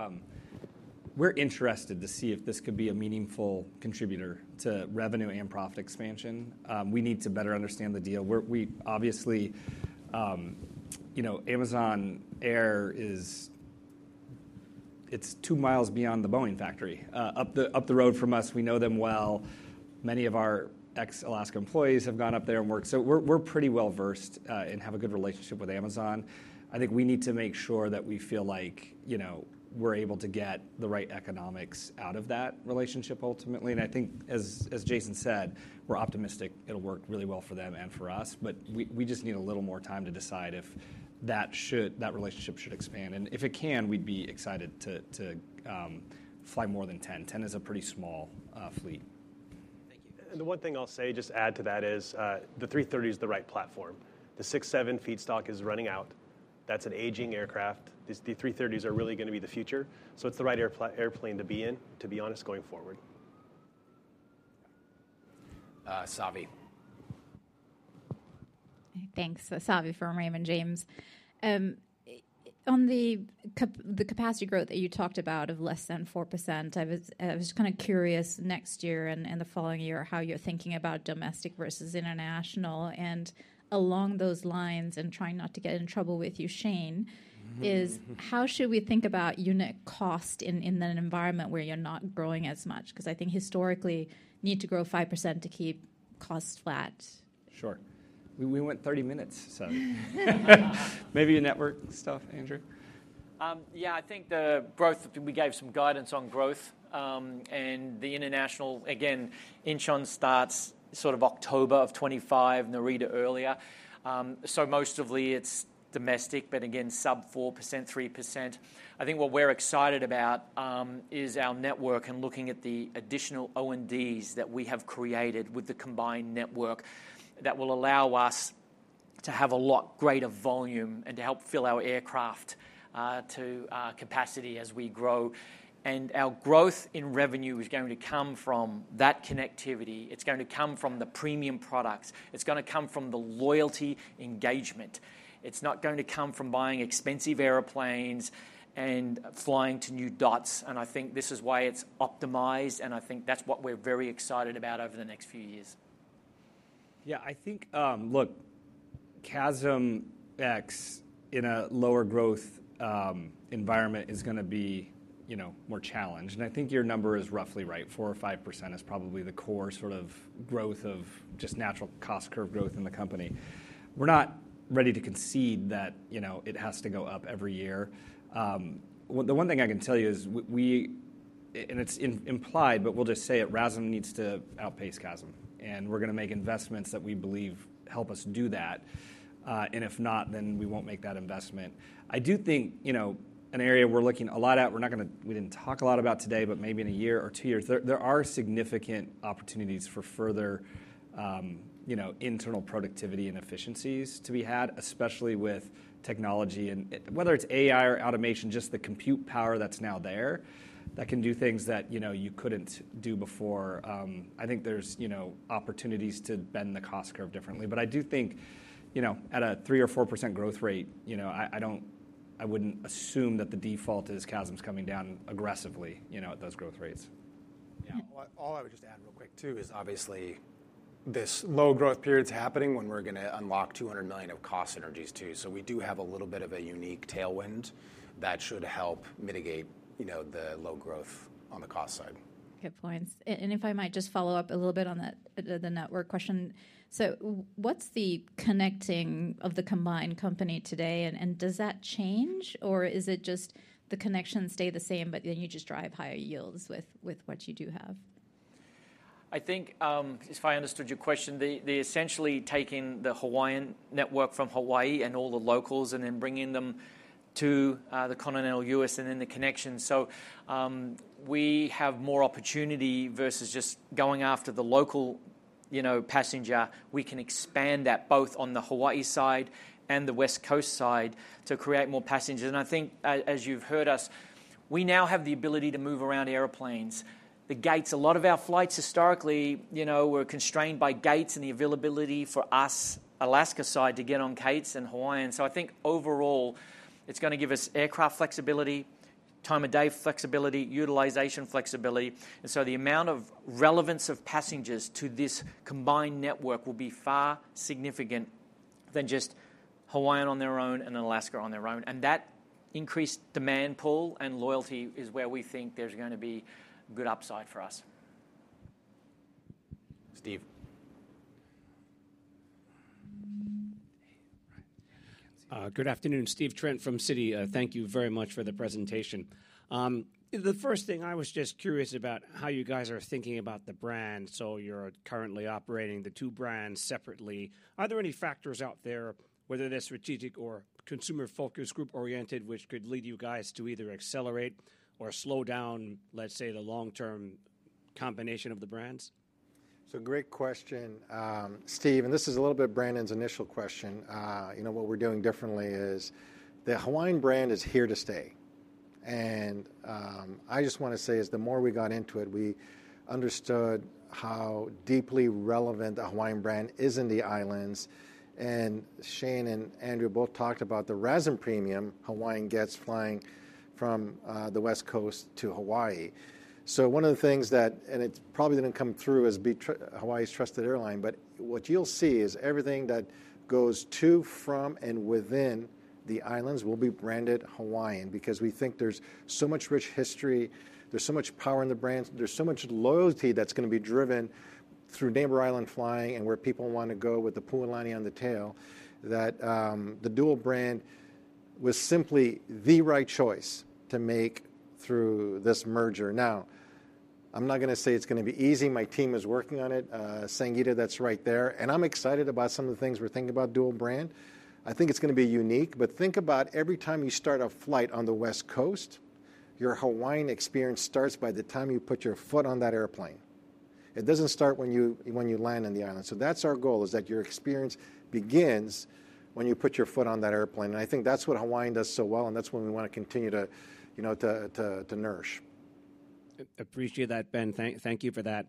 interested to see if this could be a meaningful contributor to revenue and profit expansion. We need to better understand the deal. We obviously, you know, Amazon Air is. It's 2 miles beyond the Boeing factory. Up the road from us, we know them well. Many of our ex-Alaska employees have gone up there and worked. So we're pretty well versed and have a good relationship with Amazon. I think we need to make sure that we feel like, you know, we're able to get the right economics out of that relationship ultimately. I think as Jason said, we're optimistic it'll work really well for them and for us. But we just need a little more time to decide if that relationship should expand. And if it can, we'd be excited to fly more than 10. 10 is a pretty small fleet. Thank you. And the one thing I'll say, just add to that is the 330 is the right platform. The 767 fleet is running out. That's an aging aircraft. The 330s are really going to be the future. So it's the right airplane to be in, to be honest, going forward. Savi. Thanks. Savi from Raymond James. On the capacity growth that you talked about of less than 4%, I was just kind of curious next year and the following year how you're thinking about domestic versus international. And along those lines, and trying not to get in trouble with you, Shane, is how should we think about unit cost in an environment where you're not growing as much? Because I think historically you need to grow 5% to keep costs flat. Sure. We went 30 minutes, so maybe your network stuff, Andrew. Yeah, I think the growth, we gave some guidance on growth. And the international, again, Incheon starts sort of October of 2025, Narita earlier. So most of it is domestic, but again, sub 4%, 3%. I think what we're excited about is our network and looking at the additional O&Ds that we have created with the combined network that will allow us to have a lot greater volume and to help fill our aircraft to capacity as we grow. And our growth in revenue is going to come from that connectivity. It's going to come from the premium products. It's going to come from the loyalty engagement. It's not going to come from buying expensive airplanes and flying to new dots. And I think this is why it's optimized. And I think that's what we're very excited about over the next few years. Yeah, I think, look, CASM-ex in a lower growth environment is going to be, you know, more challenged. And I think your number is roughly right. 4% or 5% is probably the core sort of growth of just natural cost curve growth in the company. We're not ready to concede that, you know, it has to go up every year. The one thing I can tell you is we, and it's implied, but we'll just say it, RASM needs to outpace CASM. And we're going to make investments that we believe help us do that. And if not, then we won't make that investment. I do think, you know, an area we're looking a lot at, we're not going to, we didn't talk a lot about today, but maybe in a year or two years, there are significant opportunities for further, you know, internal productivity and efficiencies to be had, especially with technology. And whether it's AI or automation, just the compute power that's now there that can do things that, you know, you couldn't do before. I think there's, you know, opportunities to bend the cost curve differently. But I do think, you know, at a 3% or 4% growth rate, you know, I don't, I wouldn't assume that the default is CASM's coming down aggressively, you know, at those growth rates. Yeah, all I would just add real quick too is obviously this low growth period is happening when we're going to unlock $200 million of cost synergies too. So we do have a little bit of a unique tailwind that should help mitigate, you know, the low growth on the cost side. Good points. And if I might just follow up a little bit on the network question. So what's the connecting of the combined company today? And does that change or is it just the connections stay the same, but then you just drive higher yields with what you do have? I think, if I understood your question, they're essentially taking the Hawaiian network from Hawaii and all the locals and then bringing them to the continental U.S. and then the connection. So we have more opportunity versus just going after the local, you know, passenger. We can expand that both on the Hawaii side and the West Coast side to create more passengers, and I think as you've heard us, we now have the ability to move around airplanes. The gates, a lot of our flights historically, you know, were constrained by gates and the availability for us, Alaska side, to get on gates and Hawaiian. So I think overall it's going to give us aircraft flexibility, time of day flexibility, utilization flexibility, and so the amount of relevance of passengers to this combined network will be far significant than just Hawaiian on their own and Alaska on their own, and that increased demand pool and loyalty is where we think there's going to be good upside for us. Steve. Good afternoon, Steve Trent from Citi. Thank you very much for the presentation. The first thing I was just curious about how you guys are thinking about the brand. So you're currently operating the two brands separately. Are there any factors out there, whether they're strategic or consumer focus group oriented, which could lead you guys to either accelerate or slow down, let's say, the long-term combination of the brands? It's a great question, Steve. And this is a little bit Brandon's initial question. You know, what we're doing differently is the Hawaiian brand is here to stay. And I just want to say is the more we got into it, we understood how deeply relevant the Hawaiian brand is in the islands. And Shane and Andrew both talked about the RASM premium Hawaiian gets flying from the West Coast to Hawaii. So one of the things that, and it probably didn't come through as Hawaii's trusted airline, but what you'll see is everything that goes to, from, and within the islands will be branded Hawaiian because we think there's so much rich history, there's so much power in the brand, there's so much loyalty that's going to be driven through Neighbor Island flying and where people want to go with the Pualani on the tail that the dual brand was simply the right choice to make through this merger. Now, I'm not going to say it's going to be easy. My team is working on it. Sangita, that's right there. And I'm excited about some of the things we're thinking about dual brand. I think it's going to be unique. But think about every time you start a flight on the West Coast, your Hawaiian experience starts by the time you put your foot on that airplane. It doesn't start when you land on the island. So that's our goal is that your experience begins when you put your foot on that airplane. And I think that's what Hawaiian does so well. And that's what we want to continue to, you know, to nourish. Appreciate that, Ben. Thank you for that.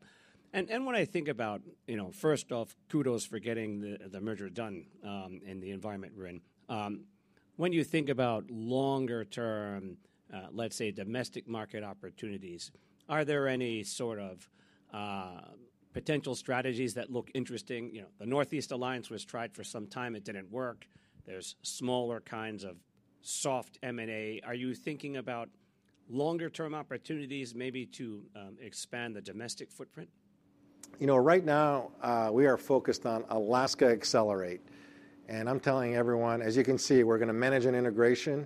And what I think about, you know, first off, kudos for getting the merger done in the environment we're in. When you think about longer term, let's say, domestic market opportunities, are there any sort of potential strategies that look interesting? You know, the Northeast Alliance was tried for some time. It didn't work. There's smaller kinds of soft M&A. Are you thinking about longer term opportunities maybe to expand the domestic footprint? You know, right now we are focused on Alaska Accelerate. And I'm telling everyone, as you can see, we're going to manage an integration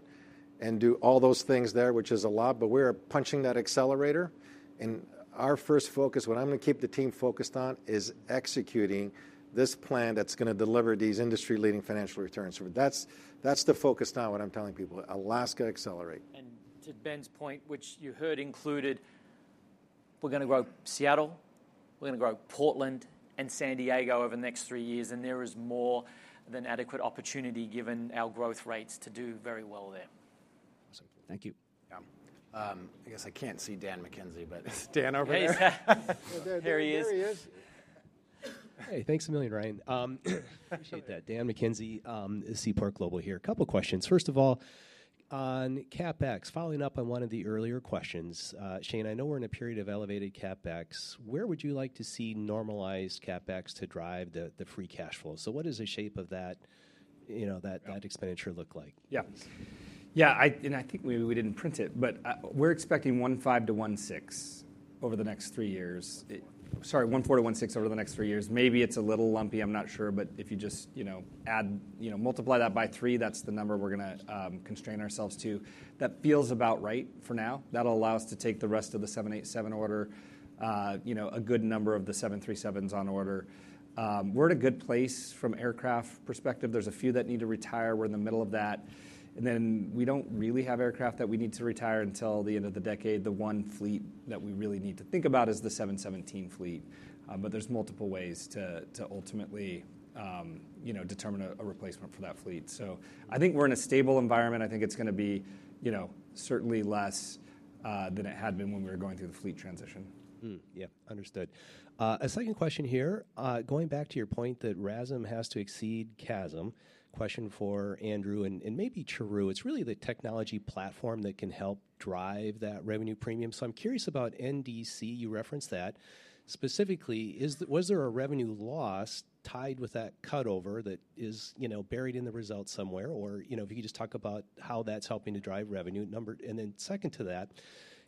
and do all those things there, which is a lot. But we're punching that accelerator. And our first focus, what I'm going to keep the team focused on is executing this plan that's going to deliver these industry leading financial returns. That's the focus now, what I'm telling people, Alaska Accelerate. And to Ben's point, which you heard included, we're going to grow Seattle, we're going to grow Portland and San Diego over the next three years. And there is more than adequate opportunity given our growth rates to do very well there. Awesome. Thank you. Yeah, I guess I can't see Dan McKenzie, but Dan over there. There he is. Hey, thanks a million, Ryan. Appreciate that. Dan McKenzie, Seaport Global here. A couple of questions. First of all, on CapEx, following up on one of the earlier questions, Shane, I know we're in a period of elevated CapEx. Where would you like to see normalized CapEx to drive the free cash flow? So what does the shape of that, you know, that expenditure look like? Yeah. Yeah, and I think maybe we didn't print it, but we're expecting $1.5 billion-$1.6 billion over the next three years. Sorry, $1.4 billion-$1.6 billion over the next three years. Maybe it's a little lumpy. I'm not sure. But if you just, you know, add, you know, multiply that by three, that's the number we're going to constrain ourselves to. That feels about right for now. That'll allow us to take the rest of the 787 order, you know, a good number of the 737s on order. We're in a good place from aircraft perspective. There's a few that need to retire. We're in the middle of that. And then we don't really have aircraft that we need to retire until the end of the decade. The one fleet that we really need to think about is the 717 fleet. But there's multiple ways to ultimately, you know, determine a replacement for that fleet. So I think we're in a stable environment. I think it's going to be, you know, certainly less than it had been when we were going through the fleet transition. Yeah, understood. A second question here. Going back to your point that RASM has to exceed CASM, question for Andrew and maybe Charu. It's really the technology platform that can help drive that revenue premium. So I'm curious about NDC. You referenced that. Specifically, was there a revenue loss tied with that cutover that is, you know, buried in the results somewhere? Or, you know, if you could just talk about how that's helping to drive revenue. And then second to that,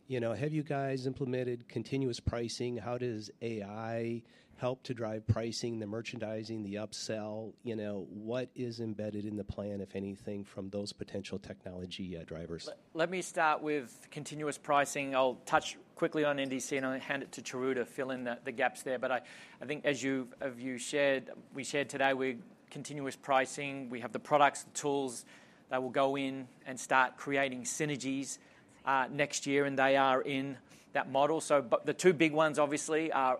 you know, have you guys implemented continuous pricing? How does AI help to drive pricing, the merchandising, the upsell? You know, what is embedded in the plan, if anything, from those potential technology drivers? Let me start with continuous pricing. I'll touch quickly on NDC and I'll hand it to Charu to fill in the gaps there. But I think as you've shared, we shared today with continuous pricing, we have the products, the tools that will go in and start creating synergies next year. And they are in that model. The two big ones obviously are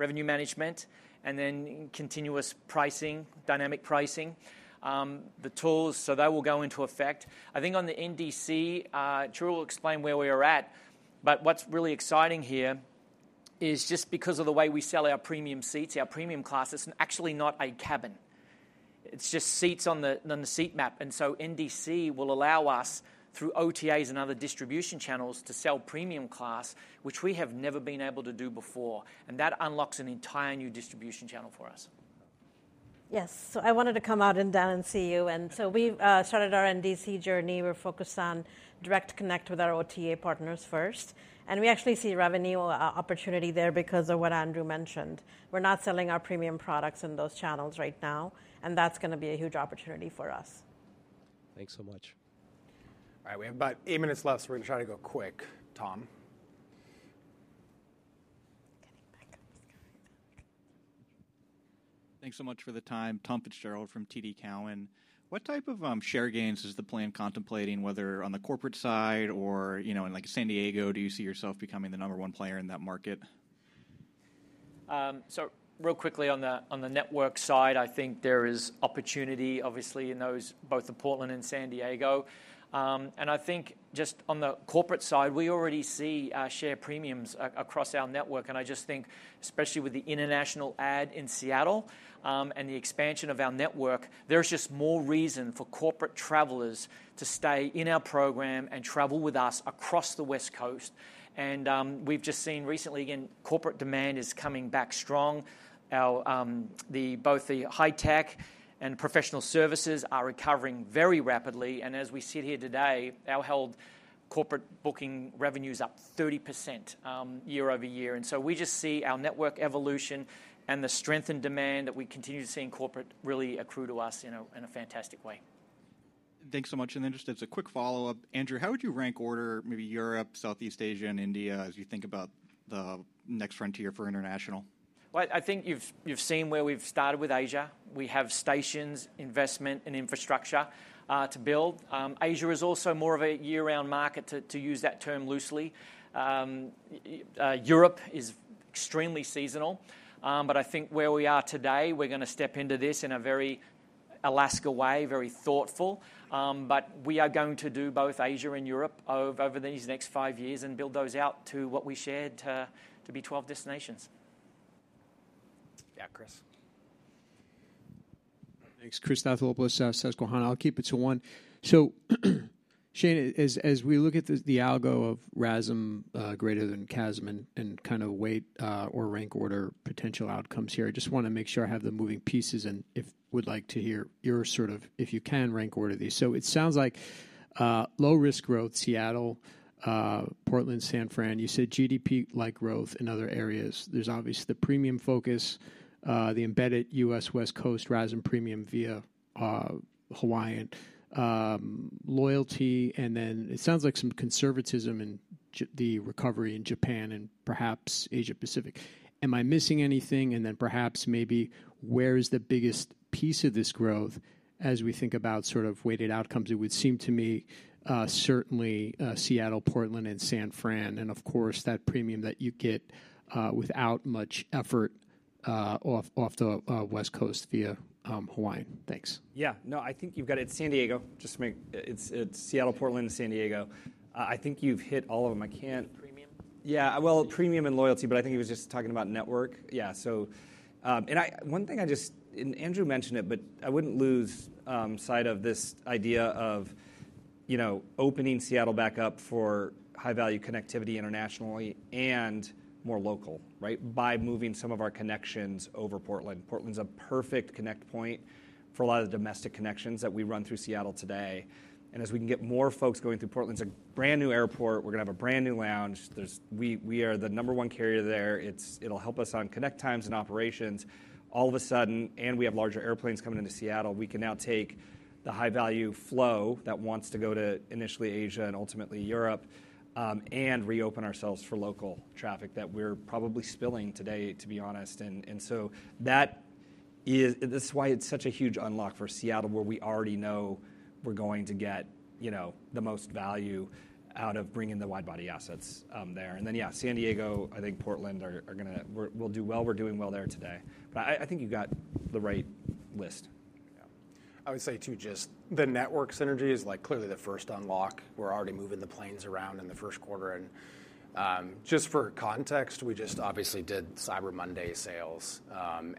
O&D, revenue management, and then continuous pricing, dynamic pricing, the tools. That will go into effect. I think on the NDC, Charu will explain where we are at. But what's really exciting here is just because of the way we sell our premium seats, our Premium Class, it's actually not a cabin. It's just seats on the seat map. And so NDC will allow us through OTAs and other distribution channels to sell Premium Class, which we have never been able to do before. And that unlocks an entire new distribution channel for us. Yes. So I wanted to come out and Dan and see you. And so we started our NDC journey. We're focused on direct connect with our OTA partners first. And we actually see revenue opportunity there because of what Andrew mentioned. We're not selling our premium products in those channels right now. And that's going to be a huge opportunity for us. Thanks so much. All right, we have about eight minutes left. So we're going to try to go quick. Tom. Thanks so much for the time. Tom Fitzgerald from TD Cowen. What type of share gains is the plan contemplating, whether on the corporate side or, you know, in like San Diego, do you see yourself becoming the number one player in that market? So real quickly on the network side, I think there is opportunity obviously in those both in Portland and San Diego. And I think just on the corporate side, we already see share premiums across our network. I just think especially with the international add in Seattle and the expansion of our network, there's just more reason for corporate travelers to stay in our program and travel with us across the West Coast. We've just seen recently again, corporate demand is coming back strong. Both the high tech and professional services are recovering very rapidly. As we sit here today, our held corporate booking revenue is up 30% year-over-year. So we just see our network evolution and the strength and demand that we continue to see in corporate really accrue to us in a fantastic way. Thanks so much. Then just as a quick follow up, Andrew, how would you rank order maybe Europe, Southeast Asia, and India as you think about the next frontier for international? I think you've seen where we've started with Asia. We have stations, investment, and infrastructure to build. Asia is also more of a year-round market to use that term loosely. Europe is extremely seasonal. But I think where we are today, we're going to step into this in a very Alaska way, very thoughtful. But we are going to do both Asia and Europe over these next five years and build those out to what we shared to be 12 destinations. Yeah, Chris. Thanks, Chris Stathoulopoulos, Susquehanna. I'll keep it to one. So Shane, as we look at the algo of RASM greater than CASM and kind of weigh or rank order potential outcomes here, I just want to make sure I have the moving pieces and I would like to hear your sort of, if you can rank order these. So it sounds like low risk growth, Seattle, Portland, San Fran. You said GDP-like growth in other areas. There's obviously the premium focus, the embedded U.S. West Coast, RASM premium via Hawaiian loyalty. And then it sounds like some conservatism in the recovery in Japan and perhaps Asia Pacific. Am I missing anything? And then perhaps maybe where is the biggest piece of this growth as we think about sort of weighted outcomes? It would seem to me certainly Seattle, Portland, and San Fran. And of course that premium that you get without much effort off the West Coast via Hawaiian. Thanks. Yeah, no, I think you've got it. San Diego, just to make, it's Seattle, Portland, and San Diego. I think you've hit all of them. I can't. Premium? Yeah, well, premium and loyalty, but I think he was just talking about network. Yeah. So, and one thing I just, and Andrew mentioned it, but I wouldn't lose sight of this idea of, you know, opening Seattle back up for high value connectivity internationally and more local, right? By moving some of our connections over Portland. Portland's a perfect connect point for a lot of the domestic connections that we run through Seattle today. And as we can get more folks going through Portland, it's a brand new airport. We're going to have a brand new lounge. We are the number one carrier there. It'll help us on connect times and operations. All of a sudden, and we have larger airplanes coming into Seattle, we can now take the high value flow that wants to go to initially Asia and ultimately Europe and reopen ourselves for local traffic that we're probably spilling today, to be honest. And so that is, this is why it's such a huge unlock for Seattle where we already know we're going to get, you know, the most value out of bringing the wide body assets there. And then, yeah, San Diego, I think Portland are going to, we'll do well, we're doing well there today. But I think you got the right list. Yeah, I would say too just the network synergy is like clearly the first unlock. We're already moving the planes around in the first quarter. And just for context, we just obviously did Cyber Monday sales.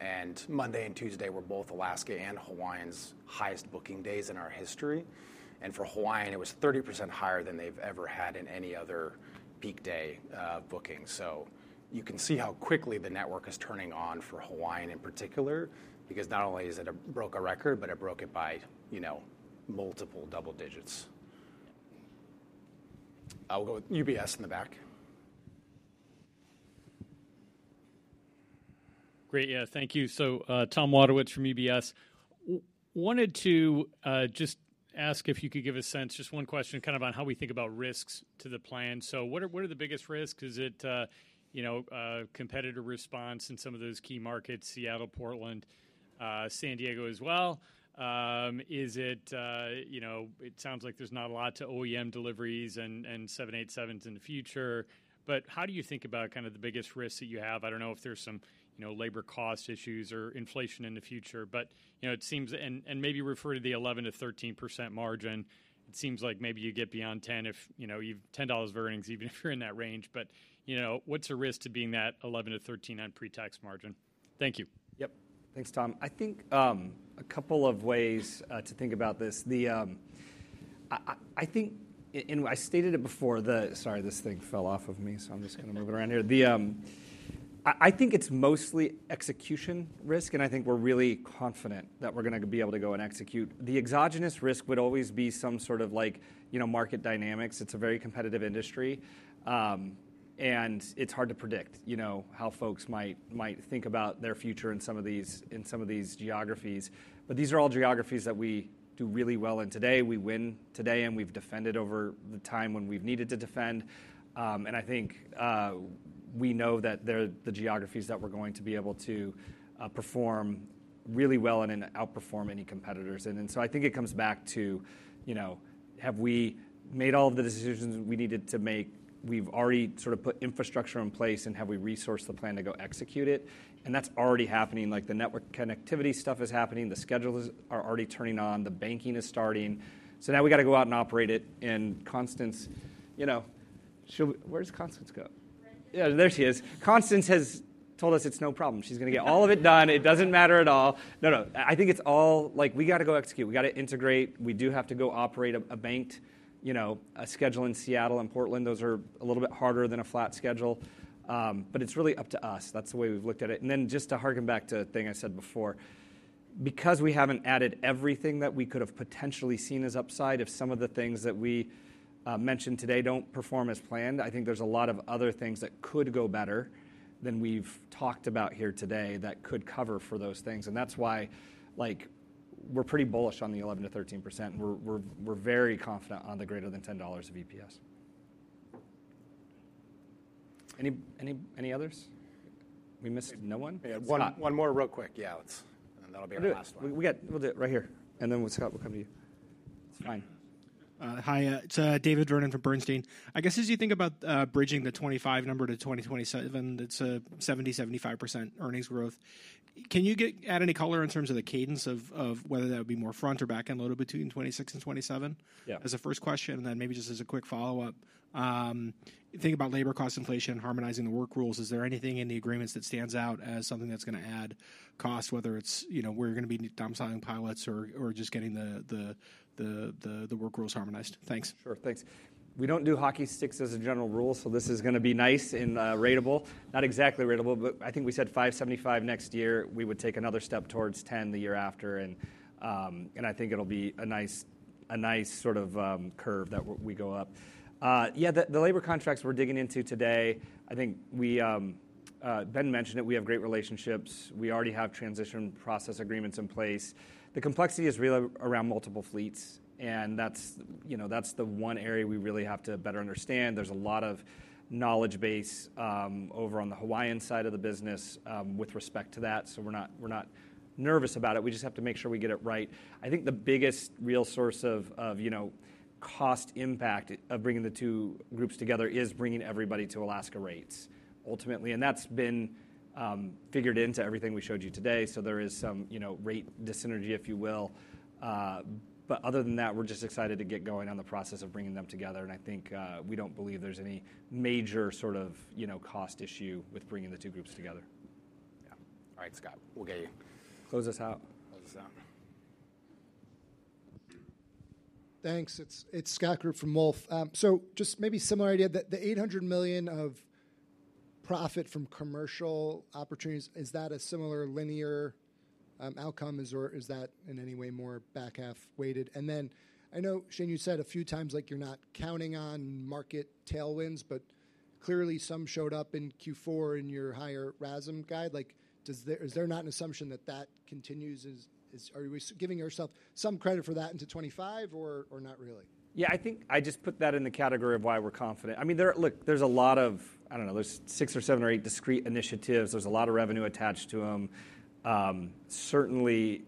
And Monday and Tuesday were both Alaska and Hawaiian's highest booking days in our history. And for Hawaiian, it was 30% higher than they've ever had in any other peak day booking. So you can see how quickly the network is turning on for Hawaiian in particular because not only is it broke a record, but it broke it by, you know, multiple double digits. I'll go with UBS in the back. Great. Yeah, thank you. So Tom Wadewitz from UBS wanted to just ask if you could give a sense, just one question kind of on how we think about risks to the plan. So what are the biggest risks? Is it, you know, competitor response in some of those key markets, Seattle, Portland, San Diego as well? Is it, you know, it sounds like there's not a lot to OEM deliveries and 787s in the future. But how do you think about kind of the biggest risks that you have? I don't know if there's some, you know, labor cost issues or inflation in the future. But you know, it seems, and maybe refer to the 11%-13% margin. It seems like maybe you get beyond 10 if, you know, you've $10 of earnings, even if you're in that range. But you know, what's a risk to being that 11%-13% on pre-tax margin? Thank you. Yep. Thanks, Tom. I think a couple of ways to think about this. I think, and I stated it before, sorry, this thing fell off of me. So I'm just going to move it around here. I think it's mostly execution risk. And I think we're really confident that we're going to be able to go and execute. The exogenous risk would always be some sort of like, you know, market dynamics. It's a very competitive industry. It's hard to predict, you know, how folks might think about their future in some of these geographies. These are all geographies that we do really well in today. We win today, and we've defended over the time when we've needed to defend. I think we know that they're the geographies that we're going to be able to perform really well in and outperform any competitors. So I think it comes back to, you know, have we made all of the decisions we needed to make? We've already sort of put infrastructure in place, and have we resourced the plan to go execute it? That's already happening. Like, the network connectivity stuff is happening. The schedules are already turning on. The booking is starting, so now we got to go out and operate it. Constance, you know, where does Constance go? Yeah, there she is. Constance has told us it's no problem. She's going to get all of it done. It doesn't matter at all. No, no. I think it's all like we got to go execute. We got to integrate. We do have to go operate a banked, you know, a schedule in Seattle and Portland. Those are a little bit harder than a flat schedule. But it's really up to us. That's the way we've looked at it. And then just to hearken back to the thing I said before, because we haven't added everything that we could have potentially seen as upside, if some of the things that we mentioned today don't perform as planned, I think there's a lot of other things that could go better than we've talked about here today that could cover for those things. And that's why, like, we're pretty bullish on the 11%-13%. We're very confident on the greater than $10 of EPS. Any others? We missed no one? Yeah, one more real quick. Yeah, that'll be our last one. We got it right here. And then Scott, we'll come to you. It's fine. Hi, it's David Vernon from Bernstein. I guess as you think about bridging the 2025 number to 2027, it's a 70%-75% earnings growth. Can you add any color in terms of the cadence of whether that would be more front or backend loaded between 2026 and 2027? Yeah, as a first question and then maybe just as a quick follow up. Think about labor cost inflation harmonizing the work rules. Is there anything in the agreements that stands out as something that's going to add cost, whether it's, you know, we're going to be downsizing pilots or just getting the work rules harmonized? Thanks. Sure, thanks. We don't do hockey sticks as a general rule, so this is going to be nice and ratable. Not exactly ratable, but I think we said 575 next year, we would take another step towards 10 the year after. And I think it'll be a nice sort of curve that we go up. Yeah, the labor contracts we're digging into today, I think we, Ben mentioned it, we have great relationships. We already have transition process agreements in place. The complexity is really around multiple fleets. And that's, you know, that's the one area we really have to better understand. There's a lot of knowledge base over on the Hawaiian side of the business with respect to that. So we're not nervous about it. We just have to make sure we get it right. I think the biggest real source of, you know, cost impact of bringing the two groups together is bringing everybody to Alaska rates ultimately. And that's been figured into everything we showed you today. So there is some, you know, rate dissynergy, if you will. But other than that, we're just excited to get going on the process of bringing them together. And I think we don't believe there's any major sort of, you know, cost issue with bringing the two groups together. Yeah. All right, Scott, we'll get you. Close us out. Close us out. Thanks. It's Scott Group from Wolfe. So just maybe similar idea, the $800 million of profit from commercial opportunities, is that a similar linear outcome or is that in any way more back-half weighted? And then I know, Shane, you said a few times like you're not counting on market tailwinds, but clearly some showed up in Q4 in your higher RASM guide. Like is there not an assumption that that continues? Are we giving ourselves some credit for that into 2025 or not really? Yeah, I think I just put that in the category of why we're confident. I mean, look, there's a lot of, I don't know, there's six or seven or eight discrete initiatives. There's a lot of revenue attached to them. Certainly,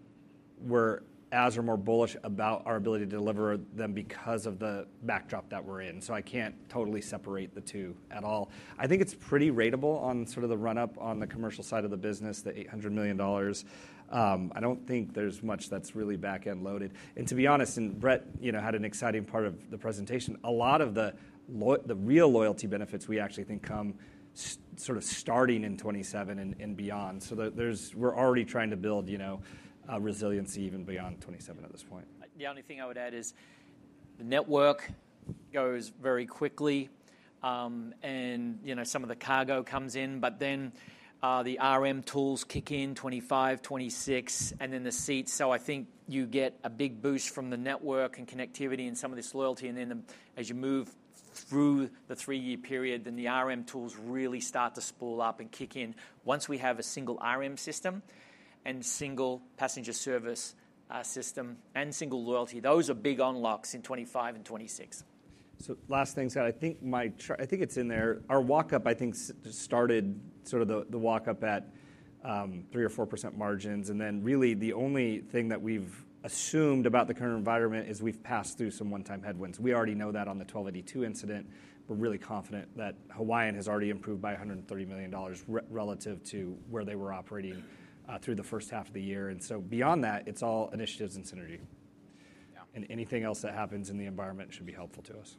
we're as or more bullish about our ability to deliver them because of the backdrop that we're in. So I can't totally separate the two at all. I think it's pretty ratable on sort of the run-up on the commercial side of the business, the $800 million. I don't think there's much that's really back-end loaded. And to be honest, and Brett, you know, had an exciting part of the presentation, a lot of the real loyalty benefits we actually think come sort of starting in 2027 and beyond. So we're already trying to build, you know, resiliency even beyond 2027 at this point. The only thing I would add is the network goes very quickly. And, you know, some of the cargo comes in, but then the RM tools kick in 2025, 2026, and then the seats. So I think you get a big boost from the network and connectivity and some of this loyalty. And then as you move through the three-year period, then the RM tools really start to spool up and kick in once we have a single RM system and single passenger service system and single loyalty. Those are big unlocks in 2025 and 2026. So last thing, so I think my, I think it's in there. Our walk-up, I think started sort of the walk-up at 3% or 4% margins. And then really the only thing that we've assumed about the current environment is we've passed through some one-time headwinds. We already know that on the 1282 incident. We're really confident that Hawaiian has already improved by $130 million relative to where they were operating through the first half of the year. And so beyond that, it's all initiatives and synergy. And anything else that happens in the environment should be helpful to us.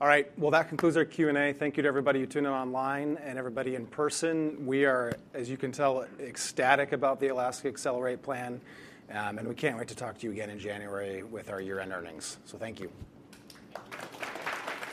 Yeah. All right. That concludes our Q&A. Thank you to everybody tuning online and everybody in person. We are, as you can tell, ecstatic about the Alaska Accelerate plan. We can't wait to talk to you again in January with our year-end earnings. Thank you.